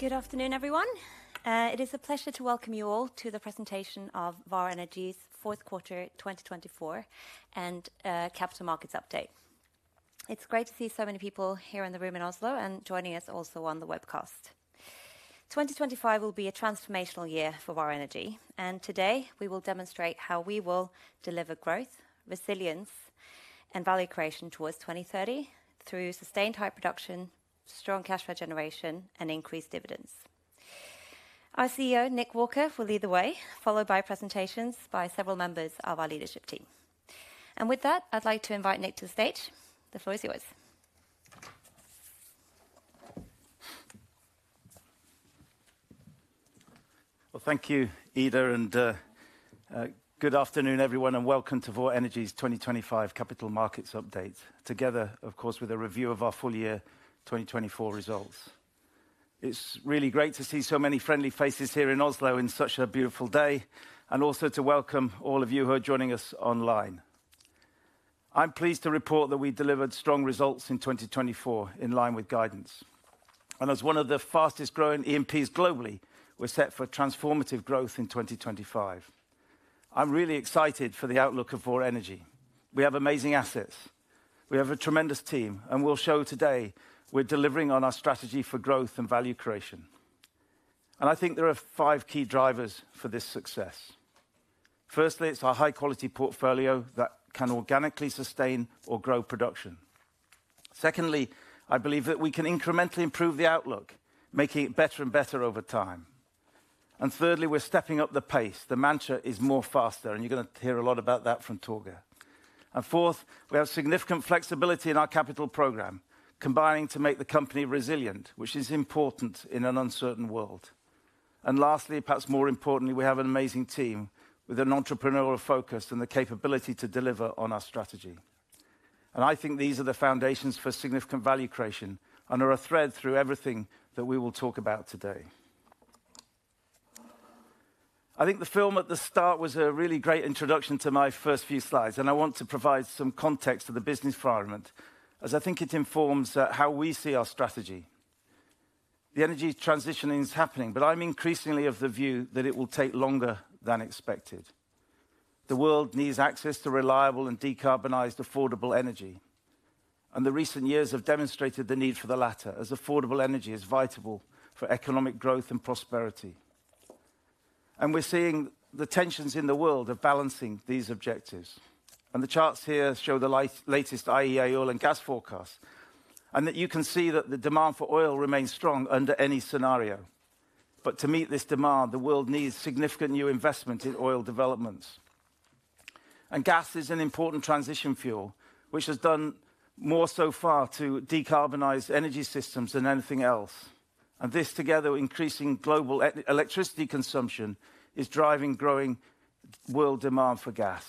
Good afternoon, everyone. It is a pleasure to welcome you all to the presentation of Vår Energi's fourth quarter, 2024, and Capital Markets Update. It's great to see so many people here in the room in Oslo and joining us also on the webcast. 2025 will be a transformational year for Vår Energi, and today we will demonstrate how we will deliver growth, resilience, and value creation towards 2030 through sustained high production, strong cash flow generation, and increased dividends. Our CEO, Nick Walker, will lead the way, followed by presentations by several members of our leadership team. With that, I'd like to invite Nick to the stage. The floor is yours. Well, thank you, Ida, and good afternoon, everyone, and welcome to Vår Energi's 2025 Capital Markets Update, together, of course, with a review of our full year 2024 results. It's really great to see so many friendly faces here in Oslo on such a beautiful day, and also to welcome all of you who are joining us online. I'm pleased to report that we delivered strong results in 2024 in line with guidance. And as one of the fastest growing E&Ps globally, we're set for transformative growth in 2025. I'm really excited for the outlook of Vår Energi. We have amazing assets. We have a tremendous team, and we'll show today we're delivering on our strategy for growth and value creation. And I think there are five key drivers for this success. Firstly, it's our high-quality portfolio that can organically sustain or grow production. Secondly, I believe that we can incrementally improve the outlook, making it better and better over time. And thirdly, we're stepping up the pace. The mantra is more faster, and you're going to hear a lot about that from Torger. And fourth, we have significant flexibility in our capital program, combining to make the company resilient, which is important in an uncertain world. And lastly, perhaps more importantly, we have an amazing team with an entrepreneurial focus and the capability to deliver on our strategy. And I think these are the foundations for significant value creation and are a thread through everything that we will talk about today. I think the film at the start was a really great introduction to my first few slides, and I want to provide some context to the business environment, as I think it informs how we see our strategy. The energy transition is happening, but I'm increasingly of the view that it will take longer than expected. The world needs access to reliable and decarbonized, affordable energy, and the recent years have demonstrated the need for the latter, as affordable energy is vital for economic growth and prosperity, and we're seeing the tensions in the world of balancing these objectives. The charts here show the latest IEA oil and gas forecasts, and that you can see that the demand for oil remains strong under any scenario, but to meet this demand, the world needs significant new investment in oil developments, and gas is an important transition fuel, which has done more so far to decarbonize energy systems than anything else, and this together, increasing global electricity consumption, is driving growing world demand for gas.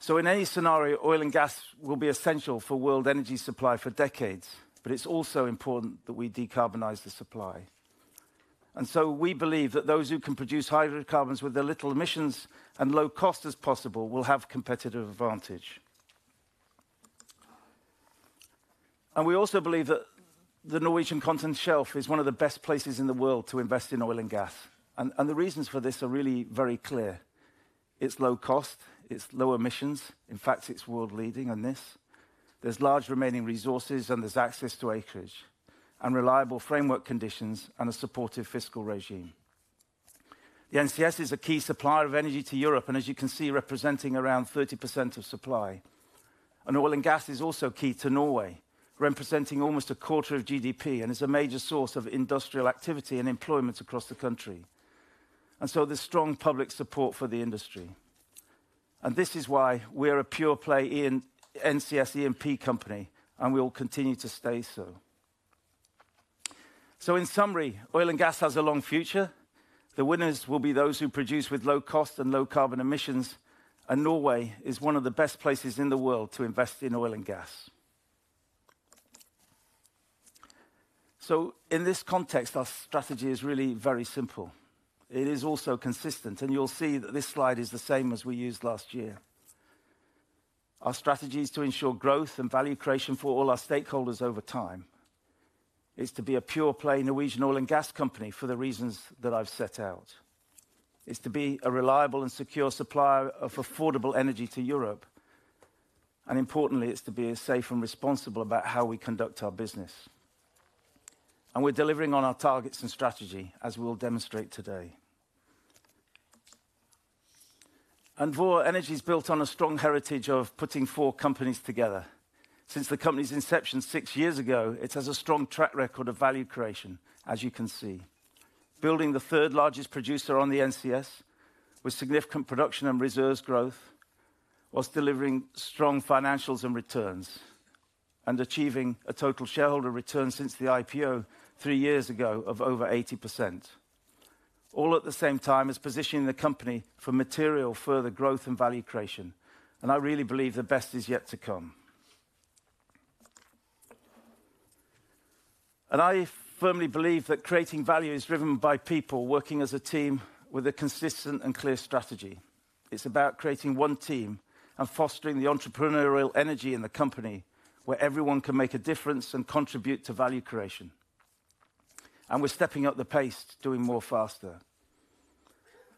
So in any scenario, oil and gas will be essential for world energy supply for decades, but it's also important that we decarbonize the supply. And so we believe that those who can produce hydrocarbons with the little emissions and low cost as possible will have a competitive advantage. And we also believe that the Norwegian Continental Shelf is one of the best places in the world to invest in oil and gas. And the reasons for this are really very clear. It's low cost, it's low emissions. In fact, it's world leading on this. There's large remaining resources, and there's access to acreage, and reliable framework conditions, and a supportive fiscal regime. The NCS is a key supplier of energy to Europe, and as you can see, representing around 30% of supply. Oil and gas is also key to Norway, representing almost a quarter of GDP, and is a major source of industrial activity and employment across the country. There's strong public support for the industry. This is why we are a pure-play NCS E&P company, and we will continue to stay so. In summary, oil and gas has a long future. The winners will be those who produce with low cost and low carbon emissions, and Norway is one of the best places in the world to invest in oil and gas. In this context, our strategy is really very simple. It is also consistent, and you'll see that this slide is the same as we used last year. Our strategy is to ensure growth and value creation for all our stakeholders over time. It's to be a pure-play Norwegian oil and gas company for the reasons that I've set out. It's to be a reliable and secure supplier of affordable energy to Europe, and importantly, it's to be safe and responsible about how we conduct our business. And we're delivering on our targets and strategy, as we'll demonstrate today, and Vår Energi is built on a strong heritage of putting four companies together. Since the company's inception six years ago, it has a strong track record of value creation, as you can see. Building the third largest producer on the NCS, with significant production and reserves growth, while delivering strong financials and returns, and achieving a total shareholder return since the IPO three years ago of over 80%. All at the same time as positioning the company for material further growth and value creation. I really believe the best is yet to come. I firmly believe that creating value is driven by people working as a team with a consistent and clear strategy. It's about creating one team and fostering the entrepreneurial energy in the company where everyone can make a difference and contribute to value creation. We're stepping up the pace, doing more faster.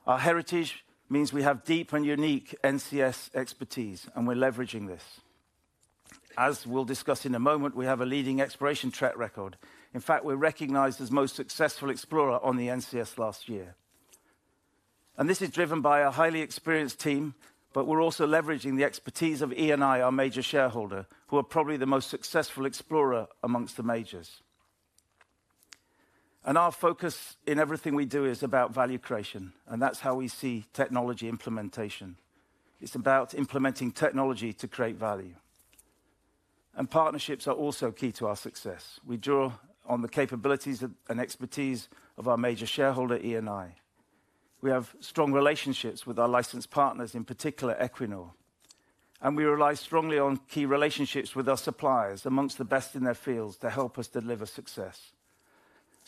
Our heritage means we have deep and unique NCS expertise, and we're leveraging this. As we'll discuss in a moment, we have a leading exploration track record. In fact, we're recognized as the most successful explorer on the NCS last year. This is driven by a highly experienced team, but we're also leveraging the expertise of Eni, our major shareholder, who are probably the most successful explorer amongst the majors. Our focus in everything we do is about value creation, and that's how we see technology implementation. It's about implementing technology to create value. Partnerships are also key to our success. We draw on the capabilities and expertise of our major shareholder, Eni. We have strong relationships with our licensed partners, in particular Equinor. We rely strongly on key relationships with our suppliers, among the best in their fields, to help us deliver success.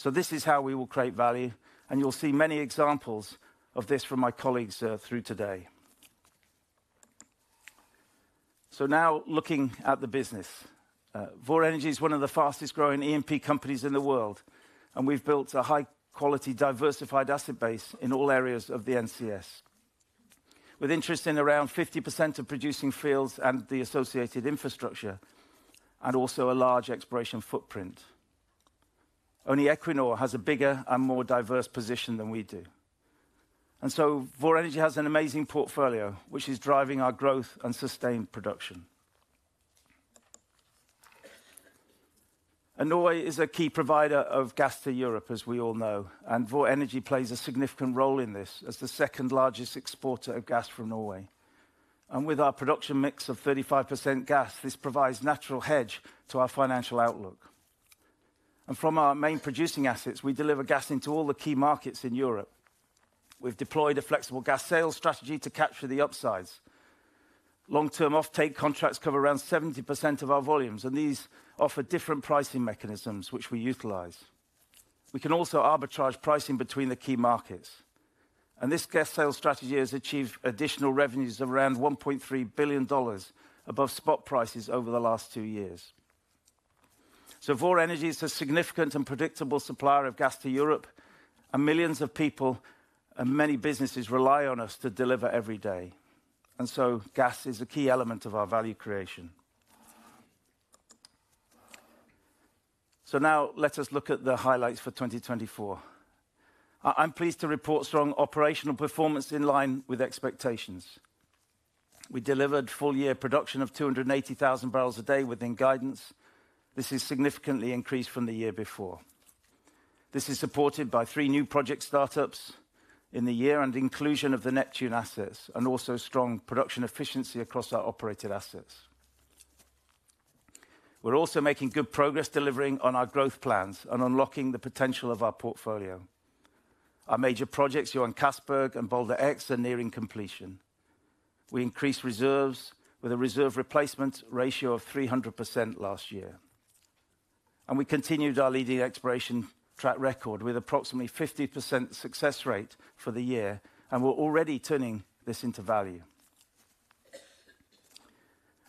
This is how we will create value, and you'll see many examples of this from my colleagues through today. Now looking at the business, Vår Energi is one of the fastest growing E&P companies in the world, and we've built a high-quality, diversified asset base in all areas of the NCS, with interest in around 50% of producing fields and the associated infrastructure, and also a large exploration footprint. Only Equinor has a bigger and more diverse position than we do, and so Vår Energi has an amazing portfolio, which is driving our growth and sustained production, and Norway is a key provider of gas to Europe, as we all know, and Vår Energi plays a significant role in this as the second largest exporter of gas from Norway, and with our production mix of 35% gas, this provides a natural hedge to our financial outlook, and from our main producing assets, we deliver gas into all the key markets in Europe. We've deployed a flexible gas sales strategy to capture the upsides. Long-term offtake contracts cover around 70% of our volumes, and these offer different pricing mechanisms, which we utilize. We can also arbitrage pricing between the key markets. This gas sales strategy has achieved additional revenues of around $1.3 billion above spot prices over the last two years. Vår Energi is a significant and predictable supplier of gas to Europe, and millions of people and many businesses rely on us to deliver every day. Gas is a key element of our value creation. Now let us look at the highlights for 2024. I'm pleased to report strong operational performance in line with expectations. We delivered full year production of 280,000 barrels a day within guidance. This is significantly increased from the year before. This is supported by three new project startups in the year and inclusion of the Neptune assets, and also strong production efficiency across our operated assets. We're also making good progress delivering on our growth plans and unlocking the potential of our portfolio. Our major projects, Johan Castberg and Balder X, are nearing completion. We increased reserves with a reserve replacement ratio of 300% last year. And we continued our leading exploration track record with approximately 50% success rate for the year, and we're already turning this into value.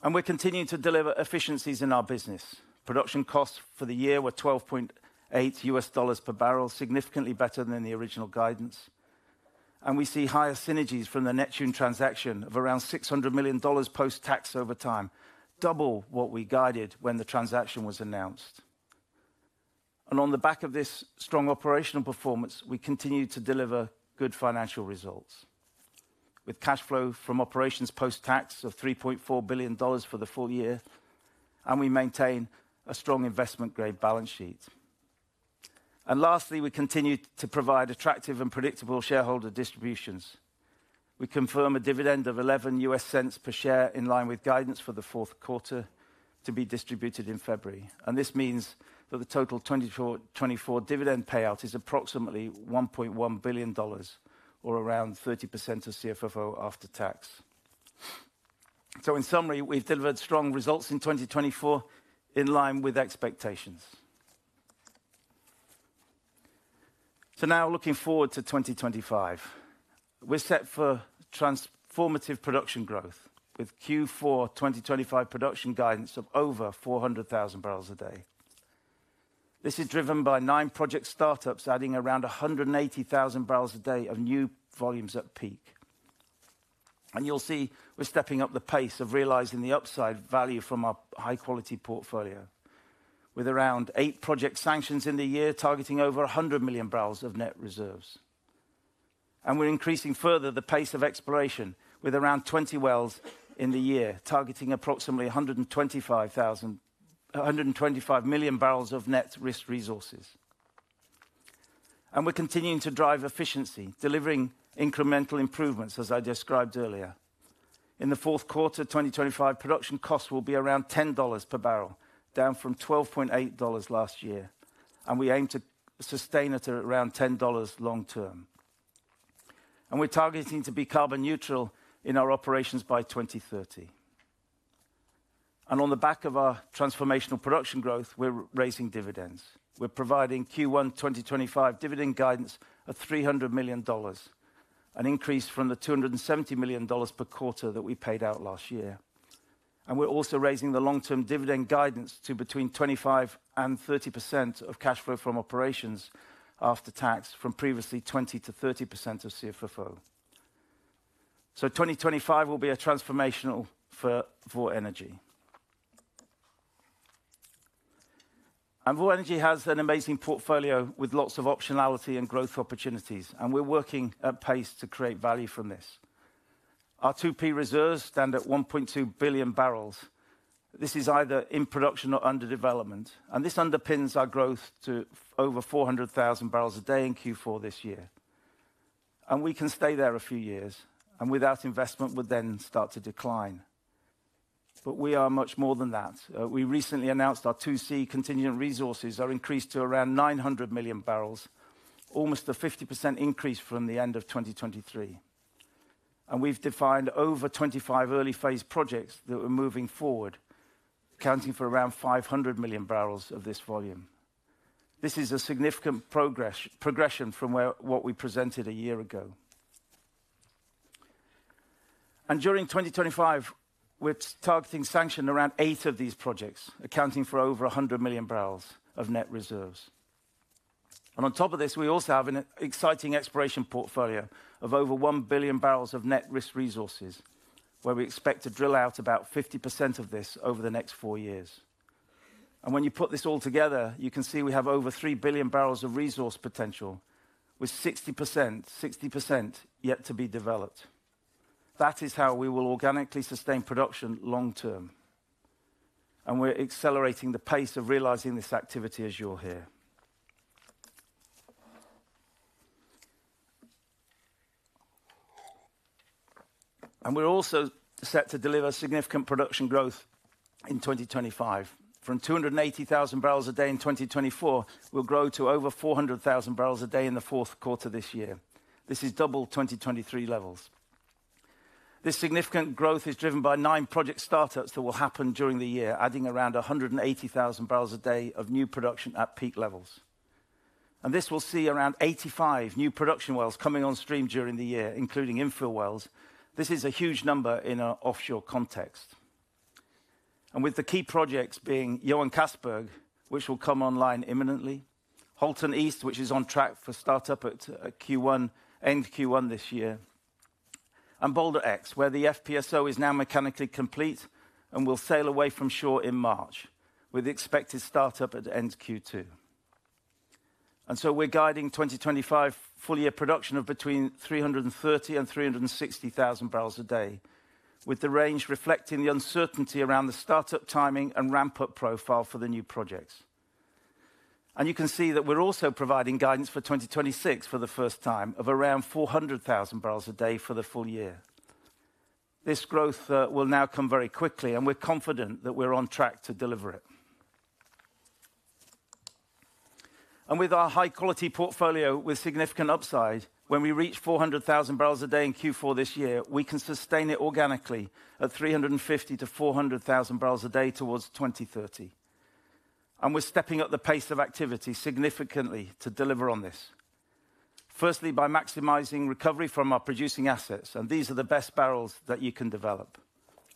And we're continuing to deliver efficiencies in our business. Production costs for the year were $12.8 per barrel, significantly better than the original guidance. And we see higher synergies from the Neptune transaction of around $600 million post-tax over time, double what we guided when the transaction was announced. And on the back of this strong operational performance, we continue to deliver good financial results, with cash flow from operations post-tax of $3.4 billion for the full year, and we maintain a strong investment-grade balance sheet. And lastly, we continue to provide attractive and predictable shareholder distributions. We confirm a dividend of $0.11 per share in line with guidance for the fourth quarter to be distributed in February. And this means that the total 2024 dividend payout is approximately $1.1 billion, or around 30% of CFFO after tax. So in summary, we've delivered strong results in 2024 in line with expectations. So now looking forward to 2025, we're set for transformative production growth with Q4 2025 production guidance of over 400,000 barrels a day. This is driven by nine project startups adding around 180,000 barrels a day of new volumes at peak. And you'll see we're stepping up the pace of realizing the upside value from our high-quality portfolio, with around eight project sanctions in the year targeting over 100 million barrels of net reserves. We're increasing further the pace of exploration with around 20 wells in the year, targeting approximately 125 million barrels of net risk resources. We're continuing to drive efficiency, delivering incremental improvements, as I described earlier. In the fourth quarter of 2025, production costs will be around $10 per barrel, down from $12.8 last year. We aim to sustain it at around $10 long term. We're targeting to be carbon neutral in our operations by 2030. On the back of our transformational production growth, we're raising dividends. We're providing Q1 2025 dividend guidance of $300 million, an increase from the $270 million per quarter that we paid out last year. We're also raising the long-term dividend guidance to between 25% and 30% of cash flow from operations after tax from previously 20%-30% of CFFO. 2025 will be a transformational for Vår Energi. Vår Energi has an amazing portfolio with lots of optionality and growth opportunities, and we're working at pace to create value from this. Our 2P reserves stand at 1.2 billion barrels. This is either in production or under development, and this underpins our growth to over 400,000 barrels a day in Q4 this year. We can stay there a few years, and without investment, would then start to decline. We are much more than that. We recently announced our 2C contingent resources are increased to around 900 million barrels, almost a 50% increase from the end of 2023. We've defined over 25 early phase projects that we're moving forward, accounting for around 500 million barrels of this volume. This is a significant progression from what we presented a year ago. During 2025, we're targeting sanction around eight of these projects, accounting for over 100 million barrels of net reserves. On top of this, we also have an exciting exploration portfolio of over 1 billion barrels of net risk resources, where we expect to drill out about 50% of this over the next four years. When you put this all together, you can see we have over 3 billion barrels of resource potential, with 60% yet to be developed. That is how we will organically sustain production long term. We're accelerating the pace of realizing this activity, as you'll hear. We're also set to deliver significant production growth in 2025. From 280,000 barrels a day in 2024, we'll grow to over 400,000 barrels a day in the fourth quarter this year. This is double 2023 levels. This significant growth is driven by nine project startups that will happen during the year, adding around 180,000 barrels a day of new production at peak levels, and this will see around 85 new production wells coming on stream during the year, including infill wells. This is a huge number in an offshore context, and with the key projects being Johan Castberg, which will come online imminently, Halten East, which is on track for startup at end Q1 this year, and Balder X, where the FPSO is now mechanically complete and will sail away from shore in March, with the expected startup at end Q2, and so we're guiding 2025 full year production of between 330,000 and 360,000 barrels a day, with the range reflecting the uncertainty around the startup timing and ramp-up profile for the new projects. You can see that we're also providing guidance for 2026 for the first time of around 400,000 barrels a day for the full year. This growth will now come very quickly, and we're confident that we're on track to deliver it. With our high-quality portfolio with significant upside, when we reach 400,000 barrels a day in Q4 this year, we can sustain it organically at 350,000-400,000 barrels a day towards 2030. We're stepping up the pace of activity significantly to deliver on this. Firstly, by maximizing recovery from our producing assets, and these are the best barrels that you can develop.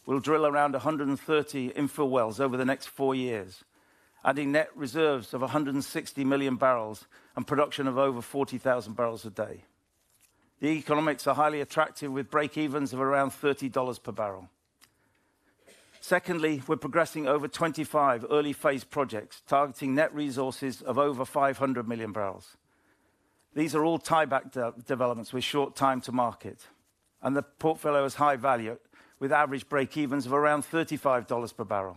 We'll drill around 130 infill wells over the next four years, adding net reserves of 160 million barrels and production of over 40,000 barrels a day. The economics are highly attractive with break-evens of around $30 per barrel. Secondly, we're progressing over 25 early phase projects targeting net resources of over 500 million barrels. These are all tieback developments with short time to market, and the portfolio is high value with average break-evens of around $35 per barrel,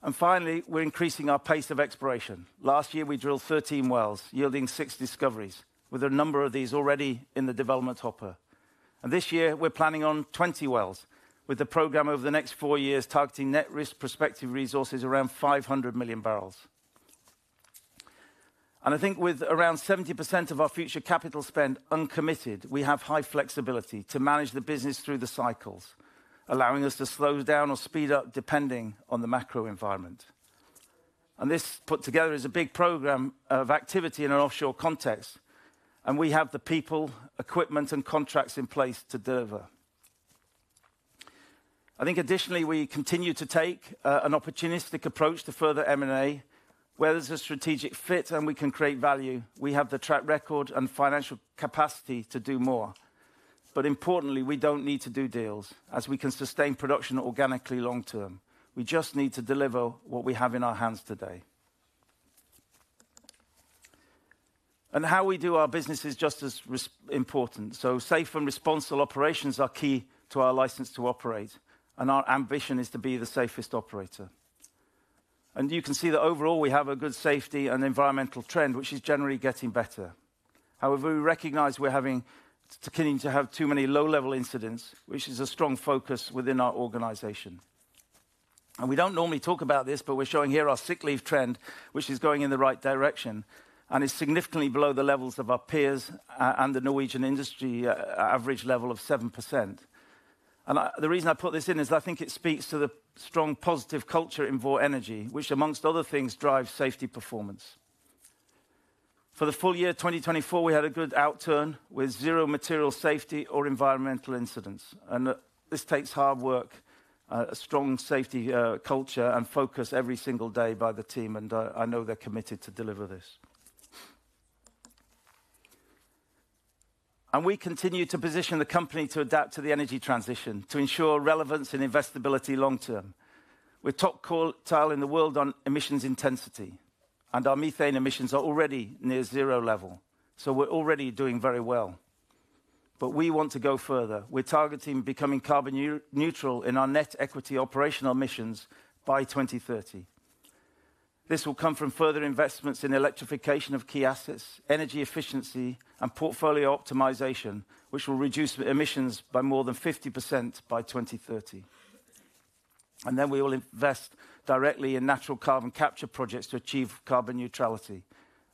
and finally, we're increasing our pace of exploration. Last year, we drilled 13 wells, yielding six discoveries, with a number of these already in the development hopper, and this year, we're planning on 20 wells, with the program over the next four years targeting net risk perspective resources around 500 million barrels, and I think with around 70% of our future capital spend uncommitted, we have high flexibility to manage the business through the cycles, allowing us to slow down or speed up depending on the macro environment. And this put together is a big program of activity in an offshore context, and we have the people, equipment, and contracts in place to deliver. I think additionally, we continue to take an opportunistic approach to further M&A, where there's a strategic fit and we can create value. We have the track record and financial capacity to do more. But importantly, we don't need to do deals, as we can sustain production organically long term. We just need to deliver what we have in our hands today. And how we do our business is just as important. So safe and responsible operations are key to our license to operate, and our ambition is to be the safest operator. And you can see that overall we have a good safety and environmental trend, which is generally getting better. However, we recognize we're having to continue to have too many low-level incidents, which is a strong focus within our organization. And we don't normally talk about this, but we're showing here our sick leave trend, which is going in the right direction and is significantly below the levels of our peers and the Norwegian industry average level of 7%. And the reason I put this in is I think it speaks to the strong positive culture in Vår Energi, which, among other things, drives safety performance. For the full year 2024, we had a good outturn with zero material safety or environmental incidents. And this takes hard work, a strong safety culture, and focus every single day by the team, and I know they're committed to deliver this. And we continue to position the company to adapt to the energy transition to ensure relevance and investability long term. We're top quartile in the world on emissions intensity, and our methane emissions are already near zero level, so we're already doing very well, but we want to go further. We're targeting becoming carbon neutral in our net equity operational emissions by 2030. This will come from further investments in electrification of key assets, energy efficiency, and portfolio optimization, which will reduce emissions by more than 50% by 2030, and then we will invest directly in natural carbon capture projects to achieve carbon neutrality,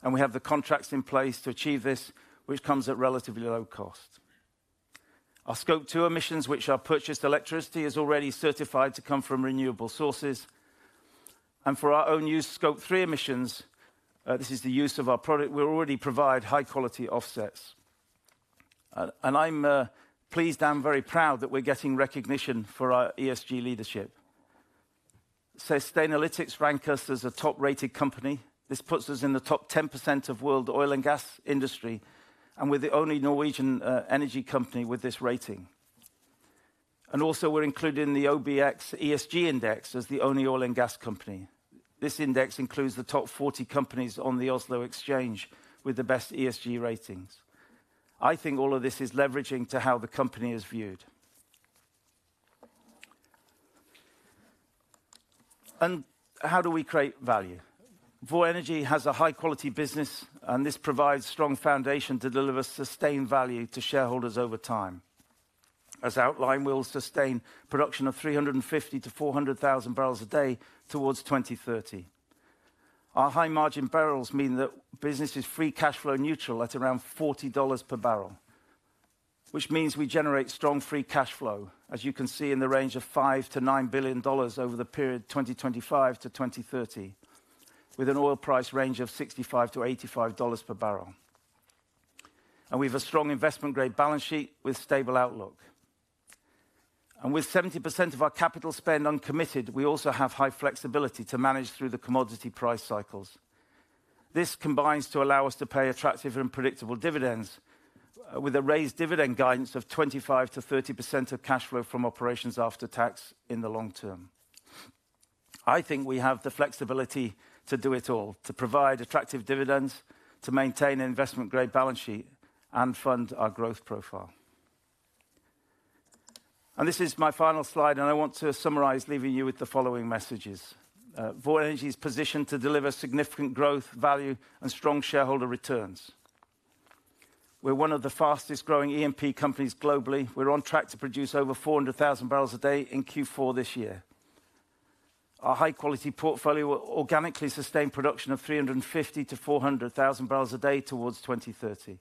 and we have the contracts in place to achieve this, which comes at relatively low cost. Our Scope 2 emissions, which are purchased electricity, are already certified to come from renewable sources, and for our own use Scope 3 emissions, this is the use of our product. We already provide high-quality offsets, and I'm pleased and very proud that we're getting recognition for our ESG leadership. Sustainalytics ranks us as a top-rated company. This puts us in the top 10% of the world oil and gas industry, and we're the only Norwegian energy company with this rating. And also, we're included in the OBX ESG index as the only oil and gas company. This index includes the top 40 companies on the Oslo Børs with the best ESG ratings. I think all of this is leveraging to how the company is viewed. And how do we create value? Vår Energi has a high-quality business, and this provides a strong foundation to deliver sustained value to shareholders over time. As outlined, we'll sustain production of 350,000-400,000 barrels a day towards 2030. Our high-margin barrels mean that business is free cash flow neutral at around $40 per barrel, which means we generate strong free cash flow, as you can see in the range of $5 billion-$9 billion over the period 2025 to 2030, with an oil price range of $65-$85 per barrel. And we have a strong investment-grade balance sheet with a stable outlook. And with 70% of our capital spend uncommitted, we also have high flexibility to manage through the commodity price cycles. This combines to allow us to pay attractive and predictable dividends with a raised dividend guidance of 25%-30% of cash flow from operations after tax in the long term. I think we have the flexibility to do it all, to provide attractive dividends, to maintain an investment-grade balance sheet, and fund our growth profile. This is my final slide, and I want to summarize, leaving you with the following messages. Vår Energi is positioned to deliver significant growth, value, and strong shareholder returns. We're one of the fastest-growing E&P companies globally. We're on track to produce over 400,000 barrels a day in Q4 this year. Our high-quality portfolio will organically sustain production of 350,000-400,000 barrels a day towards 2030.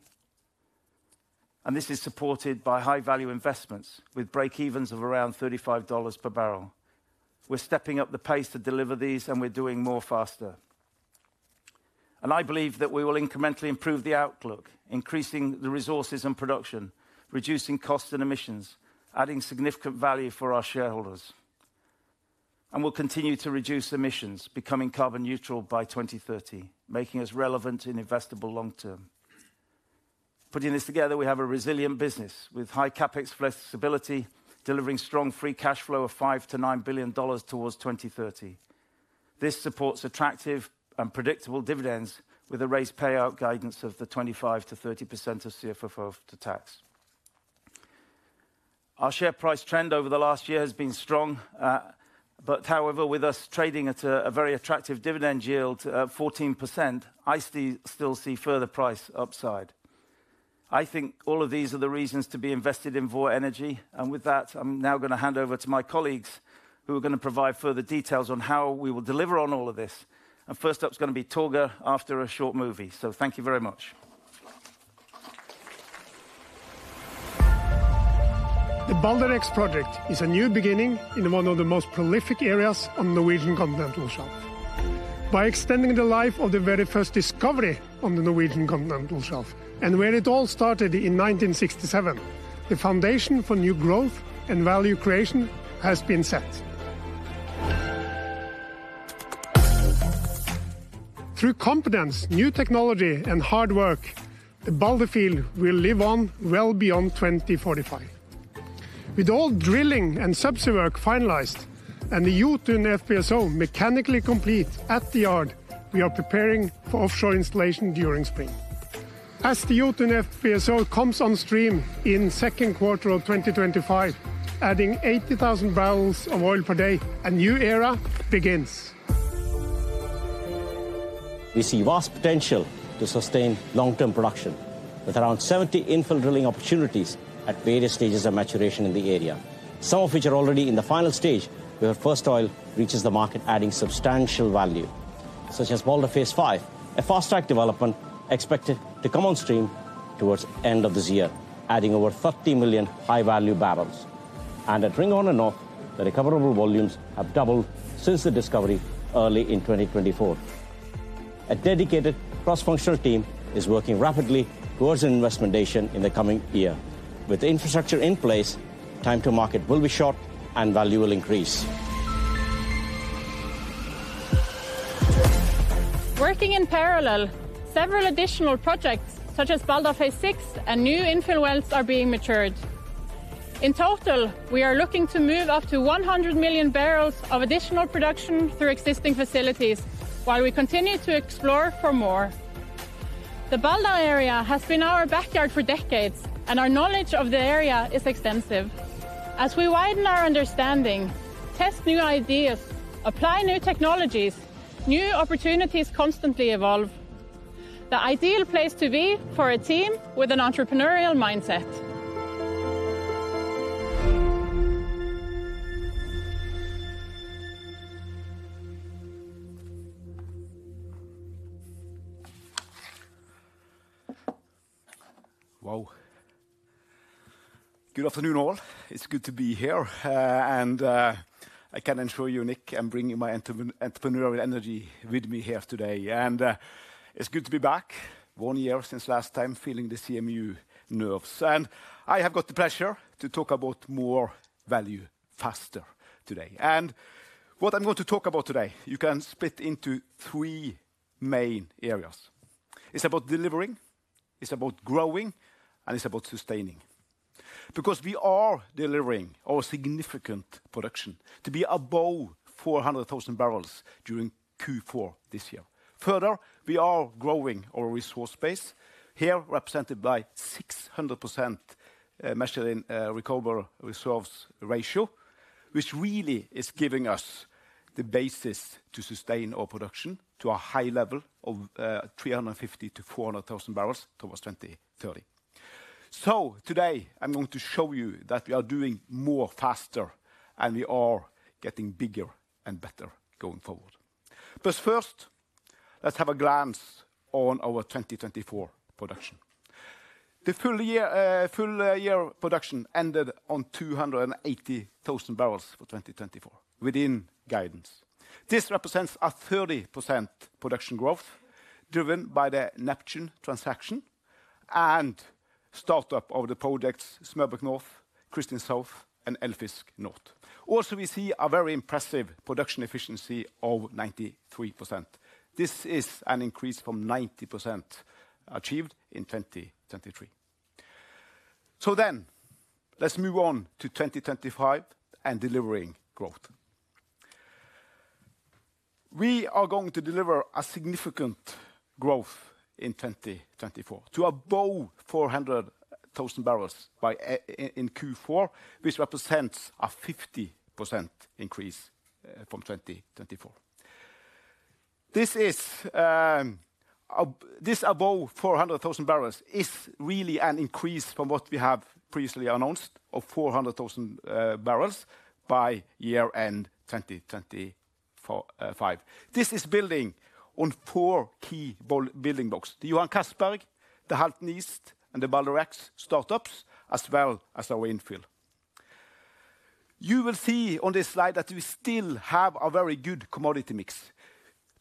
And this is supported by high-value investments with break-evens of around $35 per barrel. We're stepping up the pace to deliver these, and we're doing more faster. And I believe that we will incrementally improve the outlook, increasing the resources and production, reducing costs and emissions, adding significant value for our shareholders. And we'll continue to reduce emissions, becoming carbon neutral by 2030, making us relevant and investable long term. Putting this together, we have a resilient business with high Capex flexibility, delivering strong free cash flow of $5 billion-$9 billion towards 2030. This supports attractive and predictable dividends with a raised payout guidance of 25%-30% of CFFO after tax. Our share price trend over the last year has been strong, but however, with us trading at a very attractive dividend yield of 14%, I still see further price upside. I think all of these are the reasons to be invested in Vår Energi, and with that, I'm now going to hand over to my colleagues who are going to provide further details on how we will deliver on all of this and first up is going to be Torger after a short movie. So thank you very much. The Balder X project is a new beginning in one of the most prolific areas on the Norwegian Continental Shelf. By extending the life of the very first discovery on the Norwegian Continental Shelf, and where it all started in 1967, the foundation for new growth and value creation has been set. Through competence, new technology, and hard work, the Balder field will live on well beyond 2045. With all drilling and subsea work finalized and the Jotun FPSO mechanically complete at the yard, we are preparing for offshore installation during spring. As the Jotun FPSO comes on stream in the second quarter of 2025, adding 80,000 barrels of oil per day, a new era begins. We see vast potential to sustain long-term production with around 70 infill drilling opportunities at various stages of maturation in the area, some of which are already in the final stage where the first oil reaches the market, adding substantial value, such as Balder Phase V, a fast track development expected to come on stream towards the end of this year, adding over 30 million high-value barrels, and at Ringhorne North, the recoverable volumes have doubled since the discovery early in 2024. A dedicated cross-functional team is working rapidly towards an investment decision in the coming year. With the infrastructure in place, time to market will be short and value will increase. Working in parallel, several additional projects such as Balder Phase VI and new infill wells are being matured. In total, we are looking to move up to 100 million barrels of additional production through existing facilities, while we continue to explore for more. The Balder area has been our backyard for decades, and our knowledge of the area is extensive. As we widen our understanding, test new ideas, apply new technologies. New opportunities constantly evolve. The ideal place to be for a team with an entrepreneurial mindset. Wow. Good afternoon, all. It's good to be here, and I can ensure you, Nick, I'm bringing my entrepreneurial energy with me here today. And it's good to be back, one year since last time, feeling the CMU nerves. And I have got the pleasure to talk about more value faster today. And what I'm going to talk about today, you can split into three main areas. It's about delivering, it's about growing, and it's about sustaining. Because we are delivering our significant production to be above 400,000 barrels during Q4 this year. Further, we are growing our resource base here, represented by 600% Reserve Replacement Ratio, which really is giving us the basis to sustain our production to a high level of 350,000-400,000 barrels towards 2030. So today, I'm going to show you that we are doing more faster, and we are getting bigger and better going forward. But first, let's have a glance on our 2024 production. The full year production ended on 280,000 barrels for 2024 within guidance. This represents a 30% production growth driven by the Neptune transaction and startup of the projects Smørbukk North, Kristin Sør, and Eldfisk North. Also, we see a very impressive production efficiency of 93%. This is an increase from 90% achieved in 2023. So then, let's move on to 2025 and delivering growth. We are going to deliver a significant growth in 2024 to above 400,000 barrels in Q4, which represents a 50% increase from 2024. This above 400,000 barrels is really an increase from what we have previously announced of 400,000 barrels by year-end 2025. This is building on four key building blocks: the Johan Castberg, the Halten East, and the Balder X startups, as well as our infill. You will see on this slide that we still have a very good commodity mix.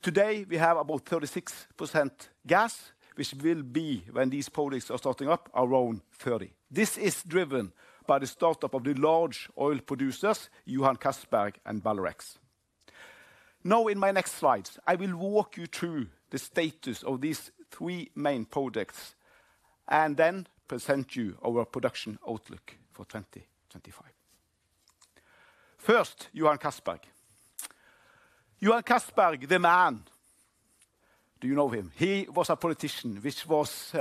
Today, we have about 36% gas, which will be, when these projects are starting up, around 30%. This is driven by the startup of the large oil producers, Johan Castberg and Balder X. Now, in my next slides, I will walk you through the status of these three main projects and then present you our production outlook for 2025. First, Johan Castberg. Johan Castberg, the man, do you know him? He was a politician which was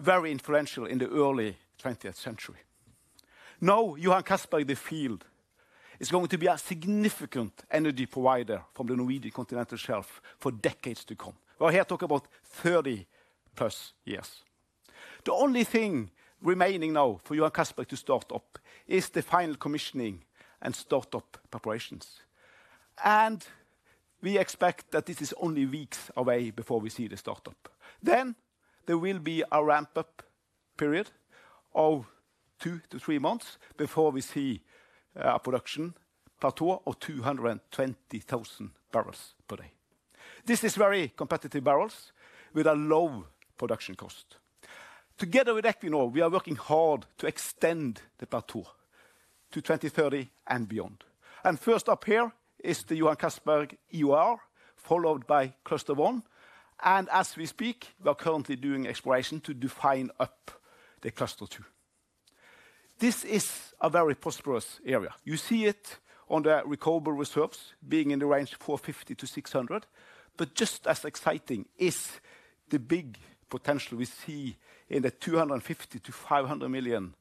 very influential in the early 20th century. Now, Johan Castberg, the field, is going to be a significant energy provider from the Norwegian Continental Shelf for decades to come. We're here talking about 30 plus years. The only thing remaining now for Johan Castberg to start up is the final commissioning and startup preparations. And we expect that this is only weeks away before we see the startup. Then, there will be a ramp-up period of two to three months before we see a production plateau of 220,000 barrels per day. This is very competitive barrels with a low production cost. Together with Equinor, we are working hard to extend the plateau to 2030 and beyond. And first up here is the Johan Castberg EUR, followed by Cluster 1. As we speak, we are currently doing exploration to define up the Cluster 2. This is a very prosperous area. You see it on the recoverable reserves being in the range of 450,000-600,000. Just as exciting is the big potential we see in the 250,000-500,000,000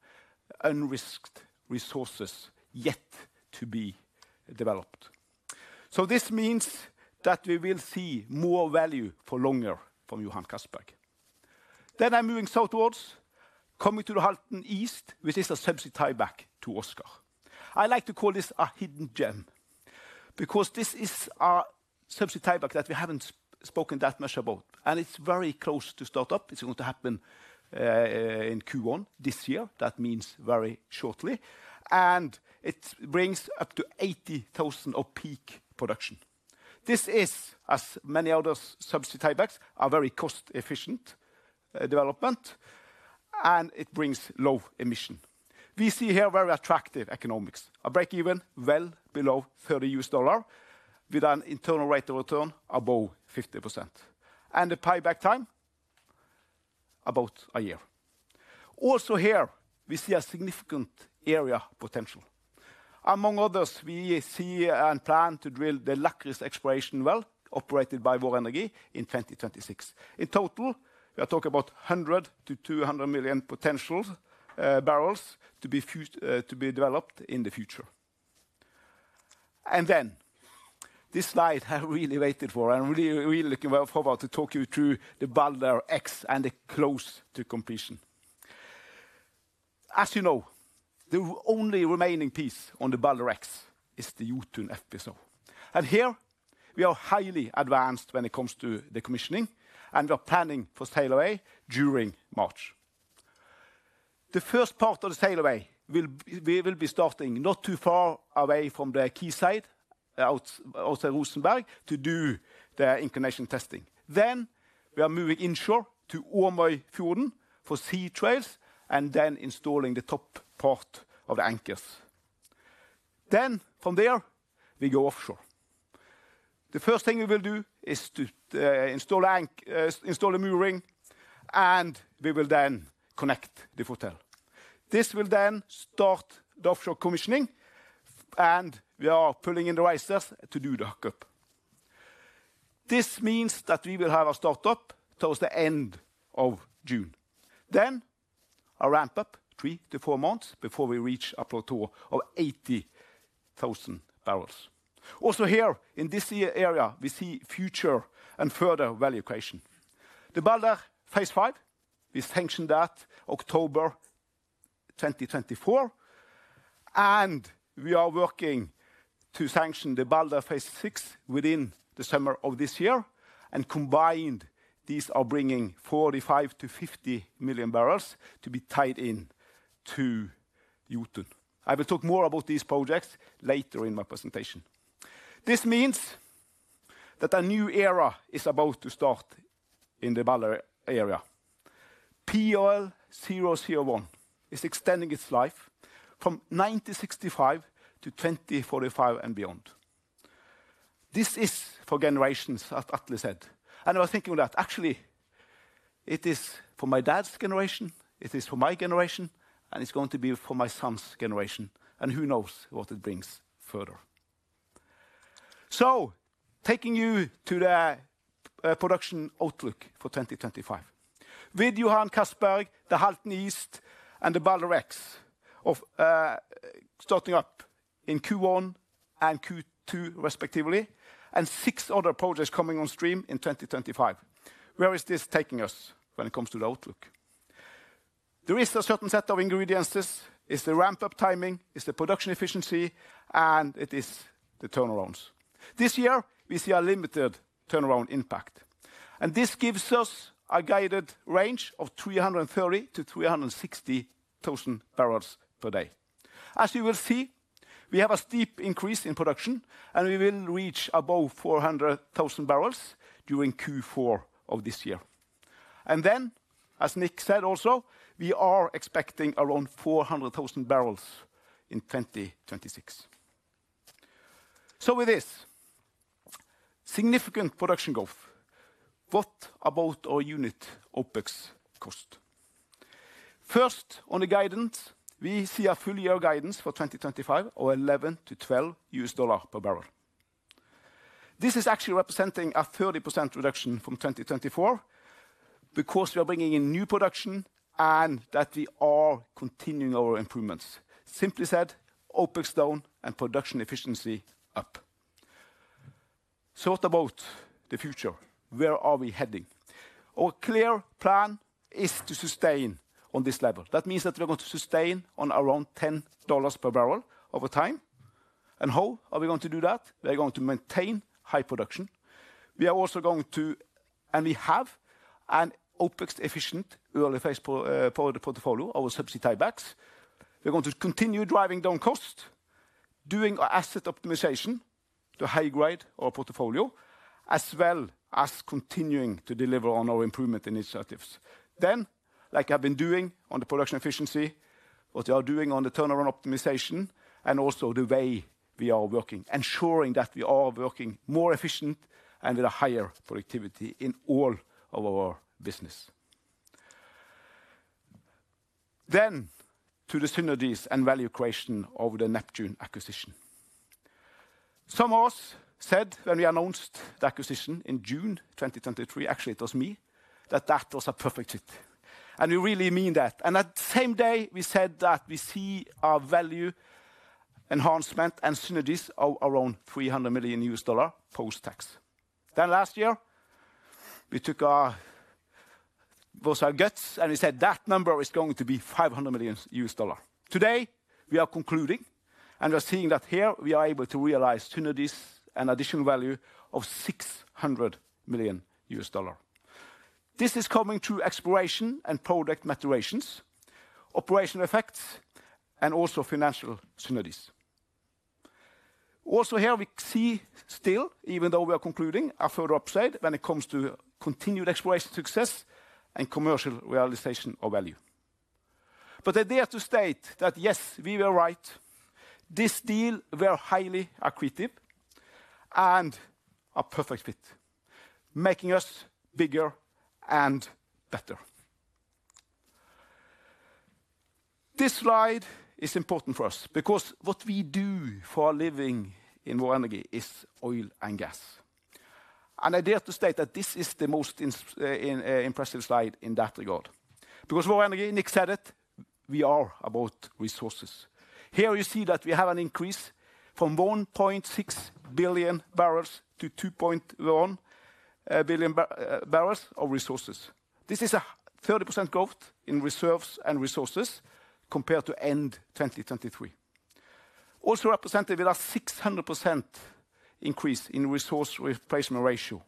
unrisked resources yet to be developed. This means that we will see more value for longer from Johan Castberg. I'm moving southwards, coming to the Halten East, which is a subsea tieback to Åsgard. I like to call this a hidden gem because this is a subsea tieback that we haven't spoken that much about, and it's very close to start up. It's going to happen in Q1 this year. That means very shortly. It brings up to 80,000 of peak production. This is, as many other subsea tiebacks, a very cost-efficient development, and it brings low emission. We see here very attractive economics, a break-even well below $30 with an internal rate of return above 50%. And the tieback time? About a year. Also here, we see a significant area potential. Among others, we see and plan to drill the Lakris exploration well operated by Vår Energi in 2026. In total, we are talking about 100-200 million potential barrels to be developed in the future. And then, this slide I really waited for. I'm really looking forward to talking you through the Balder X and the close to completion. As you know, the only remaining piece on the Balder X is the Jotun FPSO. And here, we are highly advanced when it comes to the commissioning, and we are planning for sail away during March. The first part of the sail away, we will be starting not too far away from the quayside outside Rosenberg to do the inclination testing. Then, we are moving inshore to Ormøyfjorden for sea trials and then installing the top part of the anchors. Then, from there, we go offshore. The first thing we will do is install a new ring, and we will then connect the hotel. This will then start the offshore commissioning, and we are pulling in the risers to do the hookup. This means that we will have a startup towards the end of June. Then, a ramp-up three to four months before we reach a plateau of 80,000 barrels. Also here, in this area, we see future and further value creation. The Balder Phase V, we sanctioned that October 2024, and we are working to sanction the Balder Phase V within the summer of this year. And combined, these are bringing 45-50 million barrels to be tied in to Jotun. I will talk more about these projects later in my presentation. This means that a new era is about to start in the Balder area. POL001 is extending its life from 1965 to 2045 and beyond. This is for generations, as Atle said. And I was thinking that actually it is for my dad's generation, it is for my generation, and it's going to be for my son's generation. And who knows what it brings further. So, taking you to the production outlook for 2025. With Johan Castberg, the Halten East, and the Balder X starting up in Q1 and Q2 respectively, and six other projects coming on stream in 2025. Where is this taking us when it comes to the outlook? There is a certain set of ingredients. It's the ramp-up timing, it's the production efficiency, and it is the turnarounds. This year, we see a limited turnaround impact. And this gives us a guided range of 330,000-360,000 barrels per day. As you will see, we have a steep increase in production, and we will reach above 400,000 barrels during Q4 of this year. And then, as Nick said also, we are expecting around 400,000 barrels in 2026. So with this, significant production growth. What about our unit OPEX cost? First, on the guidance, we see a full year guidance for 2025 of $11-$12 per barrel. This is actually representing a 30% reduction from 2024 because we are bringing in new production and that we are continuing our improvements. Simply said, OpEx down and production efficiency up. So what about the future? Where are we heading? Our clear plan is to sustain on this level. That means that we're going to sustain on around $10 per barrel over time. And how are we going to do that? We're going to maintain high production. We are also going to, and we have an OpEx-efficient early phase portfolio, our subsea tie-backs. We're going to continue driving down cost, doing our asset optimization to high grade our portfolio, as well as continuing to deliver on our improvement initiatives. Then, like I've been doing on the production efficiency, what we are doing on the turnaround optimization, and also the way we are working, ensuring that we are working more efficient and with a higher productivity in all of our business. Then, to the synergies and value creation of the Neptune acquisition. Some of us said when we announced the acquisition in June 2023, actually it was me, that that was a perfect hit. And we really mean that. And at the same day, we said that we see our value enhancement and synergies of around $300 million post-tax. Then last year, we took our guts and we said that number is going to be $500 million. Today, we are concluding and we're seeing that here we are able to realize synergies and additional value of $600 million. This is coming through exploration and project maturations, operational effects, and also financial synergies. Also here, we see still, even though we are concluding, a further upside when it comes to continued exploration success and commercial realization of value, but I dare to state that yes, we were right. This deal was highly accretive and a perfect fit, making us bigger and better. This slide is important for us because what we do for our living in Vår Energi is oil and gas, and I dare to state that this is the most impressive slide in that regard. Because Vår Energi, Nick said it, we are about resources. Here you see that we have an increase from 1.6 billion barrels to 2.1 billion barrels of resources. This is a 30% growth in reserves and resources compared to end 2023. Also represented with a 600% increase in resource replacement ratio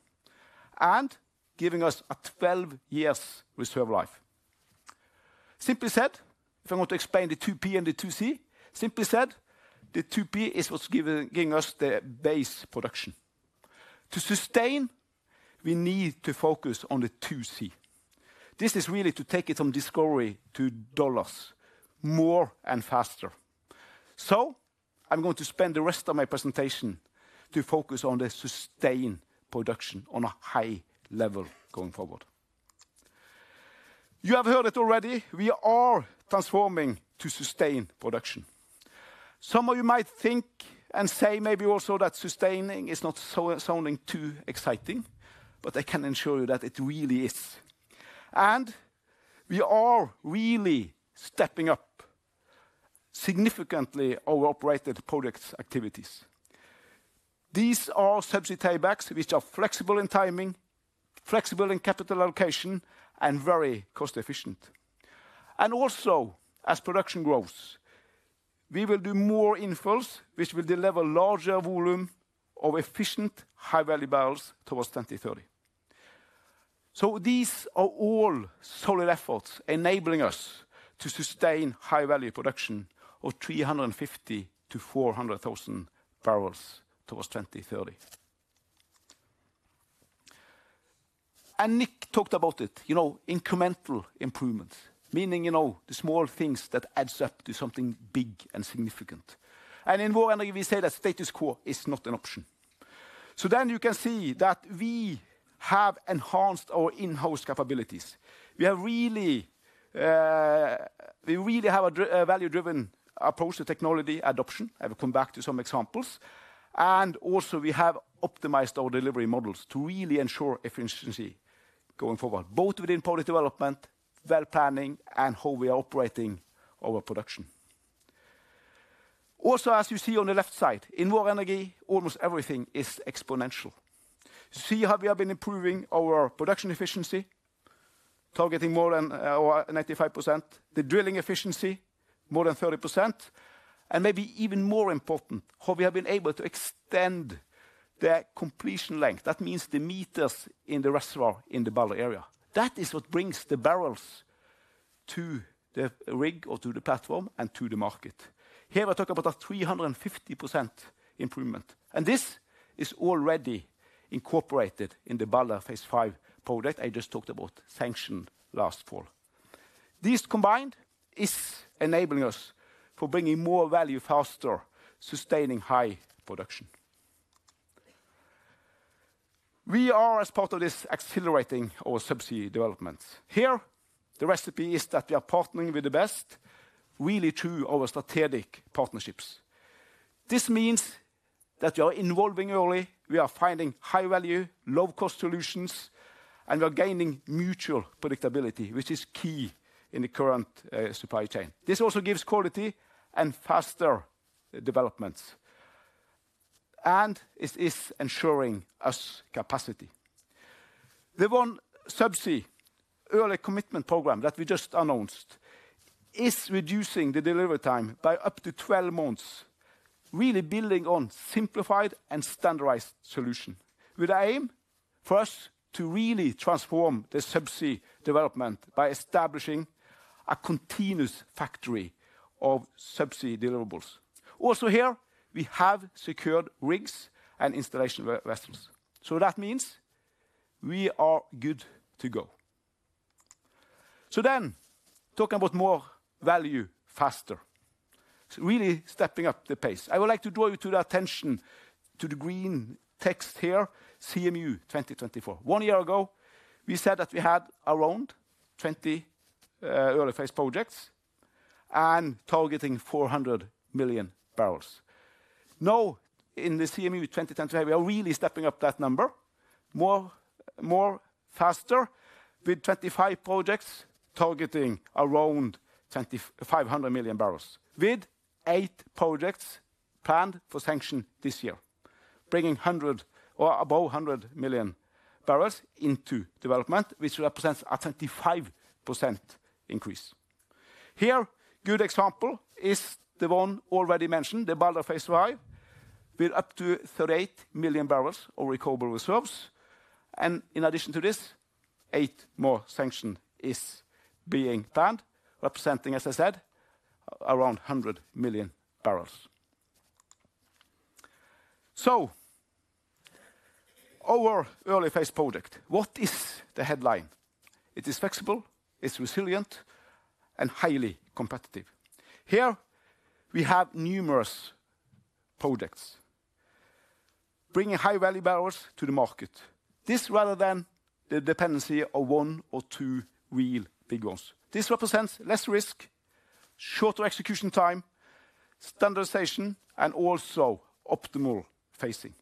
and giving us a 12 years reserve life. Simply said, if I want to explain the 2P and the 2C, simply said, the 2P is what's giving us the base production. To sustain, we need to focus on the 2C. This is really to take it from discovery to dollars more and faster. So I'm going to spend the rest of my presentation to focus on the sustained production on a high level going forward. You have heard it already. We are transforming to sustain production. Some of you might think and say maybe also that sustaining is not sounding too exciting, but I can ensure you that it really is. And we are really stepping up significantly our operated projects activities. These are subsea tiebacks which are flexible in timing, flexible in capital allocation, and very cost-efficient. And also, as production grows, we will do more infills, which will deliver larger volume of efficient, high-value barrels towards 2030. So these are all solid efforts enabling us to sustain high-value production of 350,000 to 400,000 barrels towards 2030. And Nick talked about it, you know, incremental improvements, meaning, you know, the small things that add up to something big and significant. And in Vår Energi, we say that status quo is not an option. So then you can see that we have enhanced our in-house capabilities. We have really, we really have a value-driven approach to technology adoption. I will come back to some examples. And also we have optimized our delivery models to really ensure efficiency going forward, both within product development, well planning, and how we are operating our production. Also, as you see on the left side, in Vår Energi, almost everything is exponential. You see how we have been improving our production efficiency, targeting more than 95%, the drilling efficiency more than 30%, and maybe even more important, how we have been able to extend the completion length. That means the meters in the reservoir in the Balder area. That is what brings the barrels to the rig or to the platform and to the market. Here we're talking about a 350% improvement. And this is already incorporated in the Balder Phase V project I just talked about, sanctioned last fall. These combined are enabling us for bringing more value faster, sustaining high production. We are, as part of this, accelerating our subsea developments. Here, the recipe is that we are partnering with the best, really through our strategic partnerships. This means that we are involving early, we are finding high-value, low-cost solutions, and we are gaining mutual predictability, which is key in the current supply chain. This also gives quality and faster developments. And it is ensuring us capacity. The one subsea early commitment program that we just announced is reducing the delivery time by up to 12 months, really building on a simplified and standardized solution with the aim for us to really transform the subsea development by establishing a continuous factory of subsea deliverables. Also here, we have secured rigs and installation vessels. So that means we are good to go. So then, talking about more value faster, really stepping up the pace. I would like to draw you to the attention to the green text here, CMU 2024. One year ago, we said that we had around 20 early phase projects and targeting 400 million barrels. Now, in the CMU 2025, we are really stepping up that number more, more faster with 25 projects targeting around 500 million barrels, with eight projects planned for sanction this year, bringing 100 or above 100 million barrels into development, which represents a 25% increase. Here, a good example is the one already mentioned, the Balder Phase V, with up to 38 million barrels of recoverable reserves. And in addition to this, eight more sanctions are being planned, representing, as I said, around 100 million barrels. So, our early phase project, what is the headline? It is flexible, it's resilient, and highly competitive. Here, we have numerous projects bringing high-value barrels to the market. This rather than the dependency on one or two real big ones. This represents less risk, shorter execution time, standardization, and also optimal phasing.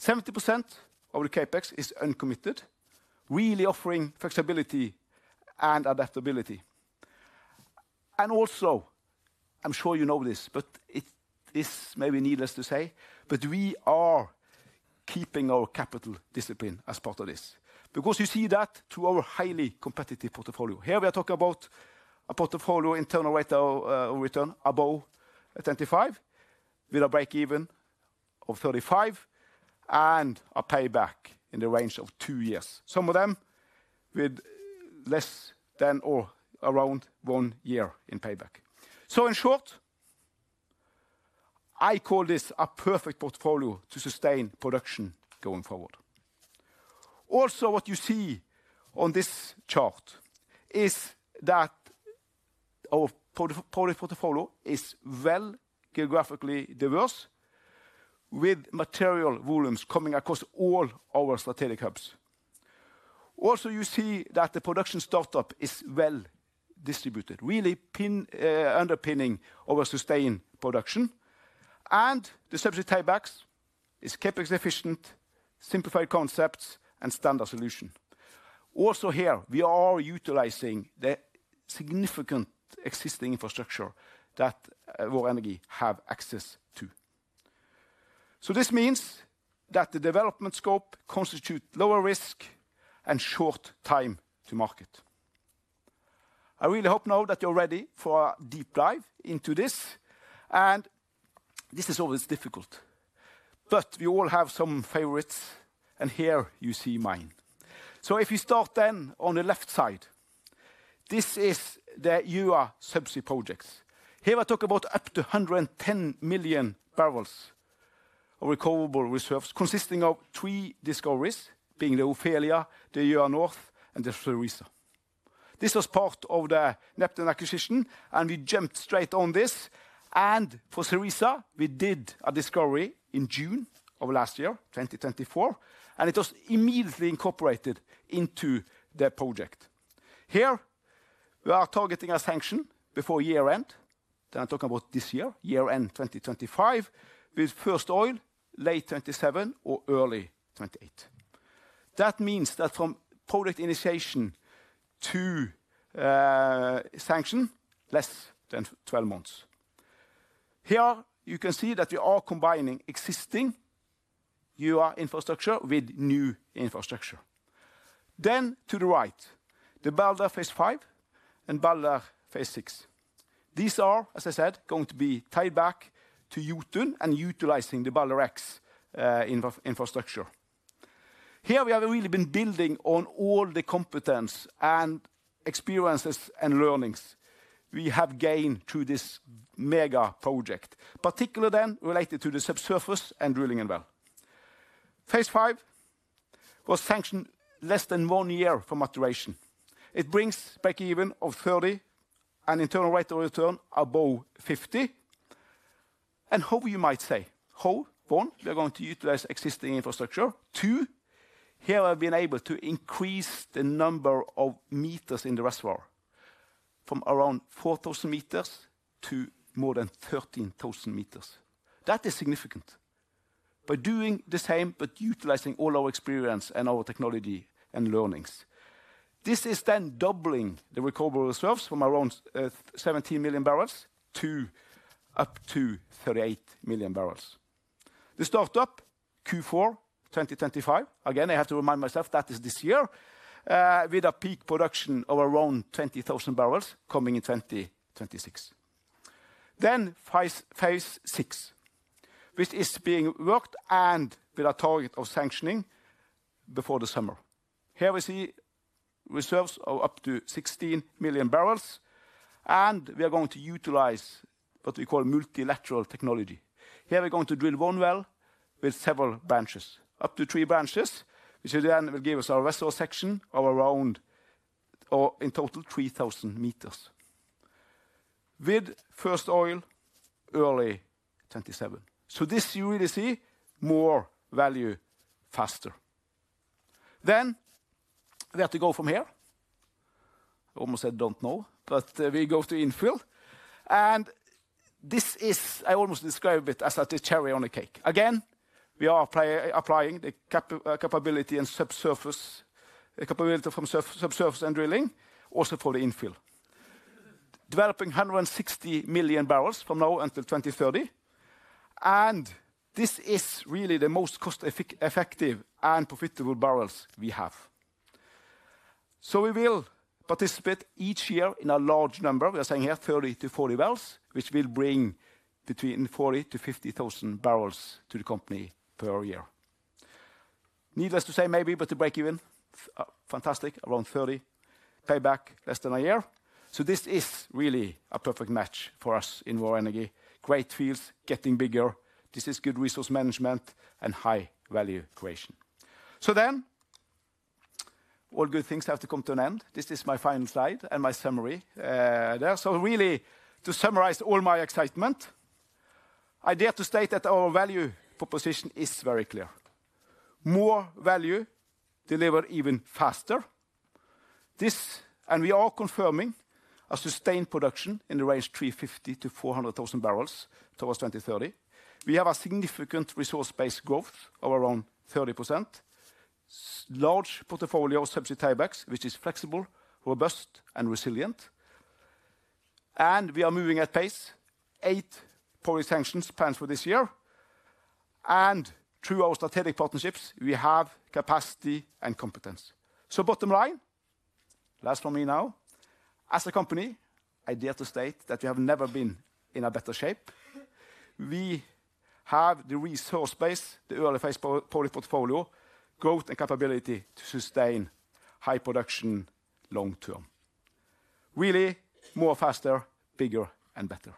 70% of the capex is uncommitted, really offering flexibility and adaptability. And also, I'm sure you know this, but it is maybe needless to say, but we are keeping our capital discipline as part of this because you see that through our highly competitive portfolio. Here we are talking about a portfolio internal rate of return above 25 with a break-even of 35 and a payback in the range of two years. Some of them with less than or around one year in payback. So in short, I call this a perfect portfolio to sustain production going forward. Also, what you see on this chart is that our portfolio is well geographically diverse with material volumes coming across all our strategic hubs. Also, you see that the production startup is well distributed, really underpinning our sustained production. And the subsea tiebacks are CapEx efficient, simplified concepts, and standard solutions. Also here, we are utilizing the significant existing infrastructure that Vår Energi has access to. So this means that the development scope constitutes lower risk and short time to market. I really hope now that you're ready for a deep dive into this. This is always difficult, but we all have some favorites, and here you see mine. So if you start then on the left side, this is the Gjøa subsea projects. Here I talk about up to 110 million barrels of recoverable reserves consisting of three discoveries, being the Ofelia, the Gjøa North, and the Cerisa. This was part of the Neptune acquisition, and we jumped straight on this. For Cerisa, we did a discovery in June of last year, 2024, and it was immediately incorporated into the project. Here we are targeting a sanction before year-end. Then I'm talking about this year, year-end 2025, with first oil late 2027 or early 2028. That means that from project initiation to sanction, less than 12 months. Here you can see that we are combining existing Gjøa infrastructure with new infrastructure. Then to the right, the Balder Phase V and Balder Phase VI. These are, as I said, going to be tied back to Jotun and utilizing the Balder X infrastructure. Here we have really been building on all the competence and experiences and learnings we have gained through this mega project, particularly then related to the subsurface and drilling and well. Phase V was sanctioned less than one year for maturation. It brings break-even of $30 and internal rate of return above 50%. How you might say, how we are going to utilize existing infrastructure to thereby have been able to increase the number of meters in the reservoir from around 4,000 meters to more than 13,000 meters. That is significant by doing the same, but utilizing all our experience and our technology and learnings. This is then doubling the recoverable reserves from around 17 million barrels to up to 38 million barrels. The startup Q4 2025, again, I have to remind myself that is this year with a peak production of around 20,000 barrels coming in 2026. Then Phase VI, which is being worked and with a target of sanctioning before the summer. Here we see reserves of up to 16 million barrels, and we are going to utilize what we call multilateral technology. Here we're going to drill one well with several branches, up to three branches, which then will give us our reservoir section of around or in total 3,000 meters with first oil early 2027, so this you really see more value faster, then we have to go from here, I almost said don't know, but we go to infill, and this is, I almost describe it as a cherry on a cake. Again, we are applying the capability and subsurface capability from subsurface and drilling also for the infill, developing 160 million barrels from now until 2030, and this is really the most cost-effective and profitable barrels we have, so we will participate each year in a large number. We are saying here 30-40 wells, which will bring between 40-50,000 barrels to the company per year. Needless to say, maybe, but the break-even fantastic, around 30, payback less than a year. So this is really a perfect match for us in Vår Energi. Great fields getting bigger. This is good resource management and high-value creation. So then all good things have to come to an end. This is my final slide and my summary there. So really, to summarize all my excitement, I dare to state that our value proposition is very clear. More value delivered even faster. This, and we are confirming a sustained production in the range 350,000 to 400,000 barrels towards 2030. We have a significant resource-based growth of around 30%, large portfolio subsea tiebacks, which is flexible, robust, and resilient. And we are moving at pace. Eight project sanctions planned for this year. And through our strategic partnerships, we have capacity and competence. So bottom line, last for me now, as a company, I dare to state that we have never been in a better shape. We have the resource base, the early phase portfolio, growth, and capability to sustain high production long term. Really more faster, bigger, and better.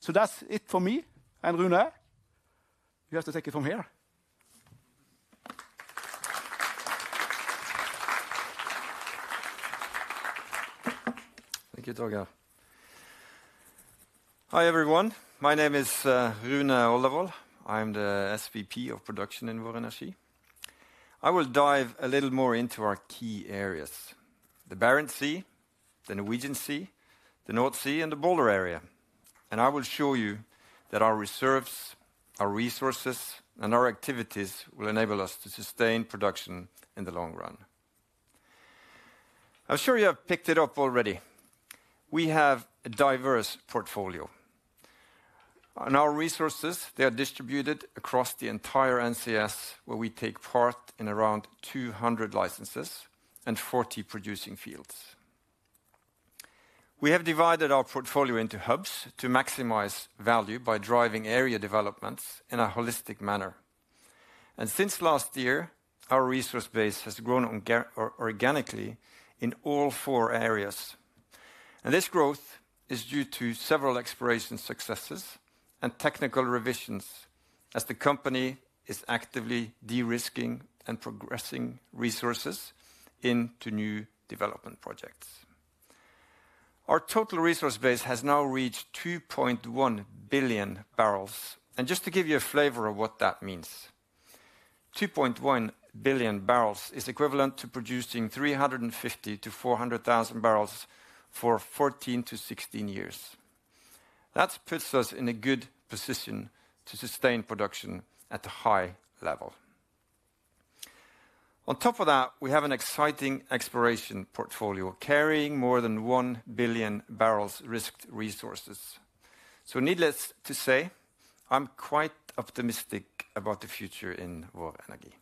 So that's it for me. And Rune, you have to take it from here. Thank you, Torger. Hi everyone. My name is Rune Oldervold. I'm the SVP of Production in Vår Energi. I will dive a little more into our key areas, the Barents Sea, the Norwegian Sea, the North Sea, and the Balder area. And I will show you that our reserves, our resources, and our activities will enable us to sustain production in the long run. I'm sure you have picked it up already. We have a diverse portfolio. Our resources, they are distributed across the entire NCS, where we take part in around 200 licenses and 40 producing fields. We have divided our portfolio into hubs to maximize value by driving area developments in a holistic manner and since last year, our resource base has grown organically in all four areas and this growth is due to several exploration successes and technical revisions as the company is actively de-risking and progressing resources into new development projects. Our total resource base has now reached 2.1 billion barrels and just to give you a flavor of what that means, 2.1 billion barrels is equivalent to producing 350 to 400,000 barrels for 14 to 16 years. That puts us in a good position to sustain production at a high level. On top of that, we have an exciting exploration portfolio carrying more than 1 billion barrels risked resources. Needless to say, I'm quite optimistic about the future in Vår Energi.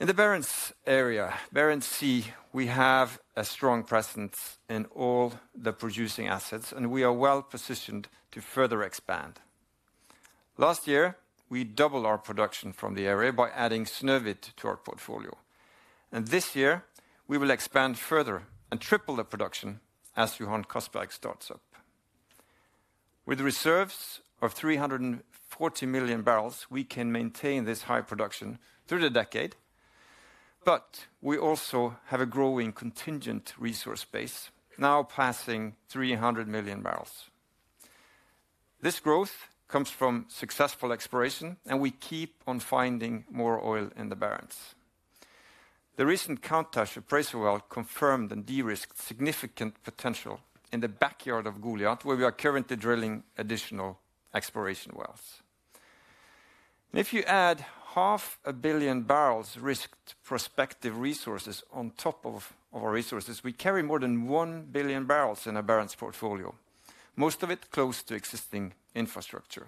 In the Barents area, Barents Sea, we have a strong presence in all the producing assets, and we are well positioned to further expand. Last year, we doubled our production from the area by adding Snøhvit to our portfolio. This year, we will expand further and triple the production as Johan Castberg starts up. With reserves of 340 million barrels, we can maintain this high production through the decade, but we also have a growing contingent resource base now passing 300 million barrels. This growth comes from successful exploration, and we keep on finding more oil in the Barents. The recent Countach appraisal well confirmed and de-risked significant potential in the backyard of Goliat, where we are currently drilling additional exploration wells. If you add 500 million barrels risked prospective resources on top of our resources, we carry more than 1 billion barrels in a Barents portfolio, most of it close to existing infrastructure.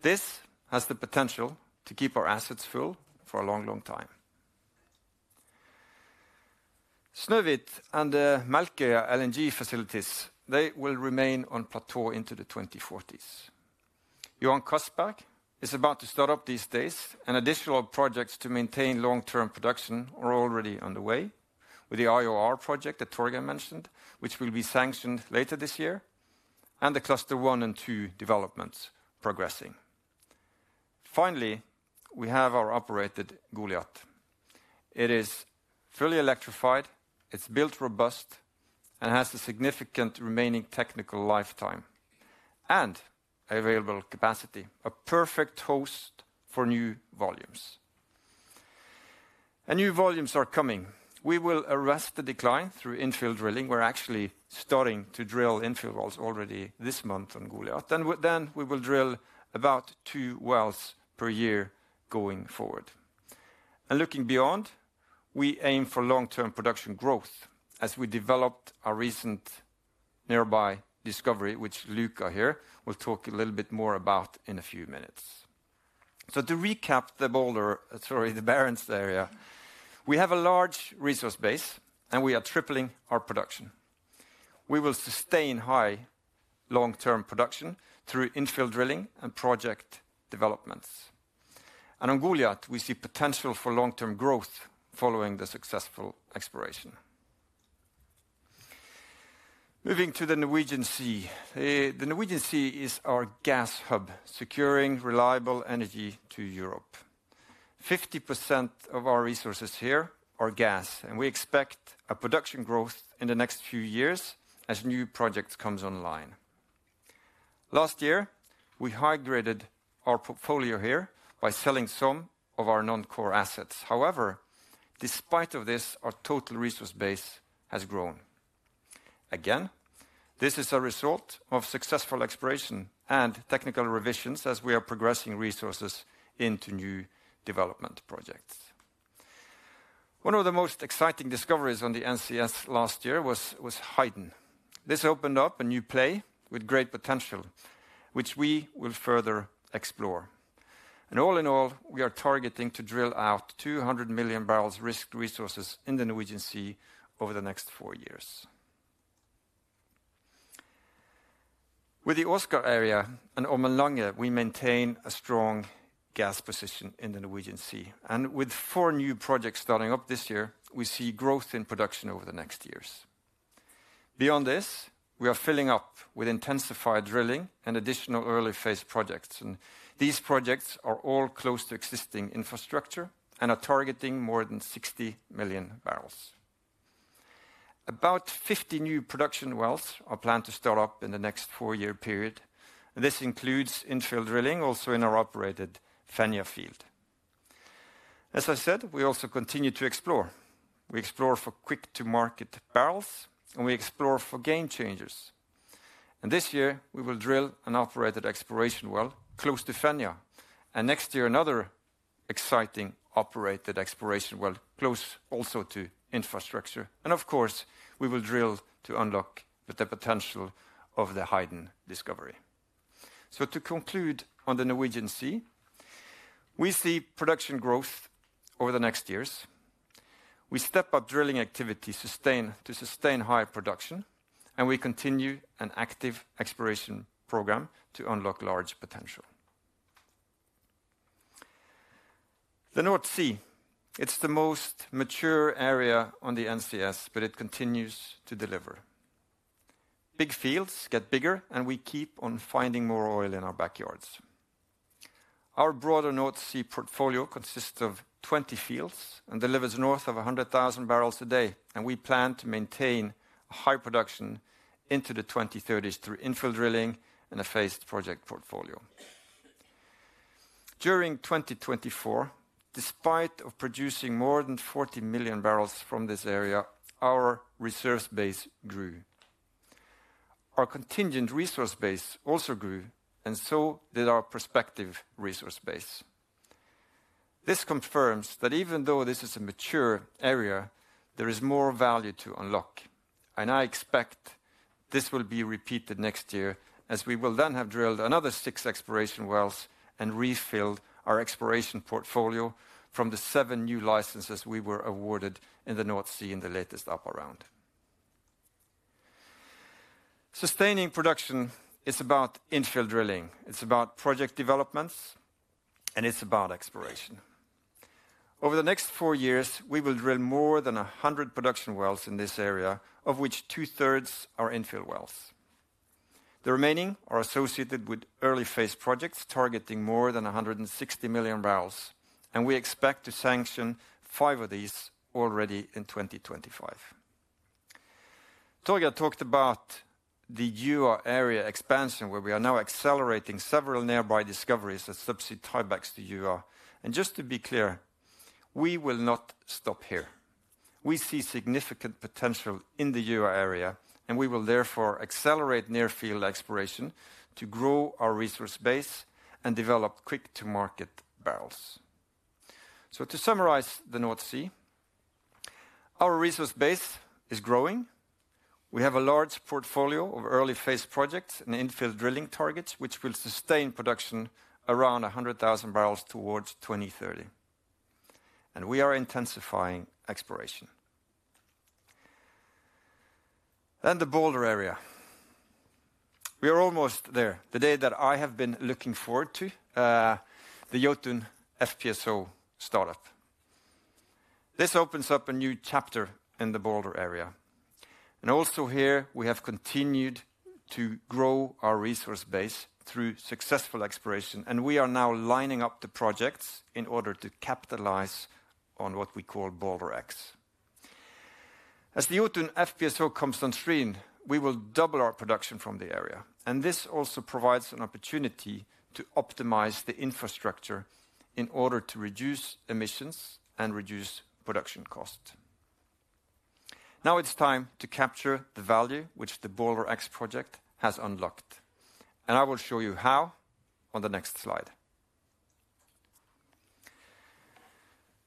This has the potential to keep our assets full for a long, long time. Snøhvit and the Melkøya LNG facilities, they will remain on plateau into the 2040s. Johan Castberg is about to start up these days, and additional projects to maintain long-term production are already underway with the IOR project that Torger mentioned, which will be sanctioned later this year, and the cluster one and two developments progressing. Finally, we have our operated Goliat. It is fully electrified, it's built robust, and has a significant remaining technical lifetime and available capacity, a perfect host for new volumes, and new volumes are coming. We will arrest the decline through infill drilling. We're actually starting to drill infill wells already this month on Goliat, and then we will drill about two wells per year going forward, and looking beyond, we aim for long-term production growth as we developed our recent nearby discovery, which Luca here will talk a little bit more about in a few minutes, so to recap the Balder, sorry, the Barents area, we have a large resource base, and we are tripling our production. We will sustain high long-term production through infill drilling and project developments, and on Goliat, we see potential for long-term growth following the successful exploration. Moving to the Norwegian Sea, the Norwegian Sea is our gas hub, securing reliable energy to Europe. 50% of our resources here are gas, and we expect a production growth in the next few years as new projects come online. Last year, we high-graded our portfolio here by selling some of our non-core assets. However, despite this, our total resource base has grown. Again, this is a result of successful exploration and technical revisions as we are progressing resources into new development projects. One of the most exciting discoveries on the NCS last year was Haydn. This opened up a new play with great potential, which we will further explore, and all in all, we are targeting to drill out 200 million barrels risked resources in the Norwegian Sea over the next four years. With the Åsgard area and Ormen Lange, we maintain a strong gas position in the Norwegian Sea, and with four new projects starting up this year, we see growth in production over the next years. Beyond this, we are filling up with intensified drilling and additional early phase projects. These projects are all close to existing infrastructure and are targeting more than 60 million barrels. About 50 new production wells are planned to start up in the next four-year period. This includes infill drilling also in our operated Fenja field. As I said, we also continue to explore. We explore for quick-to-market barrels, and we explore for game changers. This year, we will drill an operated exploration well close to Fenja, and next year, another exciting operated exploration well close also to infrastructure. Of course, we will drill to unlock the potential of the Haydn discovery. To conclude on the Norwegian Sea, we see production growth over the next years. We step up drilling activity to sustain high production, and we continue an active exploration program to unlock large potential. The North Sea, it's the most mature area on the NCS, but it continues to deliver. Big fields get bigger, and we keep on finding more oil in our backyards. Our broader North Sea portfolio consists of 20 fields and delivers north of 100,000 barrels a day. And we plan to maintain high production into the 2030s through infill drilling and a phased project portfolio. During 2024, despite producing more than 40 million barrels from this area, our resource base grew. Our contingent resource base also grew, and so did our prospective resource base. This confirms that even though this is a mature area, there is more value to unlock. I expect this will be repeated next year as we will then have drilled another six exploration wells and refilled our exploration portfolio from the seven new licenses we were awarded in the North Sea in the latest APA round. Sustaining production is about infill drilling. It's about project developments, and it's about exploration. Over the next four years, we will drill more than 100 production wells in this area, of which two-thirds are infill wells. The remaining are associated with early phase projects targeting more than 160 million barrels, and we expect to sanction five of these already in 2025. Torger talked about the Gjøa area expansion, where we are now accelerating several nearby discoveries that subsea tie-backs to Gjøa, and just to be clear, we will not stop here. We see significant potential in the Gjøa area, and we will therefore accelerate near-field exploration to grow our resource base and develop quick-to-market barrels. So to summarize the North Sea, our resource base is growing. We have a large portfolio of early phase projects and infill drilling targets, which will sustain production around 100,000 barrels towards 2030. And we are intensifying exploration. And the Balder area. We are almost there, the day that I have been looking forward to, the Jotun FPSO startup. This opens up a new chapter in the Balder area. And also here, we have continued to grow our resource base through successful exploration, and we are now lining up the projects in order to capitalize on what we call Balder X. As the Jotun FPSO comes on stream, we will double our production from the area. This also provides an opportunity to optimize the infrastructure in order to reduce emissions and reduce production costs. Now it's time to capture the value which the Balder X project has unlocked. I will show you how on the next slide.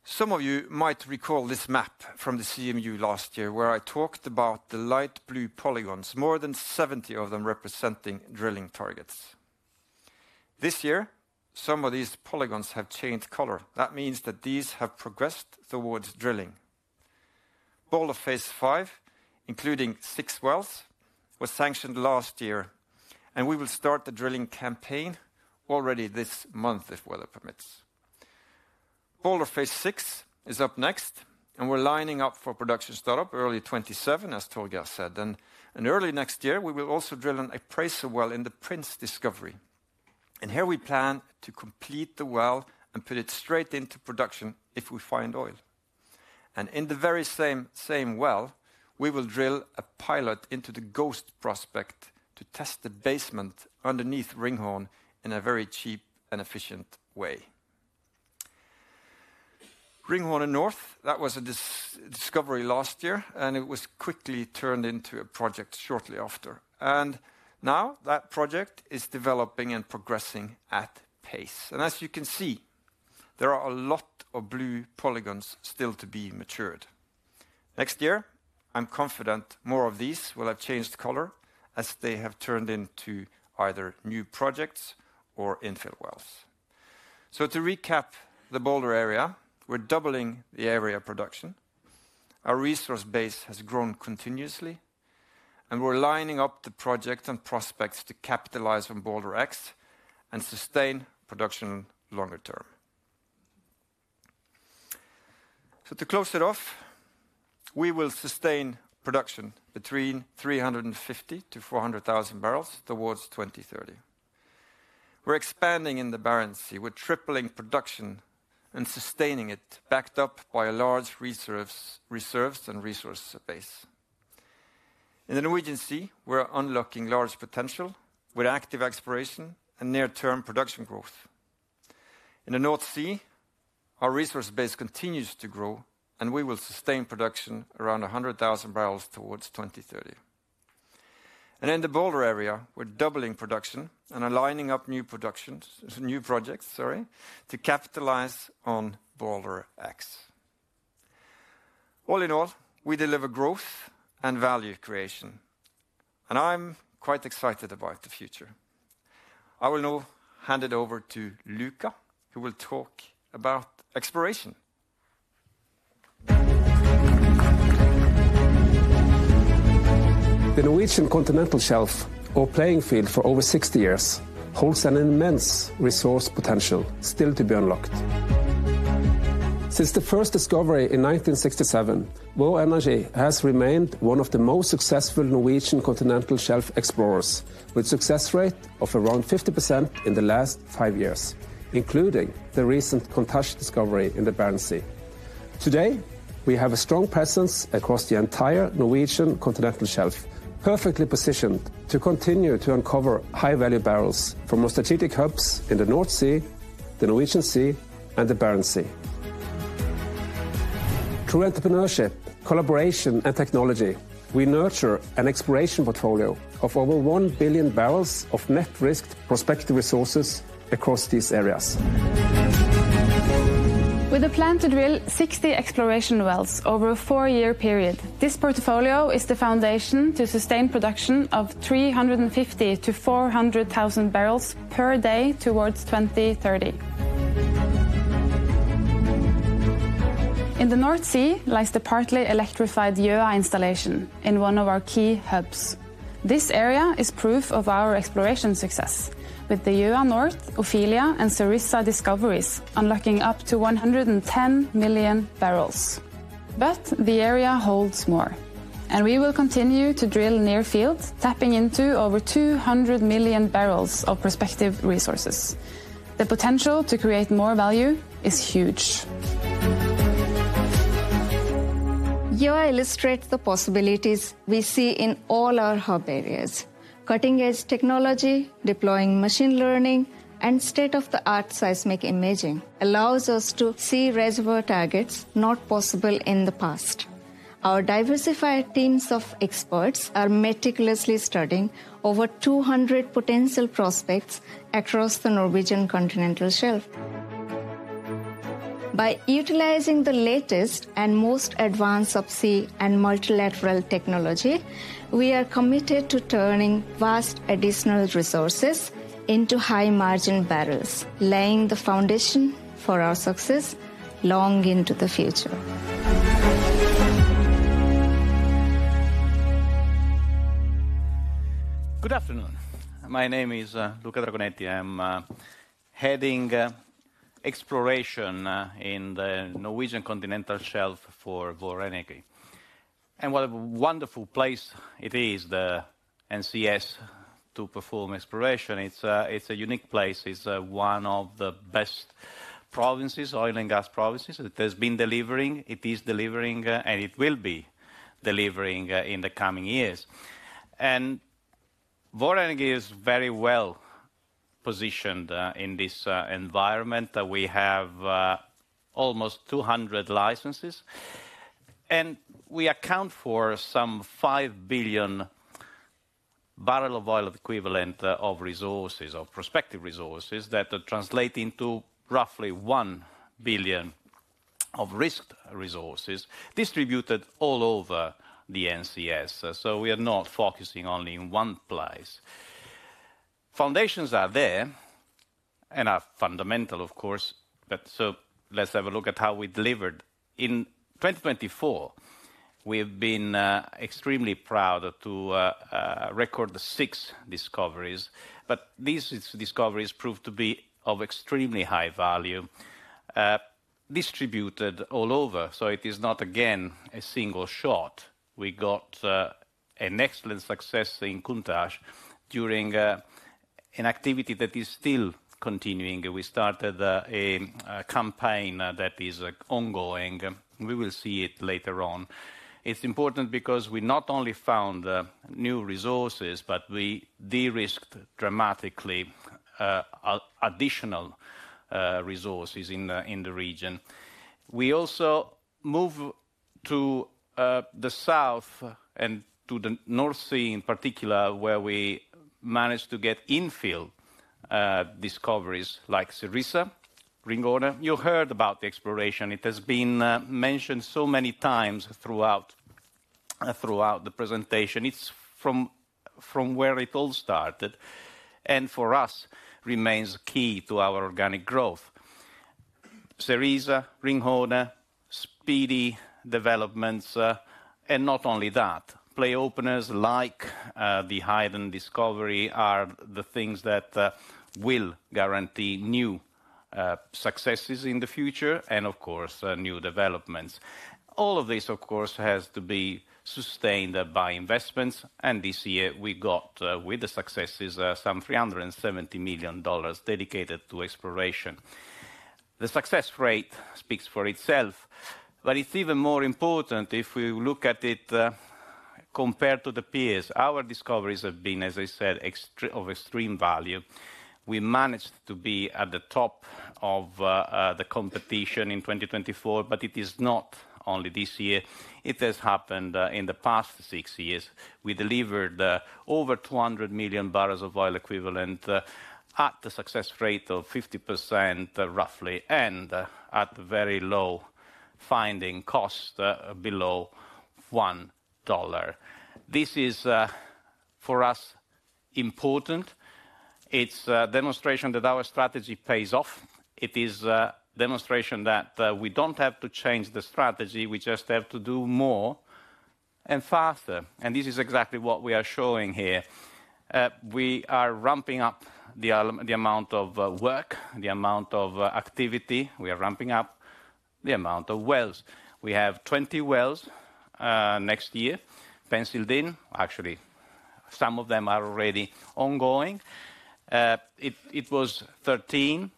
Some of you might recall this map from the CMU last year, where I talked about the light blue polygons, more than 70 of them representing drilling targets. This year, some of these polygons have changed color. That means that these have progressed towards drilling. Balder Phase IV, including six wells, was sanctioned last year, and we will start the drilling campaign already this month, if weather permits. Balder Phase VI is up next, and we're lining up for production startup early 2027, as Torger said. Early next year, we will also drill an appraisal well in the Prince discovery. And here we plan to complete the well and put it straight into production if we find oil. And in the very same well, we will drill a pilot into the Ghost prospect to test the basement underneath Ringhorne in a very cheap and efficient way. Ringhorne North, that was a discovery last year, and it was quickly turned into a project shortly after. And now that project is developing and progressing at pace. And as you can see, there are a lot of blue polygons still to be matured. Next year, I'm confident more of these will have changed color as they have turned into either new projects or infill wells. So to recap the Balder area, we're doubling the area production. Our resource base has grown continuously, and we're lining up the projects and prospects to capitalize on Balder X and sustain production longer term. So to close it off, we will sustain production between 350,000-400,000 barrels towards 2030. We're expanding in the Barents Sea with tripling production and sustaining it backed up by a large reserves and resource base. In the Norwegian Sea, we're unlocking large potential with active exploration and near-term production growth. In the North Sea, our resource base continues to grow, and we will sustain production around 100,000 barrels towards 2030. And in the Balder area, we're doubling production and aligning up new projects to capitalize on Balder X. All in all, we deliver growth and value creation, and I'm quite excited about the future. I will now hand it over to Luca, who will talk about exploration. The Norwegian Continental Shelf, or playing field for over 60 years, holds an immense resource potential still to be unlocked. Since the first discovery in 1967, Vår Energi has remained one of the most successful Norwegian Continental Shelf explorers, with a success rate of around 50% in the last five years, including the recent Countach discovery in the Barents Sea. Today, we have a strong presence across the entire Norwegian Continental Shelf, perfectly positioned to continue to uncover high-value barrels from our strategic hubs in the North Sea, the Norwegian Sea, and the Barents Sea. Through entrepreneurship, collaboration, and technology, we nurture an exploration portfolio of over 1 billion barrels of net risked prospective resources across these areas. We have planned to drill 60 exploration wells over a four-year period. This portfolio is the foundation to sustain production of 350,000-400,000 barrels per day towards 2030. In the North Sea lies the partly electrified Gjøa installation in one of our key hubs. This area is proof of our exploration success, with the Eldfisk North, Ofelia, and Cerisa discoveries unlocking up to 110 million barrels. But the area holds more, and we will continue to drill near field, tapping into over 200 million barrels of prospective resources. The potential to create more value is huge. Eldfisk North illustrates the possibilities we see in all our hub areas. Cutting-edge technology, deploying machine learning and state-of-the-art seismic imaging allows us to see reservoir targets not possible in the past. Our diversified teams of experts are meticulously studying over 200 potential prospects across the Norwegian Continental Shelf. By utilizing the latest and most advanced subsea and multilateral technology, we are committed to turning vast additional resources into high-margin barrels, laying the foundation for our success long into the future. Good afternoon. My name is Luca Dragonetti. I'm heading exploration in the Norwegian Continental Shelf for Vår Energi. What a wonderful place it is, the NCS, to perform exploration. It's a unique place. It's one of the best oil and gas provinces. It has been delivering, it is delivering, and it will be delivering in the coming years. Vår Energi is very well positioned in this environment. We have almost 200 licenses, and we account for some 5 billion barrels of oil equivalent of resources, of prospective resources that translate into roughly 1 billion barrels of risked resources distributed all over the NCS. We are not focusing only in one place. Foundations are there and are fundamental, of course. Let's have a look at how we delivered. In 2024, we have been extremely proud to record six discoveries. These discoveries proved to be of extremely high value, distributed all over. It is not, again, a single shot. We got an excellent success in Countach during an activity that is still continuing. We started a campaign that is ongoing. We will see it later on. It's important because we not only found new resources, but we de-risked dramatically additional resources in the region. We also moved to the south and to the North Sea in particular, where we managed to get infield discoveries like Cerisa Ringhorne. You heard about the exploration. It has been mentioned so many times throughout the presentation. It's from where it all started, and for us, it remains key to our organic growth. Cerisa Ringhorne, speedy developments, and not only that. Play openers like the Haydn discovery are the things that will guarantee new successes in the future and, of course, new developments. All of this, of course, has to be sustained by investments. And this year, we got, with the successes, some $370 million dedicated to exploration. The success rate speaks for itself, but it's even more important if we look at it compared to the peers. Our discoveries have been, as I said, of extreme value. We managed to be at the top of the competition in 2024, but it is not only this year. It has happened in the past six years. We delivered over 200 million barrels of oil equivalent at a success rate of 50%, roughly, and at very low finding cost, below $1. This is, for us, important. It's a demonstration that our strategy pays off. It is a demonstration that we don't have to change the strategy. We just have to do more and faster. And this is exactly what we are showing here. We are ramping up the amount of work, the amount of activity. We are ramping up the amount of wells. We have 20 wells next year, penciled in. Actually, some of them are already ongoing. It was 13,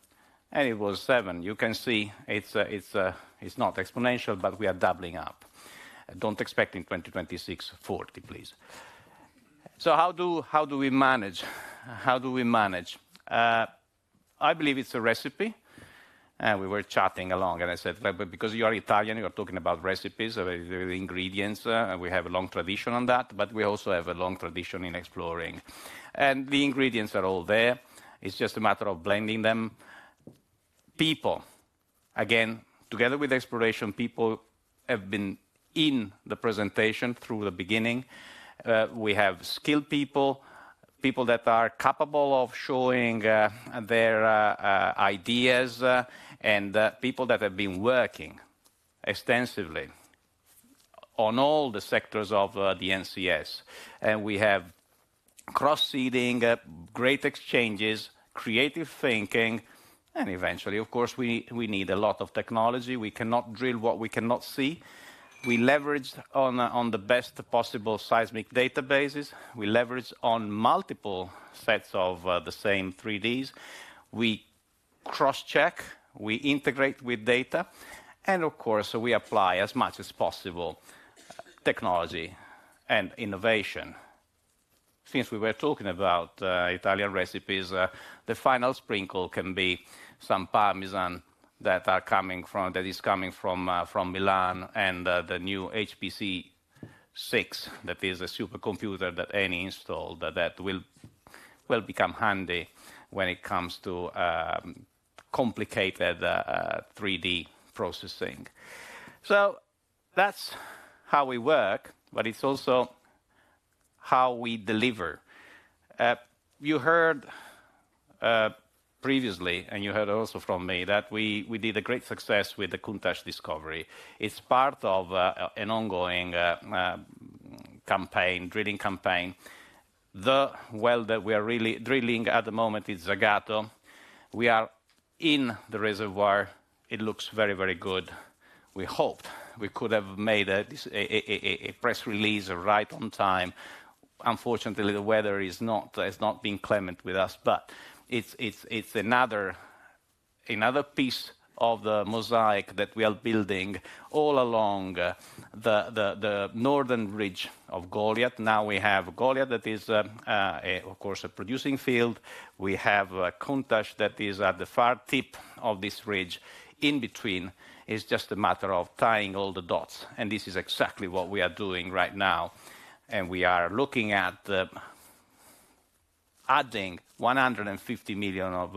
and it was seven. You can see it's not exponential, but we are doubling up. Don't expect in 2026, 40, please. So how do we manage? How do we manage? I believe it's a recipe, and we were chatting along, and I said, because you are Italian, you are talking about recipes, the ingredients. We have a long tradition on that, but we also have a long tradition in exploring, and the ingredients are all there. It's just a matter of blending them. People, again, together with exploration, people have been in the presentation through the beginning. We have skilled people, people that are capable of showing their ideas, and people that have been working extensively on all the sectors of the NCS. We have cross-seeding, great exchanges, creative thinking. Eventually, of course, we need a lot of technology. We cannot drill what we cannot see. We leverage on the best possible seismic databases. We leverage on multiple sets of the same 3Ds. We cross-check, we integrate with data, and of course, we apply as much as possible technology and innovation. Since we were talking about Italian recipes, the final sprinkle can be some Parmesan that are coming from, that is coming from Milan and the new HPC6, that is a supercomputer that Eni installed, that will become handy when it comes to complicated 3D processing. That's how we work, but it's also how we deliver. You heard previously, and you heard also from me, that we did a great success with the Countach discovery. It's part of an ongoing campaign, drilling campaign. The well that we are really drilling at the moment is Zagato. We are in the reservoir. It looks very, very good. We hoped we could have made a press release right on time. Unfortunately, the weather has not been clement with us, but it's another piece of the mosaic that we are building all along the northern ridge of Goliat. Now we have Goliat that is, of course, a producing field. We have Countach that is at the far tip of this ridge. In between, it's just a matter of tying all the dots, and this is exactly what we are doing right now, and we are looking at adding 150 million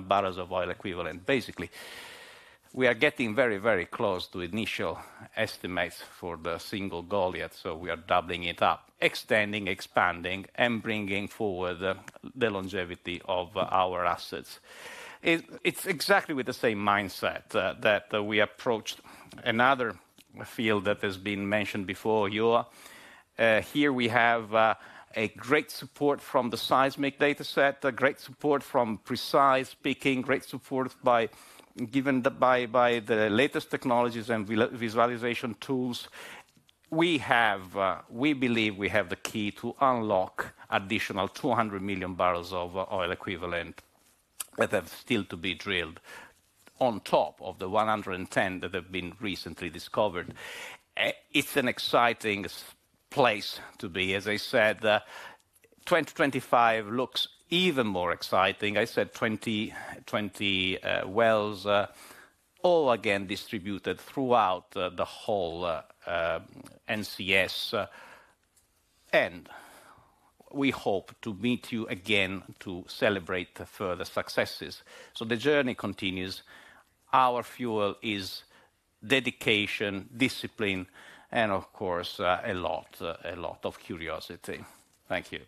barrels of oil equivalent. Basically, we are getting very, very close to initial estimates for the single Goliat, so we are doubling it up, extending, expanding, and bringing forward the longevity of our assets. It's exactly with the same mindset that we approached another field that has been mentioned before, Gjøa. Here we have a great support from the seismic data set, great support from precise picking, great support given by the latest technologies and visualization tools. We believe we have the key to unlock additional 200 million barrels of oil equivalent that have still to be drilled on top of the 110 that have been recently discovered. It's an exciting place to be. As I said, 2025 looks even more exciting. I said 20 wells, all again distributed throughout the whole NCS, and we hope to meet you again to celebrate further successes, so the journey continues. Our fuel is dedication, discipline, and of course, a lot of curiosity. Thank you. We will stay with Eni and Carlo before the Q&A session. Thank you.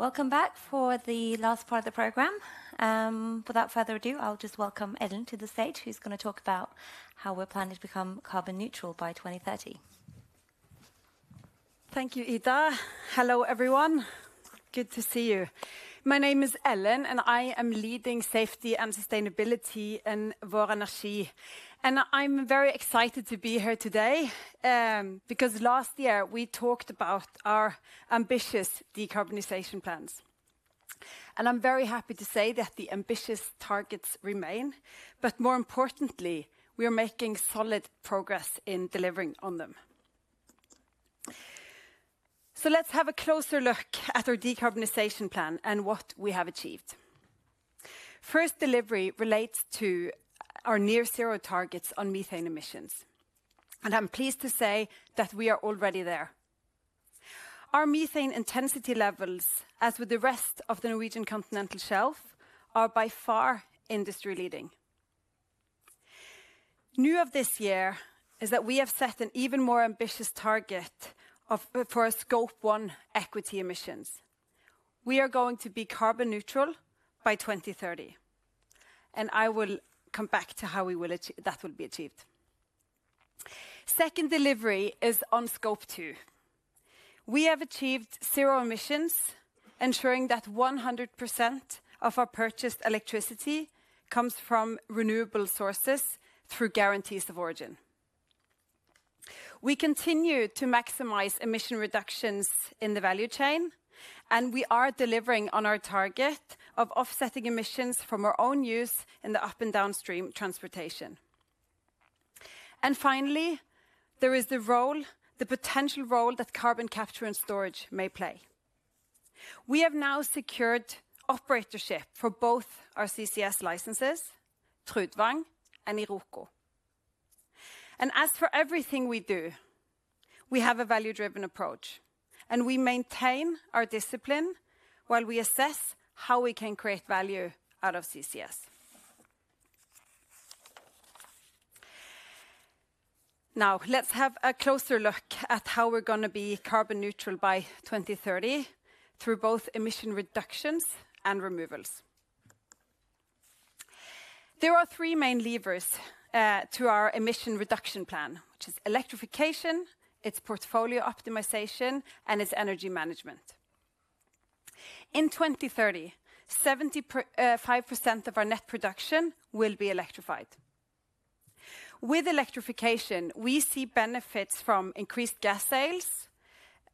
Welcome back for the last part of the program. Without further ado, I'll just welcome Ellen to the stage, who's going to talk about how we're planning to become carbon neutral by 2030. Thank you, Ida. Hello, everyone. Good to see you. My name is Ellen, and I am leading safety and sustainability in Vår Energi, and I'm very excited to be here today, because last year we talked about our ambitious decarbonization plans. And I'm very happy to say that the ambitious targets remain, but more importantly, we are making solid progress in delivering on them, so let's have a closer look at our decarbonization plan and what we have achieved. First delivery relates to our near-zero targets on methane emissions. And I'm pleased to say that we are already there. Our methane intensity levels, as with the rest of the Norwegian Continental Shelf, are by far industry-leading. New this year is that we have set an even more ambitious target for Scope 1 equity emissions. We are going to be carbon neutral by 2030. And I will come back to how we will achieve that. Second delivery is on Scope 2. We have achieved zero emissions, ensuring that 100% of our purchased electricity comes from renewable sources through guarantees of origin. We continue to maximize emission reductions in the value chain, and we are delivering on our target of offsetting emissions from our own use in the upstream and downstream transportation. And finally, there is the role, the potential role that carbon capture and storage may play. We have now secured operatorship for both our CCS licenses, Trudvang and Iroko. And as for everything we do, we have a value-driven approach, and we maintain our discipline while we assess how we can create value out of CCS. Now, let's have a closer look at how we're going to be carbon neutral by 2030 through both emission reductions and removals. There are three main levers to our emission reduction plan, which is electrification, its portfolio optimization, and its energy management. In 2030, 75% of our net production will be electrified. With electrification, we see benefits from increased gas sales,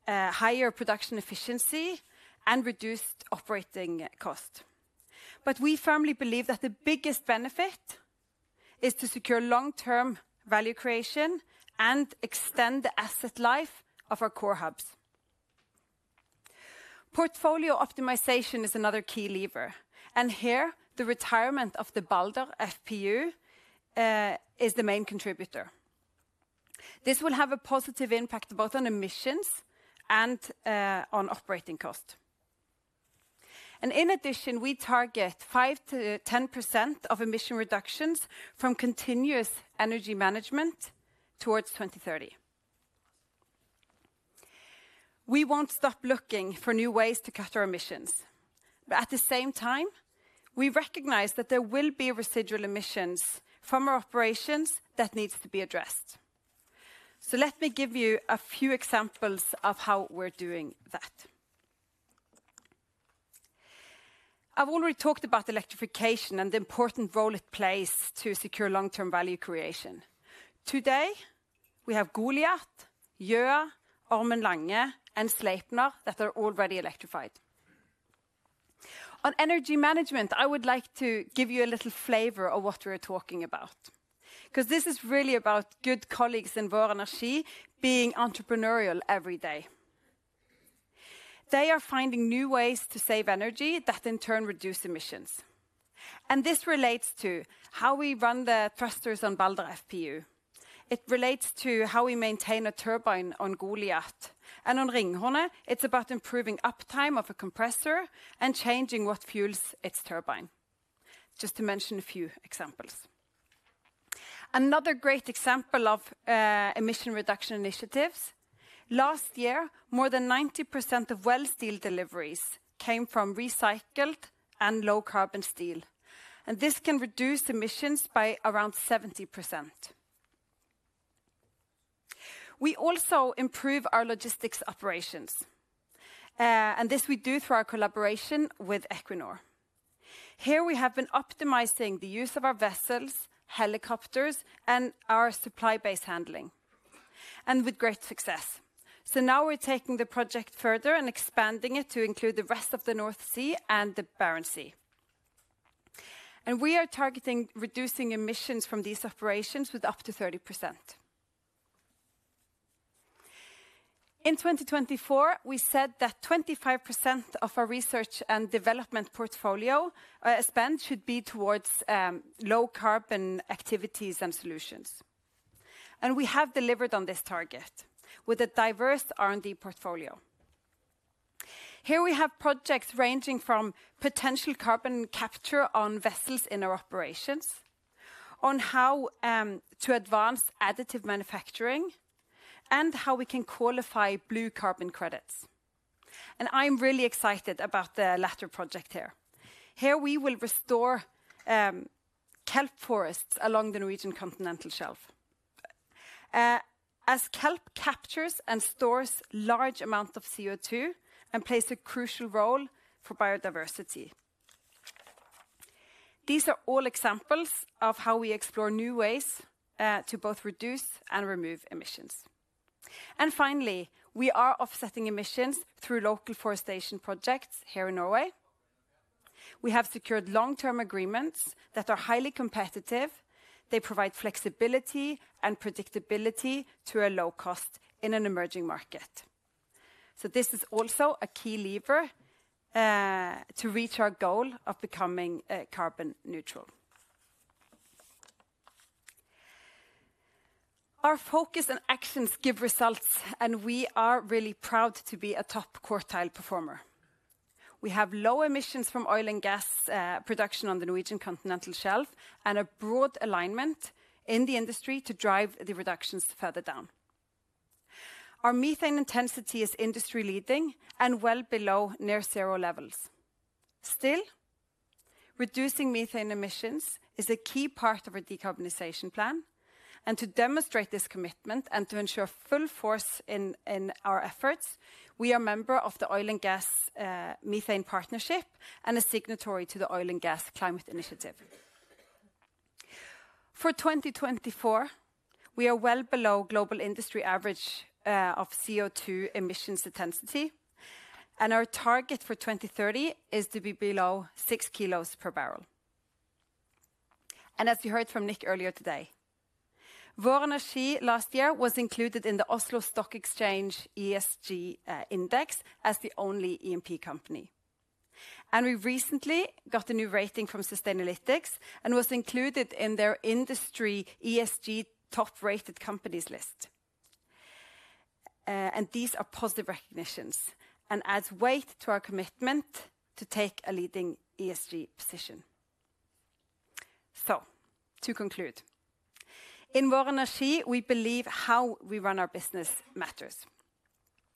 higher production efficiency, and reduced operating costs. But we firmly believe that the biggest benefit is to secure long-term value creation and extend the asset life of our core hubs. Portfolio optimization is another key lever, and here the retirement of the Balder FPU is the main contributor. This will have a positive impact both on emissions and on operating costs. And in addition, we target 5%-10% of emission reductions from continuous energy management towards 2030. We won't stop looking for new ways to cut our emissions. But at the same time, we recognize that there will be residual emissions from our operations that need to be addressed. So let me give you a few examples of how we're doing that. I've already talked about electrification and the important role it plays to secure long-term value creation. Today, we have Goliat, Gjøa, Ormen Lange, and Sleipner that are already electrified. On energy management, I would like to give you a little flavor of what we're talking about, because this is really about good colleagues in Vår Energi being entrepreneurial every day. They are finding new ways to save energy that in turn reduce emissions. And this relates to how we run the thrusters on Balder FPU. It relates to how we maintain a turbine on Goliat, and on Ringhorne, it's about improving uptime of a compressor and changing what fuels its turbine, just to mention a few examples. Another great example of emissions reduction initiatives. Last year, more than 90% of well steel deliveries came from recycled and low carbon steel, and this can reduce emissions by around 70%. We also improve our logistics operations, and this we do through our collaboration with Equinor. Here we have been optimizing the use of our vessels, helicopters, and our supply base handling, and with great success, so now we're taking the project further and expanding it to include the rest of the North Sea and the Barents Sea, and we are targeting reducing emissions from these operations with up to 30%. In 2024, we said that 25% of our research and development portfolio spend should be towards low carbon activities and solutions, and we have delivered on this target with a diverse R&D portfolio. Here we have projects ranging from potential carbon capture on vessels in our operations, on how to advance additive manufacturing, and how we can qualify blue carbon credits, and I'm really excited about the latter project here. Here we will restore kelp forests along the Norwegian Continental Shelf, as kelp captures and stores large amounts of CO2 and plays a crucial role for biodiversity. These are all examples of how we explore new ways to both reduce and remove emissions, and finally, we are offsetting emissions through local forestation projects here in Norway. We have secured long-term agreements that are highly competitive. They provide flexibility and predictability to a low cost in an emerging market. This is also a key lever to reach our goal of becoming carbon neutral. Our focus and actions give results, and we are really proud to be a top quartile performer. We have low emissions from oil and gas production on the Norwegian Continental Shelf and a broad alignment in the industry to drive the reductions further down. Our methane intensity is industry-leading and well below near-zero levels. Still, reducing methane emissions is a key part of our decarbonization plan. To demonstrate this commitment and to ensure full force in our efforts, we are a member of the Oil and Gas Methane Partnership and a signatory to the Oil and Gas Climate Initiative. For 2024, we are well below global industry average of CO2 emissions intensity, and our target for 2030 is to be below 6 kilos per barrel. And as you heard from Nick earlier today, Vår Energi last year was included in the Oslo Stock Exchange ESG Index as the only E&P company. And we recently got a new rating from Sustainalytics and were included in their industry ESG top-rated companies list. And these are positive recognitions and add weight to our commitment to take a leading ESG position. So, to conclude, in Vår Energi, we believe how we run our business matters.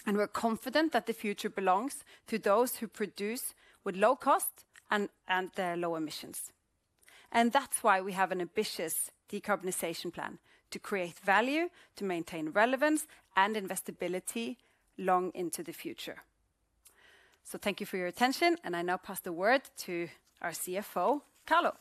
And we're confident that the future belongs to those who produce with low cost and low emissions. And that's why we have an ambitious decarbonization plan to create value, to maintain relevance and investability long into the future. So thank you for your attention, and I now pass the word to our CFO, Carlo.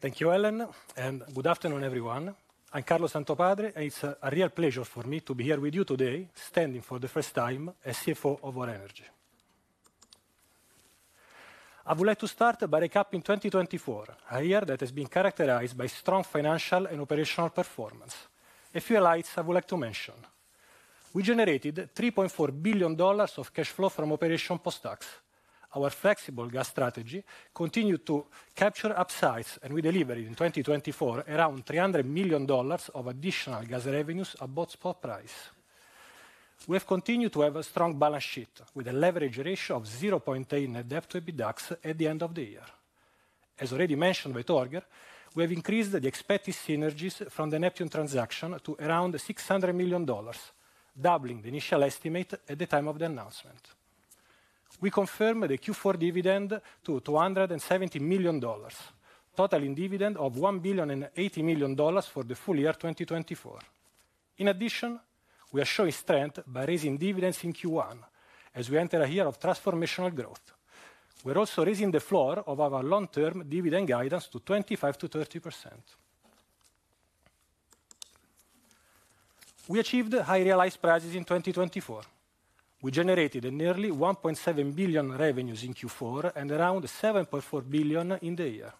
Thank you, Ellen, and good afternoon, everyone. I'm Carlo Santopadre, and it's a real pleasure for me to be here with you today, standing for the first time as CFO of Vår Energi. I would like to start by recapping 2024, a year that has been characterized by strong financial and operational performance. A few highlights I would like to mention. We generated $3.4 billion of cash flow from operations post-tax. Our flexible gas strategy continued to capture upsides, and we delivered in 2024 around $300 million of additional gas revenues above spot price. We have continued to have a strong balance sheet with a leverage ratio of 0.8 net debt to EBITDA at the end of the year. As already mentioned by Torger, we have increased the expected synergies from the Neptune transaction to around $600 million, doubling the initial estimate at the time of the announcement. We confirmed the Q4 dividend to $270 million, totaling dividend of $1 billion and $80 million for the full year 2024. In addition, we are showing strength by raising dividends in Q1 as we enter a year of transformational growth. We're also raising the floor of our long-term dividend guidance to 25%-30%. We achieved high-realized prices in 2024. We generated nearly $1.7 billion revenues in Q4 and around $7.4 billion in the year.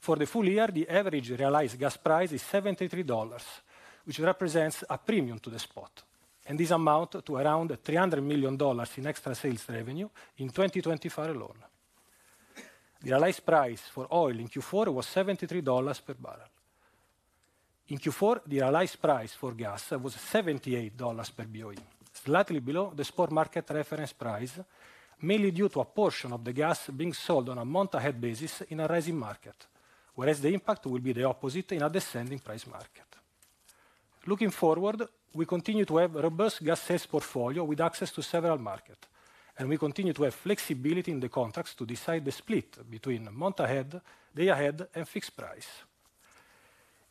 For the full year, the average realized gas price is $73, which represents a premium to the spot, and this amounts to around $300 million in extra sales revenue in 2024 alone. The realized price for oil in Q4 was $73 per barrel. In Q4, the realized price for gas was $78 per BOE, slightly below the spot market reference price, mainly due to a portion of the gas being sold on a month-ahead basis in a rising market, whereas the impact will be the opposite in a descending price market. Looking forward, we continue to have a robust gas sales portfolio with access to several markets, and we continue to have flexibility in the contracts to decide the split between month-ahead, day-ahead, and fixed price.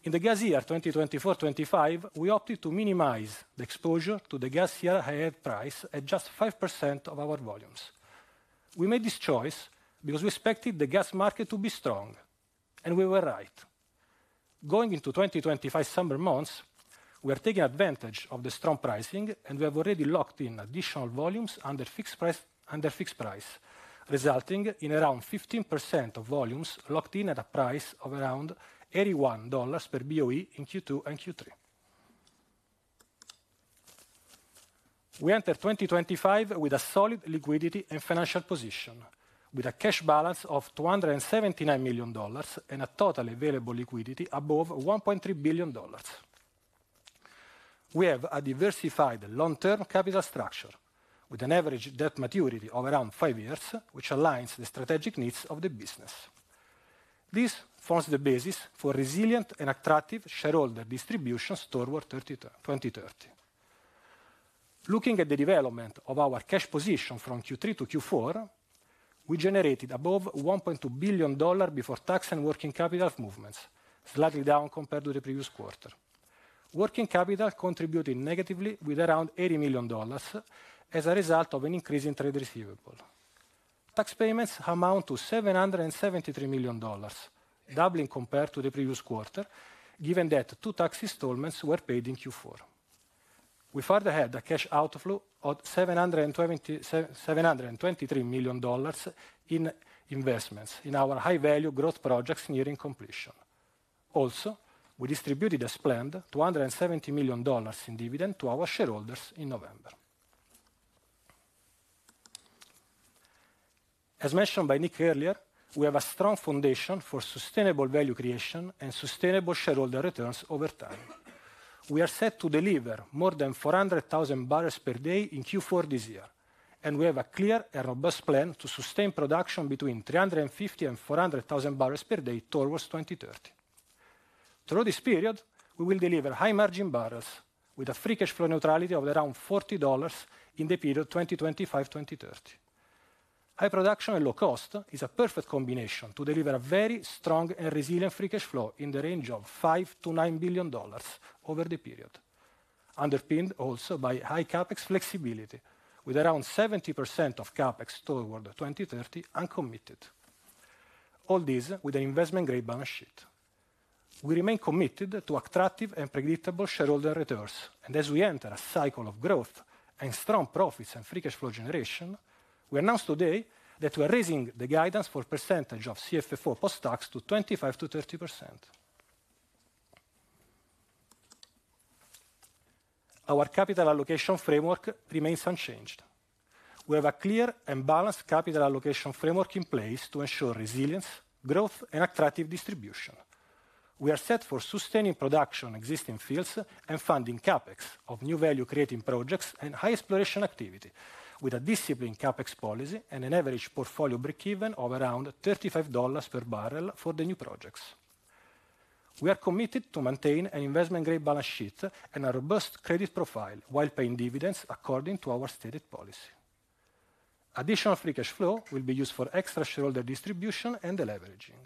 In the gas year 2024-2025, we opted to minimize the exposure to the gas year-ahead price at just 5% of our volumes. We made this choice because we expected the gas market to be strong, and we were right. Going into 2025 summer months, we are taking advantage of the strong pricing, and we have already locked in additional volumes under fixed price, resulting in around 15% of volumes locked in at a price of around $81 per BOE in Q2 and Q3. We entered 2025 with a solid liquidity and financial position, with a cash balance of $279 million and a total available liquidity above $1.3 billion. We have a diversified long-term capital structure with an average debt maturity of around five years, which aligns with the strategic needs of the business. This forms the basis for resilient and attractive shareholder distributions toward 2030. Looking at the development of our cash position from Q3 to Q4, we generated above $1.2 billion before tax and working capital movements, slightly down compared to the previous quarter. Working capital contributed negatively with around $80 million as a result of an increase in trade receivable. Tax payments amount to $773 million, doubling compared to the previous quarter, given that two tax installments were paid in Q4. We further had a cash outflow of $723 million in investments in our high-value growth projects nearing completion. Also, we distributed a splendid $270 million in dividend to our shareholders in November. As mentioned by Nick earlier, we have a strong foundation for sustainable value creation and sustainable shareholder returns over time. We are set to deliver more than 400,000 barrels per day in Q4 this year, and we have a clear and robust plan to sustain production between 350,000 and 400,000 barrels per day towards 2030. Through this period, we will deliver high-margin barrels with a free cash flow neutrality of around $40 in the period 2025-2030. High production and low cost is a perfect combination to deliver a very strong and resilient free cash flow in the range of $5-$9 billion over the period, underpinned also by high CapEx flexibility, with around 70% of CapEx toward 2030 uncommitted. All this with an investment-grade balance sheet. We remain committed to attractive and predictable shareholder returns, and as we enter a cycle of growth and strong profits and free cash flow generation, we announced today that we are raising the guidance for percentage of CFFO post-tax to 25%-30%. Our capital allocation framework remains unchanged. We have a clear and balanced capital allocation framework in place to ensure resilience, growth, and attractive distribution. We are set for sustaining production in existing fields and funding CapEx of new value-creating projects and high exploration activity, with a disciplined CapEx policy and an average portfolio break-even of around $35 per barrel for the new projects. We are committed to maintain an investment-grade balance sheet and a robust credit profile while paying dividends according to our stated policy. Additional free cash flow will be used for extra shareholder distribution and leveraging.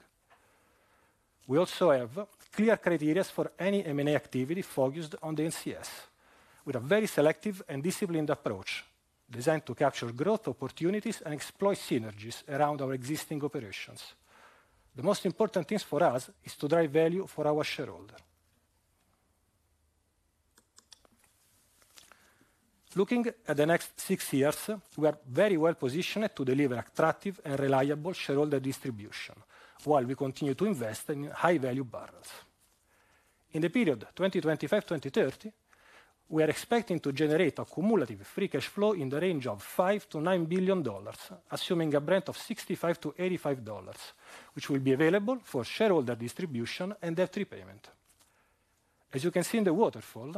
We also have clear criteria for any M&A activity focused on the NCS, with a very selective and disciplined approach designed to capture growth opportunities and exploit synergies around our existing operations. The most important thing for us is to drive value for our shareholders. Looking at the next six years, we are very well positioned to deliver attractive and reliable shareholder distribution while we continue to invest in high-value barrels. In the period 2025-2030, we are expecting to generate a cumulative free cash flow in the range of $5-$9 billion, assuming a Brent of $65-$85, which will be available for shareholder distribution and debt repayment. As you can see in the waterfall,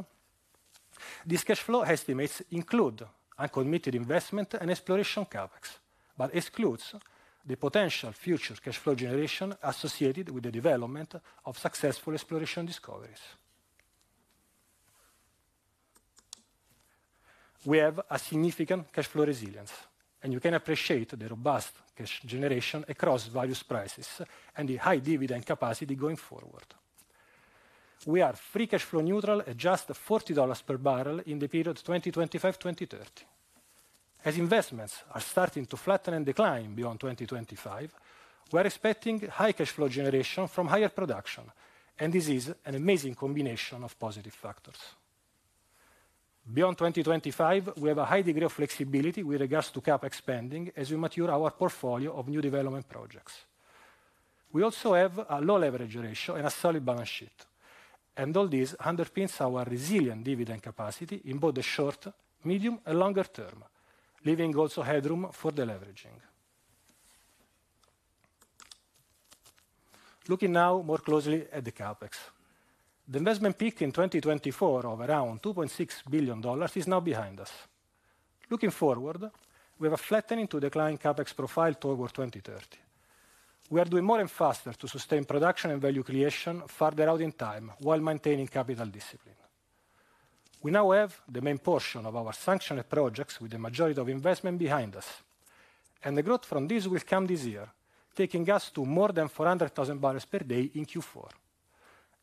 these cash flow estimates include uncommitted investment and exploration CapEx, but exclude the potential future cash flow generation associated with the development of successful exploration discoveries. We have a significant cash flow resilience, and you can appreciate the robust cash generation across various prices and the high dividend capacity going forward. We are free cash flow neutral at just $40 per barrel in the period 2025-2030. As investments are starting to flatten and decline beyond 2025, we are expecting high cash flow generation from higher production, and this is an amazing combination of positive factors. Beyond 2025, we have a high degree of flexibility with regards to CapEx spending as we mature our portfolio of new development projects. We also have a low leverage ratio and a solid balance sheet, and all this underpins our resilient dividend capacity in both the short, medium, and longer term, leaving also headroom for the leveraging. Looking now more closely at the CapEx, the investment peak in 2024 of around $2.6 billion is now behind us. Looking forward, we have a flattening to decline CapEx profile toward 2030. We are doing more and faster to sustain production and value creation further out in time while maintaining capital discipline. We now have the main portion of our sanctioned projects with the majority of investment behind us, and the growth from these will come this year, taking us to more than 400,000 barrels per day in Q4.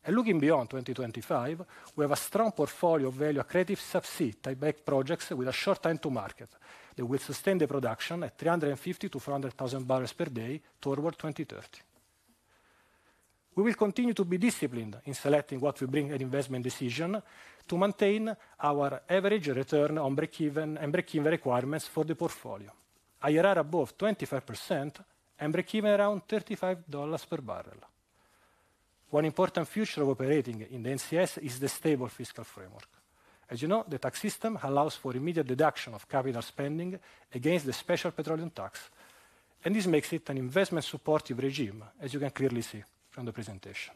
Looking beyond 2025, we have a strong portfolio of value-accretive subsea type projects with a short time to market that will sustain the production at 350,000-400,000 barrels per day toward 2030. We will continue to be disciplined in selecting what we bring at investment decision to maintain our average return on break-even and break-even requirements for the portfolio, a year-round above 25% and break-even around $35 per barrel. One important feature of operating in the NCS is the stable fiscal framework. As you know, the tax system allows for immediate deduction of capital spending against the special petroleum tax, and this makes it an investment-supportive regime, as you can clearly see from the presentation.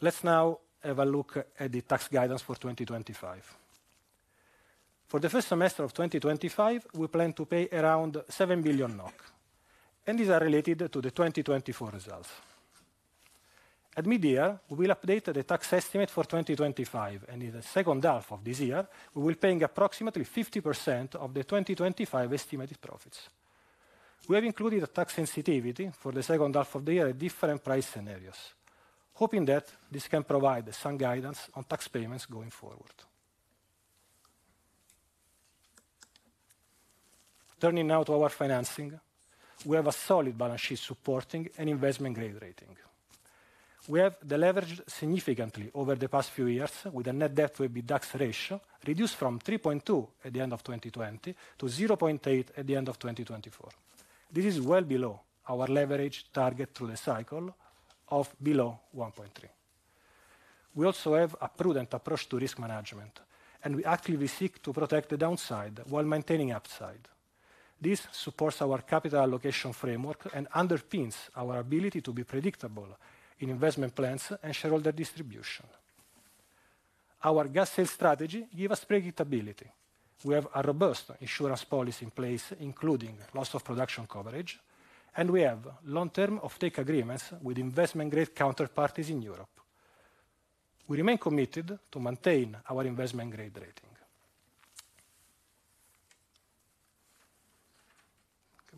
Let's now have a look at the tax guidance for 2025. For the first semester of 2025, we plan to pay around 7 billion NOK, and these are related to the 2024 results. At mid-year, we will update the tax estimate for 2025, and in the second half of this year, we will be paying approximately 50% of the 2025 estimated profits. We have included a tax sensitivity for the second half of the year at different price scenarios, hoping that this can provide some guidance on tax payments going forward. Turning now to our financing, we have a solid balance sheet supporting an investment-grade rating. We have deleveraged significantly over the past few years, with a net debt to EBITDA ratio reduced from 3.2 at the end of 2020 to 0.8 at the end of 2024. This is well below our leverage target through the cycle of below 1.3. We also have a prudent approach to risk management, and we actively seek to protect the downside while maintaining upside. This supports our capital allocation framework and underpins our ability to be predictable in investment plans and shareholder distribution. Our gas sales strategy gives us predictability. We have a robust insurance policy in place, including loss of production coverage, and we have long-term offtake agreements with investment-grade counterparties in Europe. We remain committed to maintain our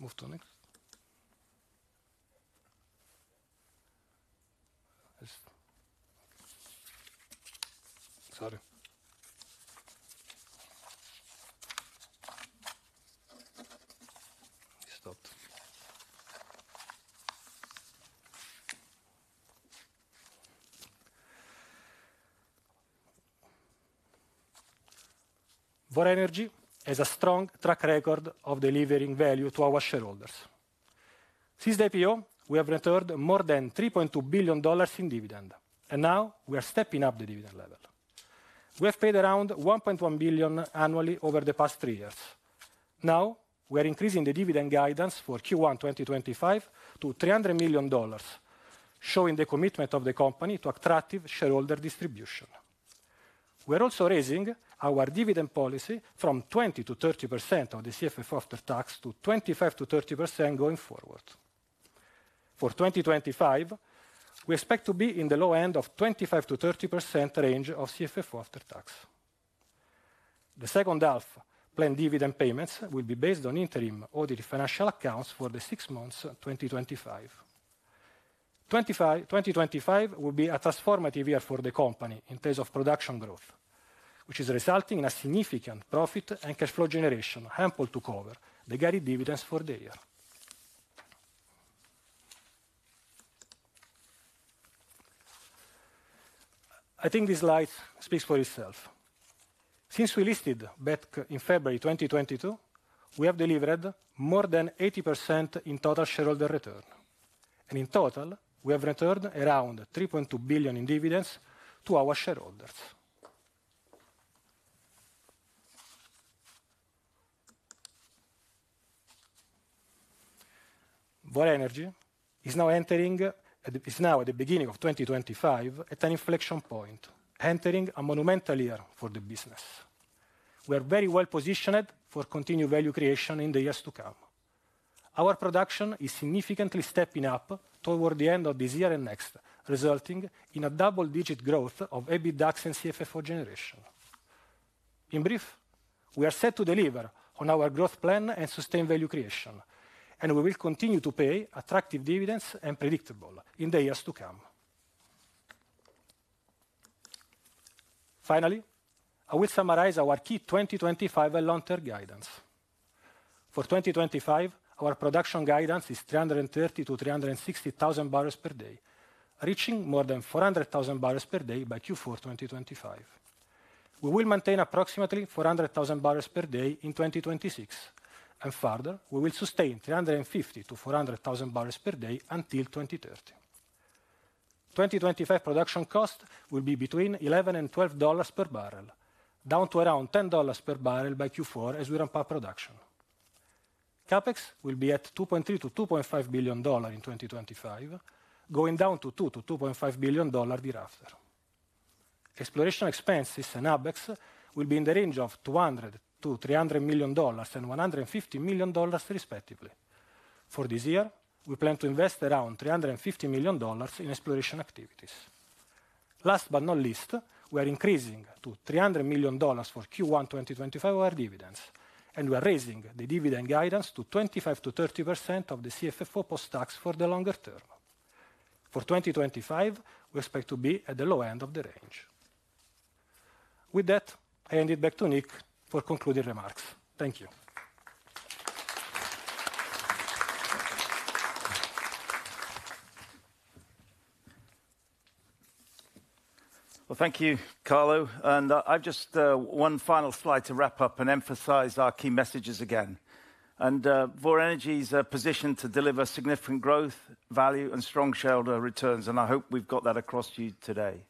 investment-grade rating. Vår Energi has a strong track record of delivering value to our shareholders. Since the IPO, we have returned more than $3.2 billion in dividend, and now we are stepping up the dividend level. We have paid around $1.1 billion annually over the past three years. Now we are increasing the dividend guidance for Q1 2025 to $300 million, showing the commitment of the company to attractive shareholder distribution. We are also raising our dividend policy from 20%-30% of the CFFO after tax to 25%-30% going forward. For 2025, we expect to be in the low end of 25%-30% range of CFFO after tax. The second half planned dividend payments will be based on interim audited financial accounts for the six months of 2025. 2025 will be a transformative year for the company in terms of production growth, which is resulting in a significant profit and cash flow generation ample to cover the guided dividends for the year. I think this slide speaks for itself. Since we listed Vår Energi in February 2022, we have delivered more than 80% in total shareholder return, and in total, we have returned around $3.2 billion in dividends to our shareholders. Vår Energi is now entering at the beginning of 2025 at an inflection point, entering a monumental year for the business. We are very well positioned for continued value creation in the years to come. Our production is significantly stepping up toward the end of this year and next, resulting in a double-digit growth of EBITDA and CFFO generation. In brief, we are set to deliver on our growth plan and sustained value creation, and we will continue to pay attractive dividends and predictable returns in the years to come. Finally, I will summarize our key 2025 and long-term guidance. For 2025, our production guidance is 330,000-360,000 barrels per day, reaching more than 400,000 barrels per day by Q4 2025. We will maintain approximately 400,000 barrels per day in 2026, and further, we will sustain 350,000-400,000 barrels per day until 2030. 2025 production cost will be between $11 and $12 per barrel, down to around $10 per barrel by Q4 as we ramp up production. CapEx will be at $2.3 billion-$2.5 billion in 2025, going down to $2 billion-$2.5 billion thereafter. Exploration expenses and ABEX will be in the range of $200-$300 million and $150 million, respectively. For this year, we plan to invest around $350 million in exploration activities. Last but not least, we are increasing to $300 million for Q1 2025 our dividends, and we are raising the dividend guidance to 25%-30% of the CFFO post-tax for the longer term. For 2025, we expect to be at the low end of the range. With that, I hand it back to Nick for concluding remarks. Thank you. Well, thank you, Carlo. And I've just one final slide to wrap up and emphasize our key messages again. Vår Energi is positioned to deliver significant growth, value, and strong shareholder returns, and I hope we've got that across to you today.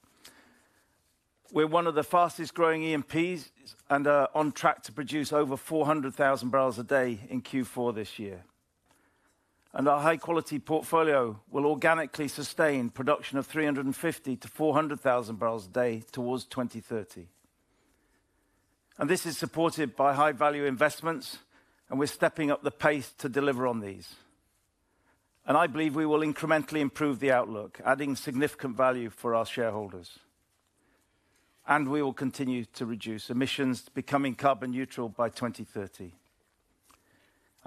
We're one of the fastest growing E&Ps and are on track to produce over 400,000 barrels a day in Q4 this year. Our high-quality portfolio will organically sustain production of 350,000-400,000 barrels a day towards 2030. This is supported by high-value investments, and we're stepping up the pace to deliver on these. I believe we will incrementally improve the outlook, adding significant value for our shareholders. We will continue to reduce emissions, becoming carbon neutral by 2030.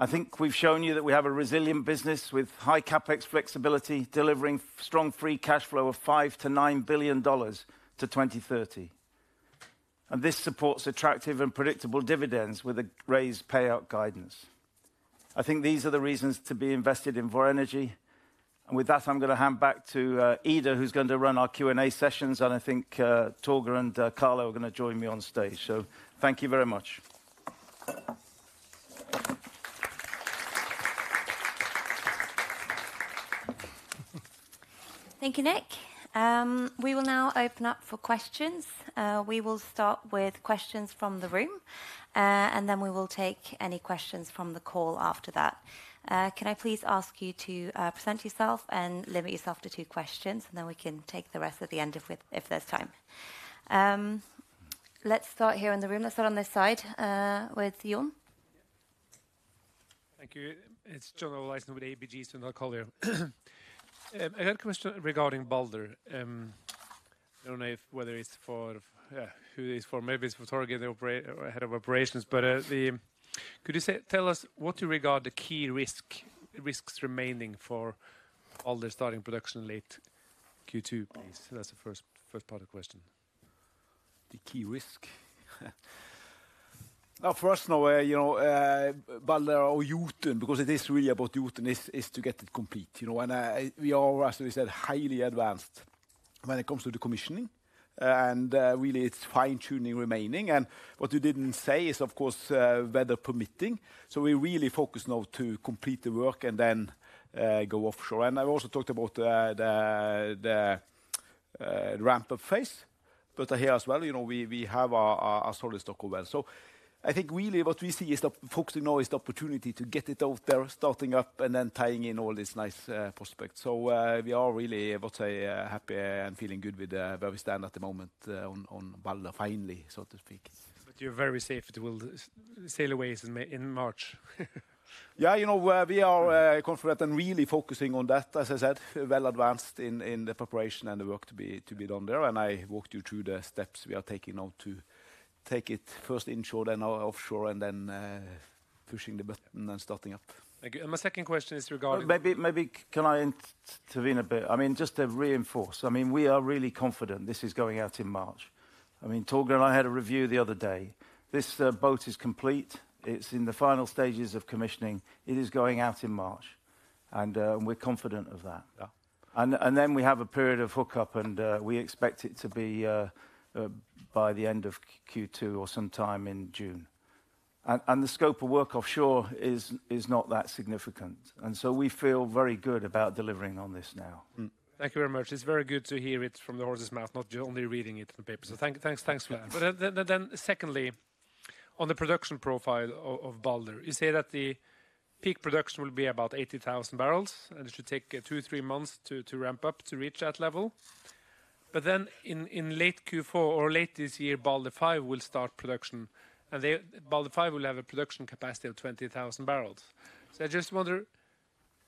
I think we've shown you that we have a resilient business with high CapEx flexibility, delivering strong free cash flow of $5 billion-$9 billion to 2030. This supports attractive and predictable dividends with a raised payout guidance. I think these are the reasons to be invested in Vår Energi. And with that, I'm going to hand back to Ida, who's going to run our Q&A sessions, and I think Torger and Carlo are going to join me on stage. So thank you very much. Thank you, Nick. We will now open up for questions. We will start with questions from the room, and then we will take any questions from the call after that. Can I please ask you to present yourself and limit yourself to two questions, and then we can take the rest at the end if there's time? Let's start here in the room. Let's start on this side with John. Thank you. It's John with ABG, so not call here. I had a question regarding Balder. I don't know whether it's for who it is for. Maybe it's for Torger, the head of operations. But could you tell us what you regard the key risks remaining for Balder starting production late Q2, please? That's the first part of the question. The key risk? For us, Balder or Jotun, because it is really about Jotun, is to get it complete. And we are, as we said, highly advanced when it comes to the commissioning. And really, it's fine-tuning remaining. And what you didn't say is, of course, weather permitting. So we really focus now to complete the work and then go offshore. And I've also talked about the ramp-up phase, but here as well, we have a solid stock of wells. So I think really what we see is focusing now is the opportunity to get it out there, starting up, and then tying in all these nice prospects. We are really, I would say, happy and feeling good with where we stand at the moment on Balder, finally, so to speak. But you're very safe. It will sail away in March. Yeah, you know, we are confident and really focusing on that, as I said, well advanced in the preparation and the work to be done there. And I walked you through the steps we are taking now to take it first inshore, then offshore, and then pushing the button and starting up. Thank you. And my second question is regarding... Maybe can I intervene a bit? I mean, just to reinforce, I mean, we are really confident this is going out in March. I mean, Torger and I had a review the other day. This boat is complete. It's in the final stages of commissioning. It is going out in March, and we're confident of that. Then we have a period of hookup, and we expect it to be by the end of Q2 or sometime in June. The scope of work offshore is not that significant. So we feel very good about delivering on this now. Thank you very much. It's very good to hear it from the horse's mouth, not only reading it on paper. So thanks for that. But then secondly, on the production profile of Balder, you say that the peak production will be about 80,000 barrels, and it should take two, three months to ramp up to reach that level. But then in late Q4 or late this year, Balder 5 will start production, and Balder 5 will have a production capacity of 20,000 barrels. So I just wonder,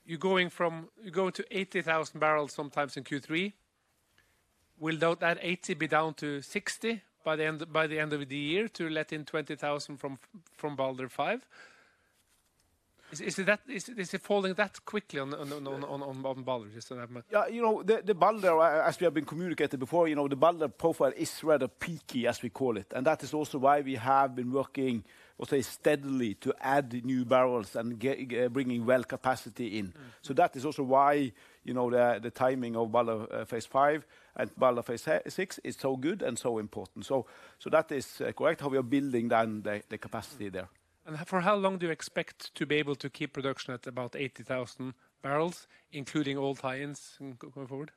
you're going from 80,000 barrels sometimes in Q3. Will that 80 be down to 60 by the end of the year to let in 20,000 from Balder 5? Is it falling that quickly on Balder? Yeah, you know, the Balder, as we have been communicated before, you know, the Balder profile is rather peaky, as we call it. And that is also why we have been working, I would say, steadily to add new barrels and bringing well capacity in. So that is also why the timing of Balder Phase V and Balder Phase VI Pis so good and so important. So that is correct, how we are building down the capacity there. And for how long do you expect to be able to keep production at about 80,000 barrels, including all tie-ins going forward?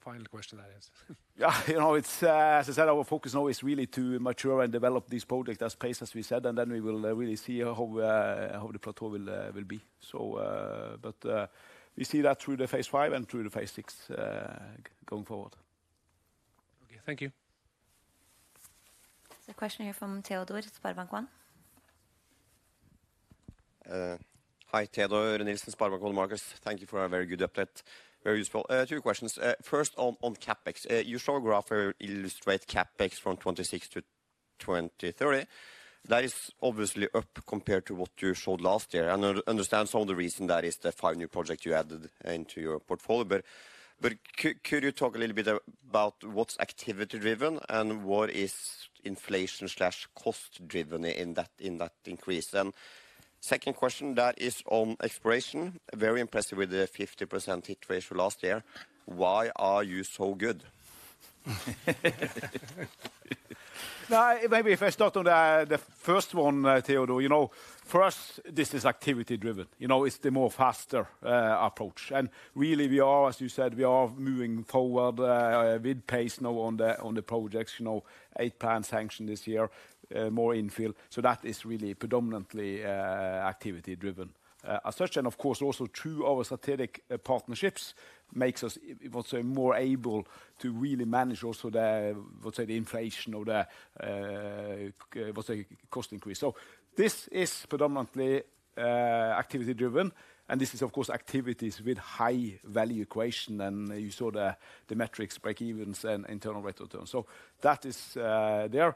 Final question that is. Yeah, you know, it's, as I said, our focus now is really to mature and develop these projects apace, as we said, and then we will really see how the plateau will be. But we see that through the Phase V and through the Phase VI going forward. Okay, thank you. There's a question here from Teodor, SpareBank 1. Hi, Teodor Sveen-Nilsen, SpareBank 1 Markets, Marcus. Thank you for a very good update. Very useful. Two questions. First, on CapEx, you show a graph where you illustrate CapEx from 2026 to 2030. That is obviously up compared to what you showed last year. I understand some of the reason that is the five new projects you added into your portfolio. But could you talk a little bit about what's activity-driven and what is inflation/cost-driven in that increase? And second question, that is on exploration. Very impressive with the 50% hit ratio last year. Why are you so good? Maybe if I start on the first one, Teodor, you know, for us, this is activity-driven. You know, it's the more faster approach. And really, we are, as you said, we are moving forward with pace now on the projects, you know, eight plan sanction this year, more infill. So that is really predominantly activity-driven. As such, and of course, also two of our strategic partnerships makes us, I would say, more able to really manage also the, I would say, the inflation or the cost increase. So this is predominantly activity-driven. And this is, of course, activities with high value equation. And you saw the metrics, break-evens and internal rate of return. So that is there.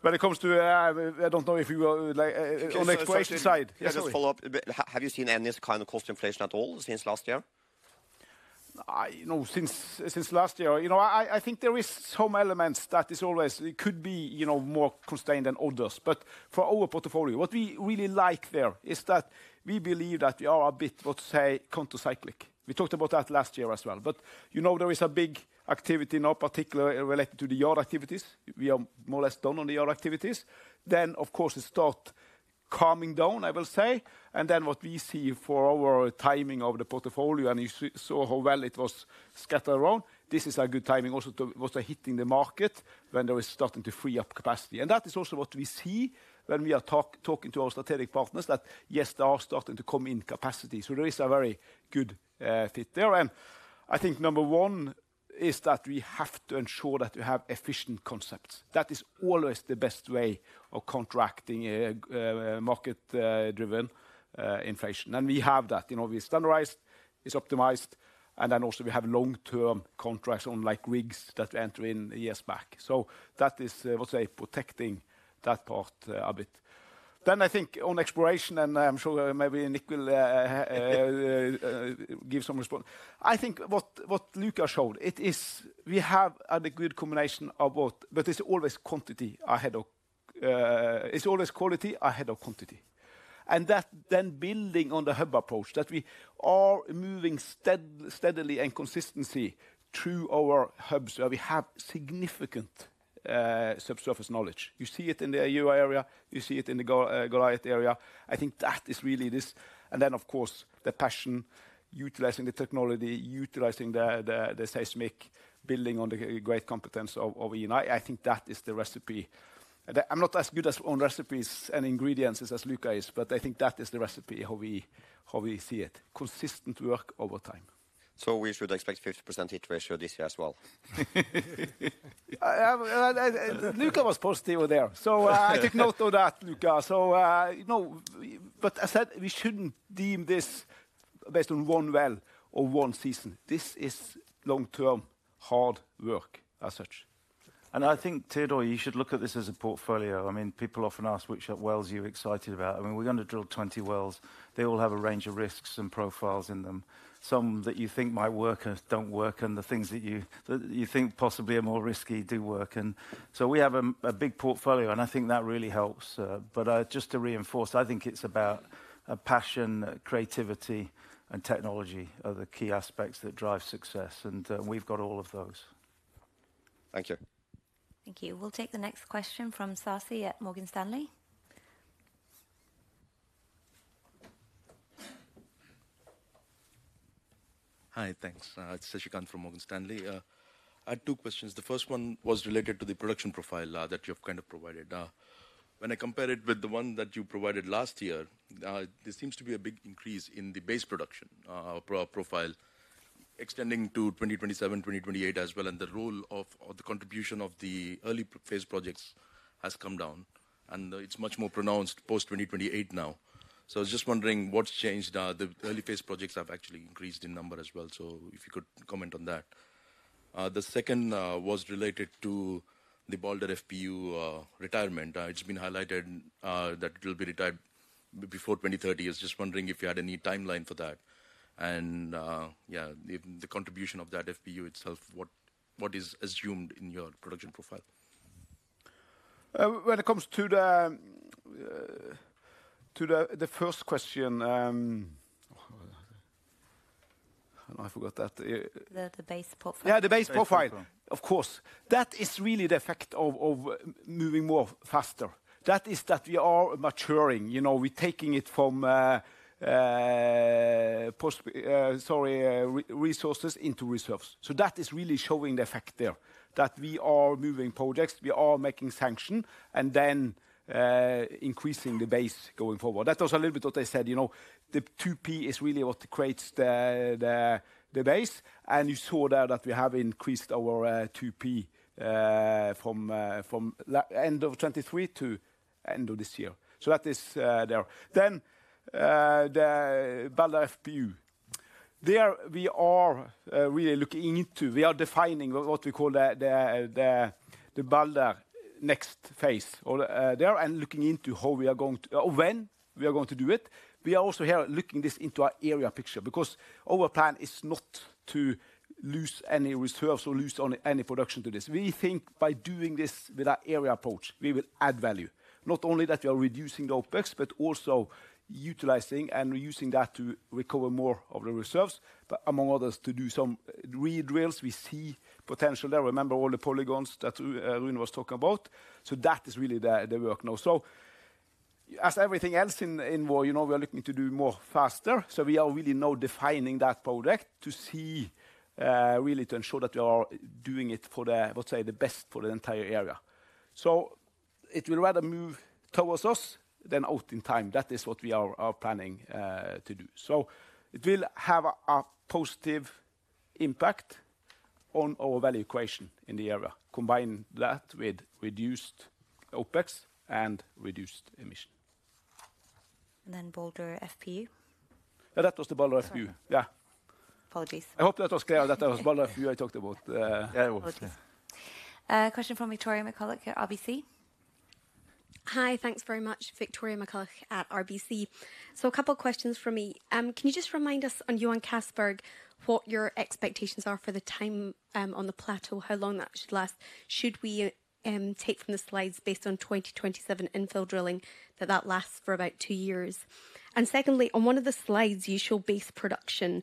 When it comes to, I don't know if you were on the exploration side. Just to follow up, have you seen any kind of cost inflation at all since last year? No, since last year, you know, I think there are some elements that is always, it could be, you know, more constrained than others. But for our portfolio, what we really like there is that we believe that we are a bit, let's say, countercyclic. We talked about that last year as well. But, you know, there is a big activity now, particularly related to the yard activities. We are more or less done on the yard activities. Then, of course, it starts calming down, I will say. And then what we see for our timing of the portfolio, and you saw how well it was scattered around, this is a good timing also to hit in the market when there is starting to free up capacity. And that is also what we see when we are talking to our strategic partners, that yes, there are starting to come in capacity. So there is a very good fit there. And I think number one is that we have to ensure that we have efficient concepts. That is always the best way of contracting market-driven inflation. And we have that, you know, we standardize, it's optimized, and then also we have long-term contracts on like rigs that we entered in years back. So that is, I would say, protecting that part a bit. Then I think on exploration, and I'm sure maybe Nick will give some response. I think what Luca showed, it is we have a good combination of both, but it's always quality ahead of quantity. And that, then building on the hub approach that we are moving steadily and consistently through our hubs where we have significant subsurface knowledge. You see it in the Gjøa area, you see it in the Goliat area. I think that is really this. And then, of course, the passion, utilizing the technology, utilizing the seismic, building on the great competence of Eni. I think that is the recipe. I'm not as good on recipes and ingredients as Luca is, but I think that is the recipe how we see it. Consistent work over time. So we should expect 50% hit ratio this year as well. Luca was positive there. So I took note of that, Luca. So, you know, but as I said, we shouldn't deem this based on one well or one season. This is long-term hard work as such. And I think, Teodor, you should look at this as a portfolio. I mean, people often ask which wells you're excited about. I mean, we're going to drill 20 wells. They all have a range of risks and profiles in them. Some that you think might work and don't work, and the things that you think possibly are more risky do work. And so we have a big portfolio, and I think that really helps. But just to reinforce, I think it's about passion, creativity, and technology are the key aspects that drive success. And we've got all of those. Thank you. Thank you. We'll take the next question from Sasi at Morgan Stanley. Hi, thanks. It's Sasikanth from Morgan Stanley. I had two questions. The first one was related to the production profile that you have kind of provided. When I compare it with the one that you provided last year, there seems to be a big increase in the base production profile extending to 2027, 2028 as well. And the role of the contribution of the early phase projects has come down. And it's much more pronounced post 2028 now. So I was just wondering what's changed. The early phase projects have actually increased in number as well. So if you could comment on that. The second was related to the Balder FPU retirement. It's been highlighted that it will be retired before 2030. I was just wondering if you had any timeline for that. And yeah, the contribution of that FPU itself, what is assumed in your production profile? When it comes to the first question, and I forgot that. The base profile. Yeah, the base profile, of course. That is really the effect of moving more faster. That is that we are maturing, you know, we're taking it from, sorry, resources into reserves. So that is really showing the effect there that we are moving projects, we are making sanction, and then increasing the base going forward. That was a little bit what they said, you know, the 2P is really what creates the base, and you saw there that we have increased our 2P from the end of 2023 to the end of this year. So that is there, then the Balder FPU, there we are really looking into, we are defining what we call the Balder next phase there, and looking into how we are going to, or when we are going to do it. We are also here looking this into our area picture because our plan is not to lose any reserves or lose any production to this. We think by doing this with our area approach, we will add value. Not only that we are reducing the OpEx, but also utilizing and using that to recover more of the reserves, but among others to do some re-drills. We see potential there. Remember all the polygons that Rune was talking about. So that is really the work now. So as everything else in Vår, you know, we are looking to do more faster. So we are really now defining that project to see really to ensure that we are doing it for the, I would say, the best for the entire area. So it will rather move towards us than out in time. That is what we are planning to do. So it will have a positive impact on our value equation in the area, combining that with reduced OpEx and reduced emission. And then Balder FPU. Yeah, that was the Balder FPU. Yeah. Apologies. I hope that was clear that that was Balder FPU I talked about. Yeah, it was. Question from Victoria McCulloch at RBC. Hi, thanks very much, Victoria McCulloch at RBC. So a couple of questions for me. Can you just remind us on Yme and Castberg what your expectations are for the time on the plateau, how long that should last? Should we take from the slides based on 2027 infill drilling that that lasts for about two years? And secondly, on one of the slides, you show base production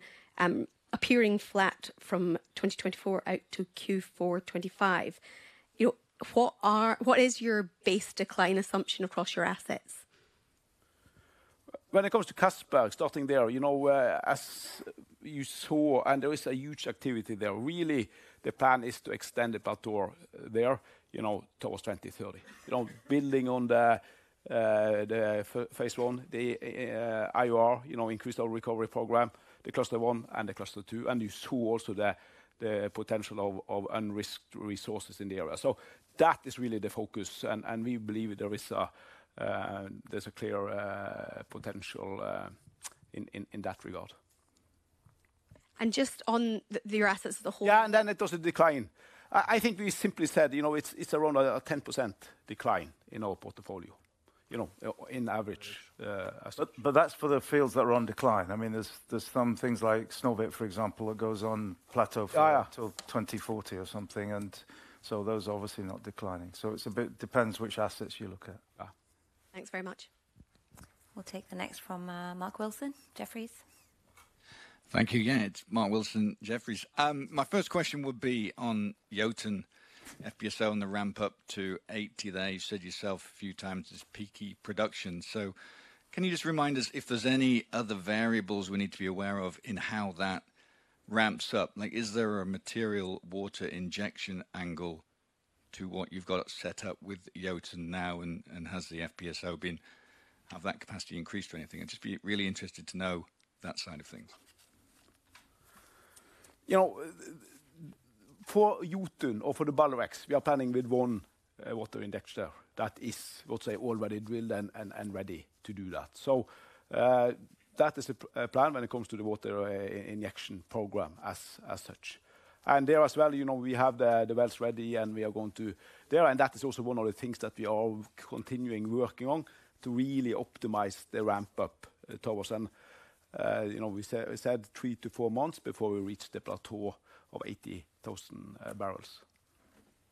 appearing flat from 2024 out to Q4 2025. You know, what is your base decline assumption across your assets? When it comes to Castberg, starting there, you know, as you saw, and there is a huge activity there. Really, the plan is to extend the plateau there, you know, towards 2030. You know, building on the Phase I, the IOR, you know, increased our recovery program, the cluster one and the cluster two, and you saw also the potential of unrisked resources in the area. So that is really the focus, and we believe there is a clear potential in that regard, and just on your assets as a whole. Yeah, and then it doesn't decline. I think we simply said, you know, it's around a 10% decline in our portfolio, you know, in average. But that's for the fields that are on decline. I mean, there's some things like Snøhvit, for example, that goes on plateau for until 2040 or something, and so those are obviously not declining. So it depends which assets you look at. Thanks very much. We'll take the next from Mark Wilson, Jefferies. Thank you again. It's Mark Wilson, Jefferies. My first question would be on Jotun FPSO on the ramp up to 80. You said yourself a few times it's peaky production. So can you just remind us if there's any other variables we need to be aware of in how that ramps up? Like, is there a material water injection angle to what you've got set up with Jotun now? And has the FPSO been of that capacity increased or anything? I'd just be really interested to know that side of things. You know, for Jotun or for the Balder X, we are planning with one water injector there. That is, I would say, already drilled and ready to do that. So that is a plan when it comes to the water injection program as such, and there as well, you know, we have the wells ready and we are going to there, and that is also one of the things that we are continuing working on to really optimize the ramp up towards, and, you know, we said three to four months before we reach the plateau of 80,000 barrels.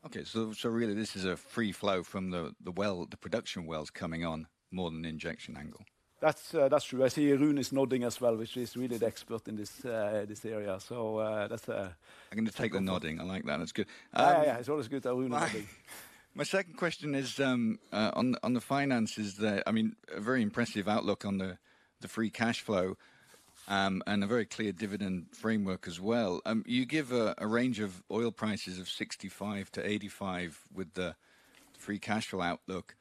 Okay, so really this is a free flow from the well, the production wells coming on more than the injection angle. That's true. I see Rune is nodding as well, which is really the expert in this area. So that's a... I'm going to take the nodding. I like that. That's good. Yeah, yeah, it's always good that Rune is nodding. My second question is on the finances there. I mean, a very impressive outlook on the free cash flow and a very clear dividend framework as well. You give a range of oil prices of $65-$85 with the free cash flow outlook.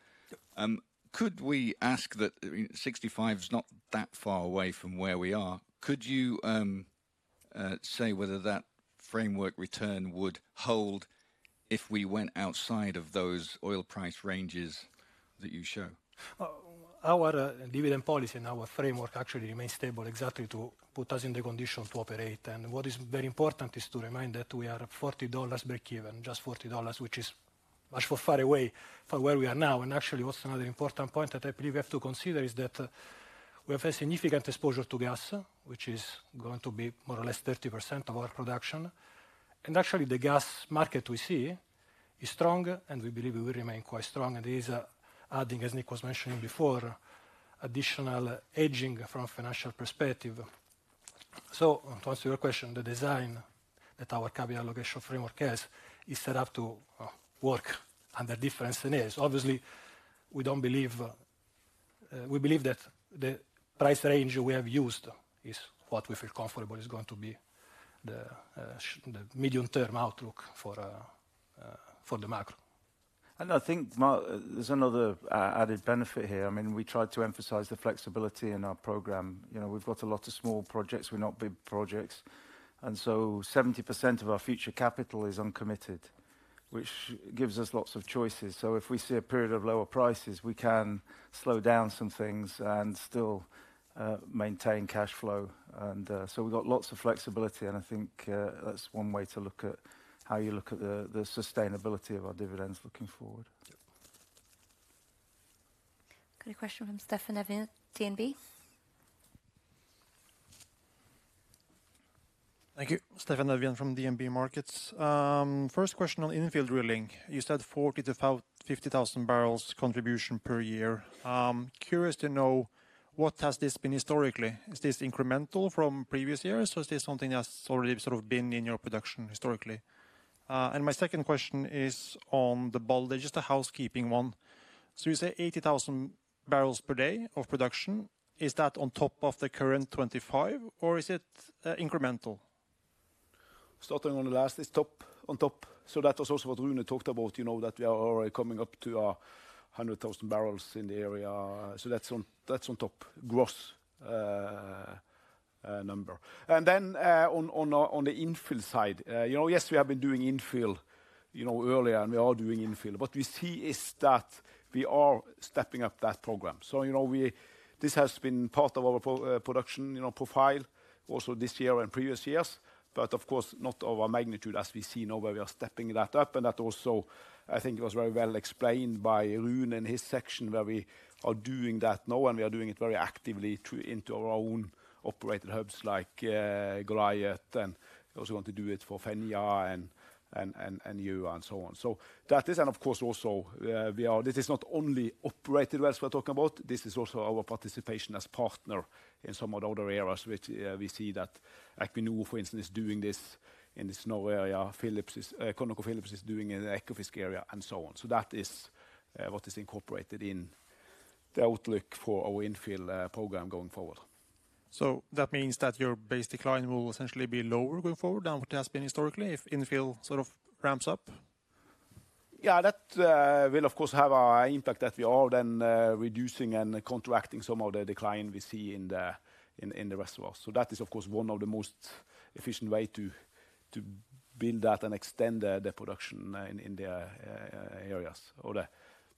Could we ask that 65 is not that far away from where we are? Could you say whether that framework return would hold if we went outside of those oil price ranges that you show? Our dividend policy and our framework actually remains stable exactly to put us in the condition to operate. And what is very important is to remind that we are at $40 break-even, just $40, which is much far away from where we are now. And actually, what's another important point that I believe we have to consider is that we have a significant exposure to gas, which is going to be more or less 30% of our production. Actually, the gas market we see is strong and we believe it will remain quite strong. It is adding, as Nick was mentioning before, additional edging from a financial perspective. To answer your question, the design that our capital allocation framework has is set up to work under different scenarios. Obviously, we don't believe, we believe that the price range we have used is what we feel comfortable is going to be the medium-term outlook for the macro. I think there's another added benefit here. I mean, we tried to emphasize the flexibility in our program. You know, we've got a lot of small projects. We're not big projects. 70% of our future capital is uncommitted, which gives us lots of choices. If we see a period of lower prices, we can slow down some things and still maintain cash flow. So we've got lots of flexibility. I think that's one way to look at how you look at the sustainability of our dividends looking forward. Got a question from Steffen Evjen, DNB. Thank you. Steffen Evjen from DNB Markets. First question on infill drilling. You said 40-50,000 barrels contribution per year. Curious to know what has this been historically? Is this incremental from previous years? Or is this something that's already sort of been in your production historically? And my second question is on the Balder, just a housekeeping one. You say 80,000 barrels per day of production. Is that on top of the current 25 or is it incremental? Starting on the last. It's top on top. That was also what Rune talked about, you know, that we are already coming up to 100,000 barrels in the area. So that's on top gross number. And then on the infill side, you know, yes, we have been doing infill, you know, earlier and we are doing infill. What we see is that we are stepping up that program. So, you know, this has been part of our production, you know, profile also this year and previous years. But of course, not of our magnitude as we see now where we are stepping that up. And that also, I think it was very well explained by Rune in his section where we are doing that now and we are doing it very actively into our own operated hubs like Goliat and also going to do it for Fenja and Gjøa and so on. So that is, and of course also we are, this is not only operated wells we're talking about. This is also our participation as partner in some of the other areas which we see that Aker BP, for instance, is doing this in the Snøhvit area. ConocoPhillips is doing in the Ekofisk area and so on. So that is what is incorporated in the outlook for our infill program going forward. So that means that your base decline will essentially be lower going forward than what it has been historically if infill sort of ramps up? Yeah, that will of course have an impact that we are then reducing and contracting some of the decline we see in the rest of us. So that is of course one of the most efficient ways to build that and extend the production in the areas or the,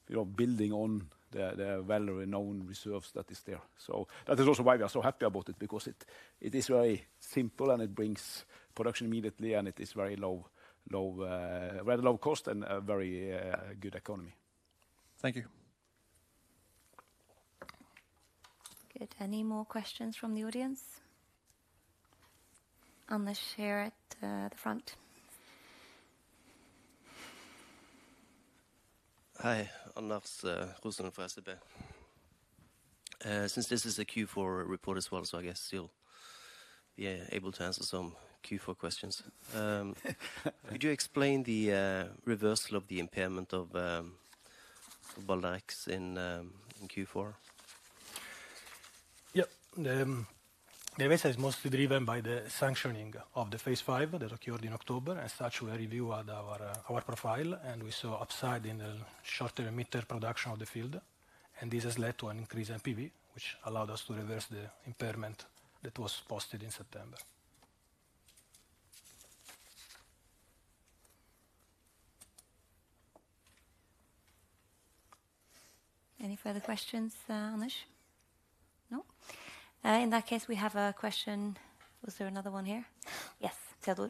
you know, building on the well-known reserves that is there. So that is also why we are so happy about it because it is very simple and it brings production immediately and it is very low, very low cost and a very good economy. Thank you. Good. Any more questions from the audience? On the share at the front. Hi, Anders Rosenlund from SEB. Since this is a Q4 report as well, so I guess you'll be able to answer some Q4 questions. Could you explain the reversal of the impairment of Balder X in Q4? Yeah, the data is mostly driven by the sanctioning of the Phase v that occurred in October. As such, we reviewed our profile and we saw upside in the shorter and mid-term production of the field. And this has led to an increase in PV, which allowed us to reverse the impairment that was posted in September. Any further questions, Anush? No? In that case, we have a question. Was there another one here? Yes, Teodor.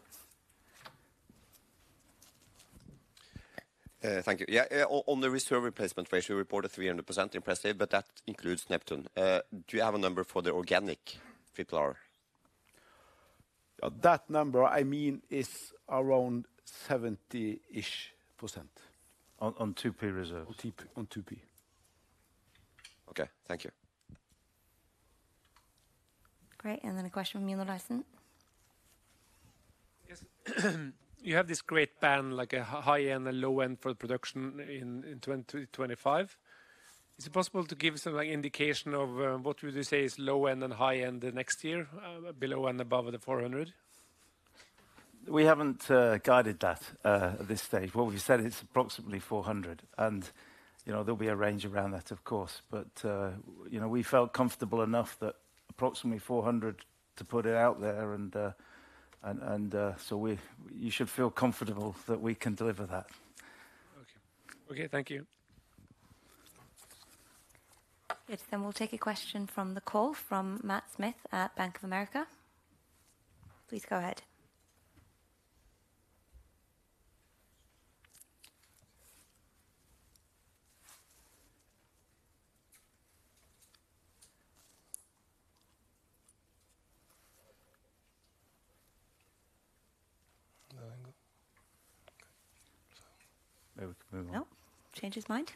Thank you. Yeah, on the reserve replacement ratio, we reported 300% impressive, but that includes Neptune. Do you have a number for the organic figure? That number I mean is around 70-ish%. On 2P reserve. On 2P. Okay, thank you. Great. And then a question from Mino Lyson. You have this great band, like a high end and low end for the production in 2025. Is it possible to give some indication of what would you say is low end and high end next year, below and above the 400? We haven't guided that at this stage. What we've said is approximately 400. And, you know, there'll be a range around that, of course. But, you know, we felt comfortable enough that approximately 400 to put it out there. And so you should feel comfortable that we can deliver that. Okay. Okay, thank you. Good. Then we'll take a question from the call from Matt Smith at Bank of America. Please go ahead. Maybe we can move on. Nope, changed his mind.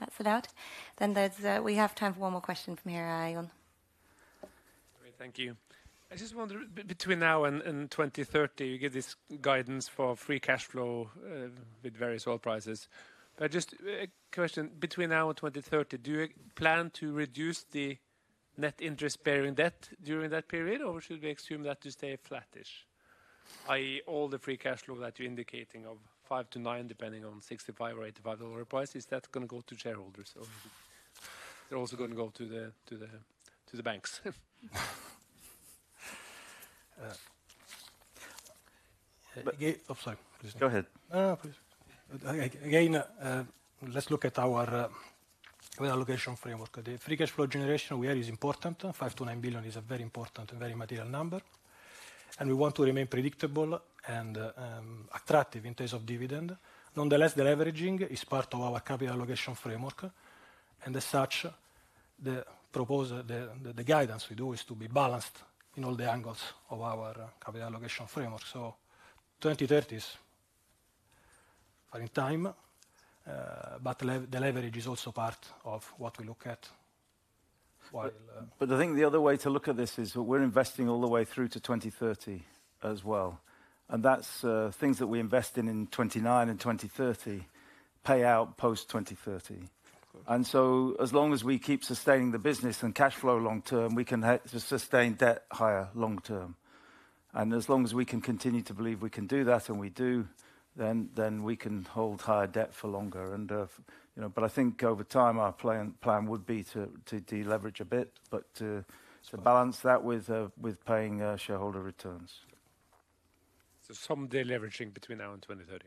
That's it out. Then we have time for one more question from here, Aion. Thank you. I just wonder between now and 2030, you give this guidance for free cash flow with various oil prices. But just a question between now and 2030, do you plan to reduce the net interest-bearing debt during that period, or should we assume that to stay flattish? I.e., all the free cash flow that you're indicating of five to nine, depending on $65 or $85 price, is that going to go to shareholders? Or is it also going to go to the banks? Go ahead. Again, let's look at our allocation framework. The free cash flow generation here is important. $5 billion-$9 billion is a very important and very material number, and we want to remain predictable and attractive in terms of dividend. Nonetheless, the leveraging is part of our capital allocation framework, and as such, the guidance we do is to be balanced in all the angles of our capital allocation framework, so 2030 is far in time, but the leverage is also part of what we look at. But I think the other way to look at this is we're investing all the way through to 2030 as well, and that's things that we invest in in 2029 and 2030 pay out post 2030, and so as long as we keep sustaining the business and cash flow long term, we can sustain debt higher long term. And as long as we can continue to believe we can do that and we do, then we can hold higher debt for longer. And, you know, but I think over time our plan would be to deleverage a bit, but to balance that with paying shareholder returns. So some deleveraging between now and 2030?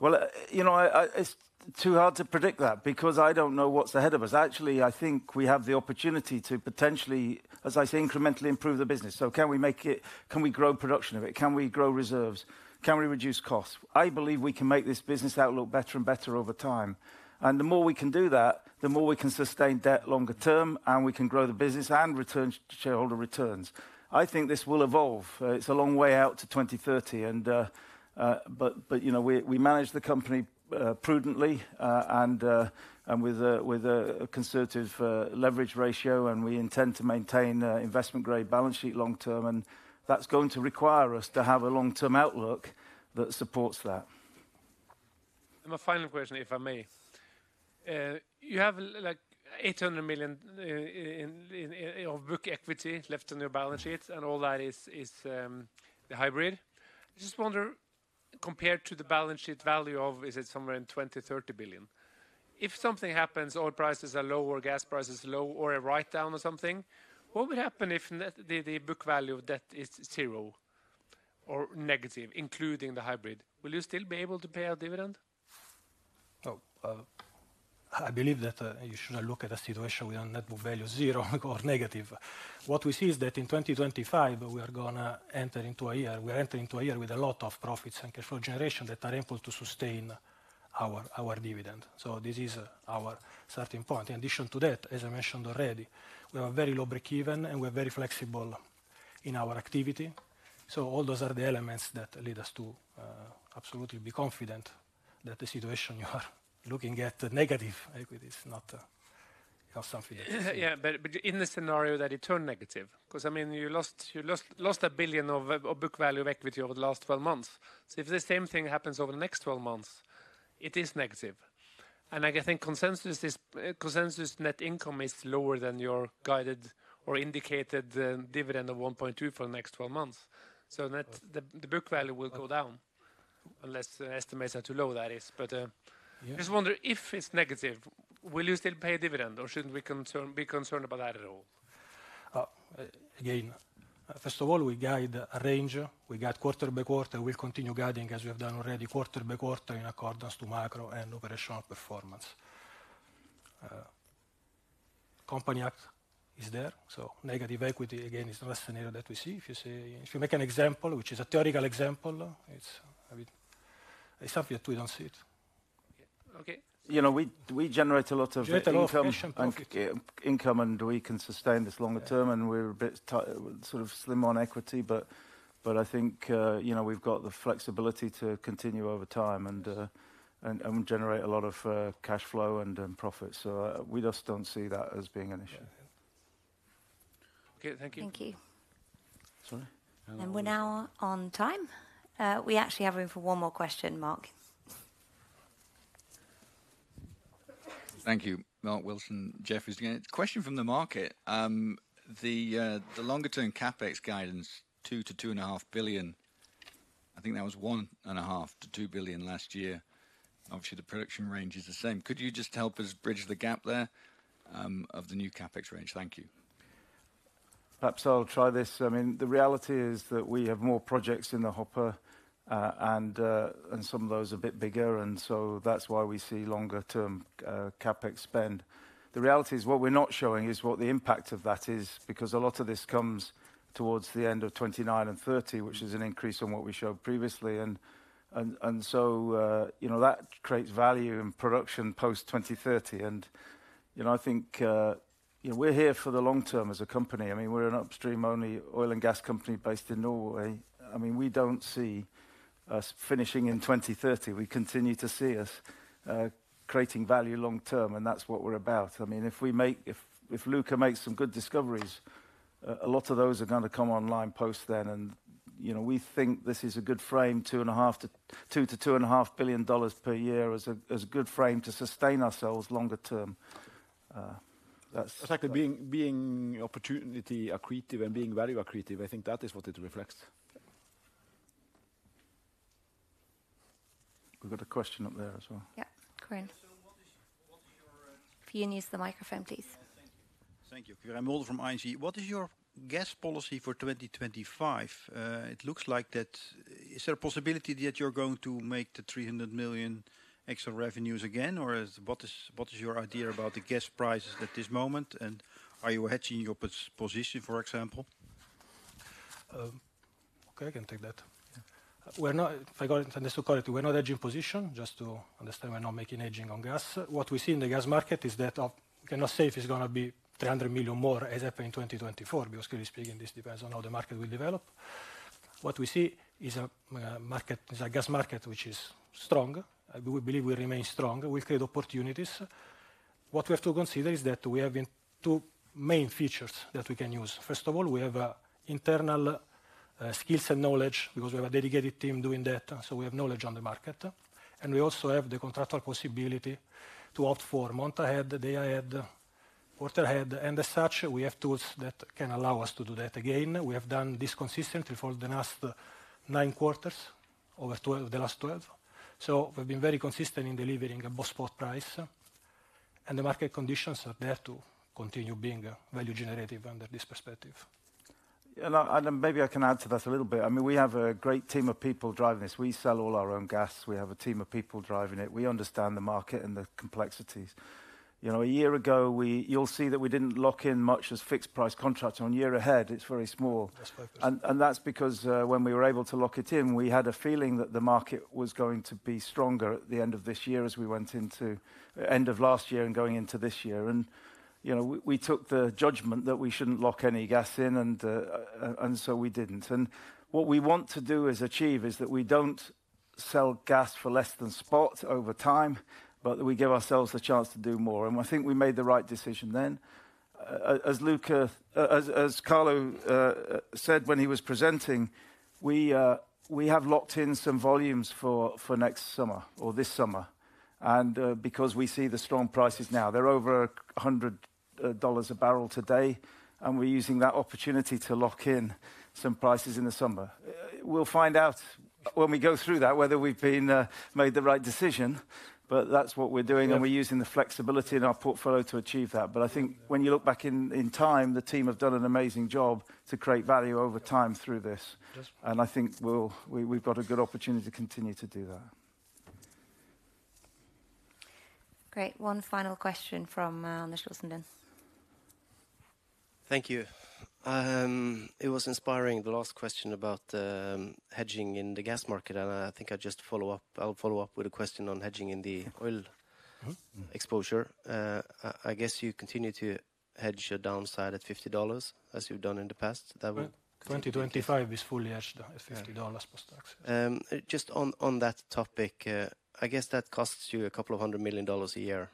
Well, you know, it's too hard to predict that because I don't know what's ahead of us. Actually, I think we have the opportunity to potentially, as I say, incrementally improve the business. So can we make it, can we grow production of it? Can we grow reserves? Can we reduce costs? I believe we can make this business outlook better and better over time. And the more we can do that, the more we can sustain debt longer term and we can grow the business and return shareholder returns. I think this will evolve. It's a long way out to 2030, but you know, we manage the company prudently and with a conservative leverage ratio and we intend to maintain investment grade balance sheet long term. That's going to require us to have a long term outlook that supports that. My final question, if I may. You have like $800 million of book equity left on your balance sheet and all that is the hybrid. I just wonder, compared to the balance sheet value of, is it somewhere in $20-$30 billion? If something happens, oil prices are low or gas prices are low or a write down or something, what would happen if the book value of debt is zero or negative, including the hybrid? Will you still be able to pay out dividend? No, I believe that you should look at a situation with a net book value of zero or negative. What we see is that in 2025, we are going to enter into a year, we are entering into a year with a lot of profits and cash flow generation that are able to sustain our dividend. So this is our starting point. In addition to that, as I mentioned already, we have a very low break-even and we're very flexible in our activity. So all those are the elements that lead us to absolutely be confident that the situation you are looking at, negative equity is not something else. Yeah, but in the scenario that it turned negative, because I mean, you lost $1 billion of book value of equity over the last 12 months. So if the same thing happens over the next 12 months, it is negative. I think consensus net income is lower than your guided or indicated dividend of 1.2 for the next 12 months. The book value will go down unless estimates are too low, that is. I just wonder if it's negative, will you still pay dividend or shouldn't we be concerned about that at all? Again, first of all, we guide a range. We guide quarter by quarter. We'll continue guiding as we have done already, quarter by quarter in accordance to macro and operational performance. Company act is there. Negative equity again is not a scenario that we see. If you make an example, which is a theoretical example, it's a bit subject to, we don't see it. Okay. You know, we generate a lot of income and we can sustain this longer term and we're a bit sort of slim on equity. But I think, you know, we've got the flexibility to continue over time and generate a lot of cash flow and profits. So we just don't see that as being an issue. Okay, thank you. Thank you. Sorry. And we're now on time. We actually have room for one more question, Mark. Thank you. Mark Wilson, Jefferies again. Question from the market. The longer term CapEx guidance, $2-$2.5 billion. I think that was $1.5-$2 billion last year. Obviously, the production range is the same. Could you just help us bridge the gap there of the new CapEx range? Thank you. Perhaps I'll try this. I mean, the reality is that we have more projects in the hopper and some of those are a bit bigger. And so that's why we see longer term CapEx spend. The reality is what we're not showing is what the impact of that is because a lot of this comes towards the end of 2029 and 2030, which is an increase on what we showed previously. And so, you know, that creates value in production post 2030. And, you know, I think, you know, we're here for the long term as a company. I mean, we're an upstream only oil and gas company based in Norway. I mean, we don't see us finishing in 2030. We continue to see us creating value long term and that's what we're about. I mean, if Luca makes some good discoveries, a lot of those are going to come online post then. And, you know, we think this is a good frame, $2-$2.5 billion per year as a good frame to sustain ourselves longer term. That's exactly being opportunity accretive and being value accretive. I think that is what it reflects. We've got a question up there as well. Yeah, Quirijn. If you can use the microphone, please. Thank you. Quirijn Mulder from ING. What is your gas policy for 2025? It looks like that, is there a possibility that you're going to make the 300 million extra revenues again? Or what is your idea about the gas prices at this moment? And are you hedging your position, for example? Okay, I can take that. If I got it, I just to correct it, we're not hedging position, just to understand we're not making hedging on gas. What we see in the gas market is that we cannot say if it's going to be 300 million more as happened in 2024, because clearly speaking, this depends on how the market will develop. What we see is a market, a gas market, which is strong. We believe we remain strong. We create opportunities. What we have to consider is that we have two main features that we can use. First of all, we have internal skills and knowledge because we have a dedicated team doing that. And so we have knowledge on the market. And we also have the contractual possibility to opt for month-ahead, day-ahead, quarter-ahead. And as such, we have tools that can allow us to do that again. We have done this consistently for the last nine quarters, over the last 12. So we've been very consistent in delivering a best spot price. And the market conditions are there to continue being value generative under this perspective. And maybe I can answer that a little bit. I mean, we have a great team of people driving this. We sell all our own gas. We have a team of people driving it. We understand the market and the complexities. You know, a year ago, you'll see that we didn't lock in much as fixed price contracts on year ahead. It's very small. And that's because when we were able to lock it in, we had a feeling that the market was going to be stronger at the end of this year as we went into the end of last year and going into this year. And, you know, we took the judgment that we shouldn't lock any gas in. And so we didn't. And what we want to do is achieve is that we don't sell gas for less than spot over time, but that we give ourselves the chance to do more. And I think we made the right decision then. As Luca, as Carlo said when he was presenting, we have locked in some volumes for next summer or this summer. And because we see the strong prices now, they're over $100 a barrel today. And we're using that opportunity to lock in some prices in the summer. We'll find out when we go through that whether we've made the right decision. But that's what we're doing. And we're using the flexibility in our portfolio to achieve that. But I think when you look back in time, the team have done an amazing job to create value over time through this. And I think we've got a good opportunity to continue to do that. Great. One final question from Nilsen then. Thank you. It was inspiring, the last question about hedging in the gas market. And I think I just follow up. I'll follow up with a question on hedging in the oil exposure. I guess you continue to hedge your downside at $50 as you've done in the past. That will, 2025 is fully hedged at $50 plus tax. Just on that topic, I guess that costs you a couple of hundred million dollars a year.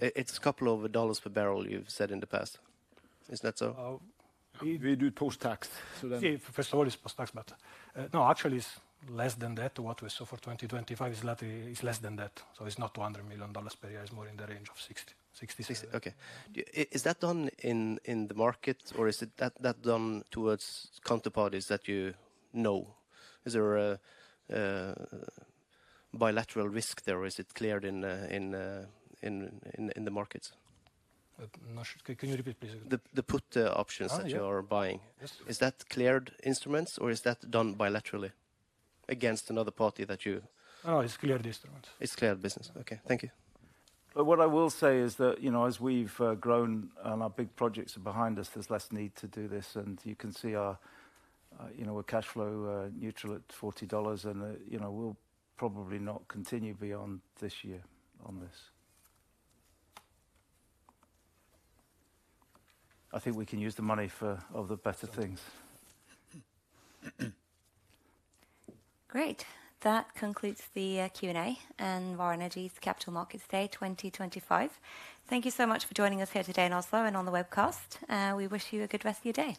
It's a couple of dollars per barrel you've said in the past. Is that so? We do post tax. So then first of all, it's post tax matter. No, actually it's less than that. What we saw for 2025 is less than that. So it's not $200 million per year. It's more in the range of 60, 60, 60. Okay. Is that done in the market or is that done towards counterparties that you know? Is there a bilateral risk there or is it cleared in the markets? Can you repeat please? The put options that you are buying. Is that cleared instruments or is that done bilaterally against another party that you? No, it's cleared instruments. It's cleared business. Okay. Thank you. What I will say is that, you know, as we've grown and our big projects are behind us, there's less need to do this. And you can see our, you know, we're cash flow neutral at $40. And, you know, we'll probably not continue beyond this year on this. I think we can use the money for other better things. Great. That concludes the Q&A and Vår Energi's Capital Markets Day 2025. Thank you so much for joining us here today in Oslo and on the webcast. We wish you a good rest of your day.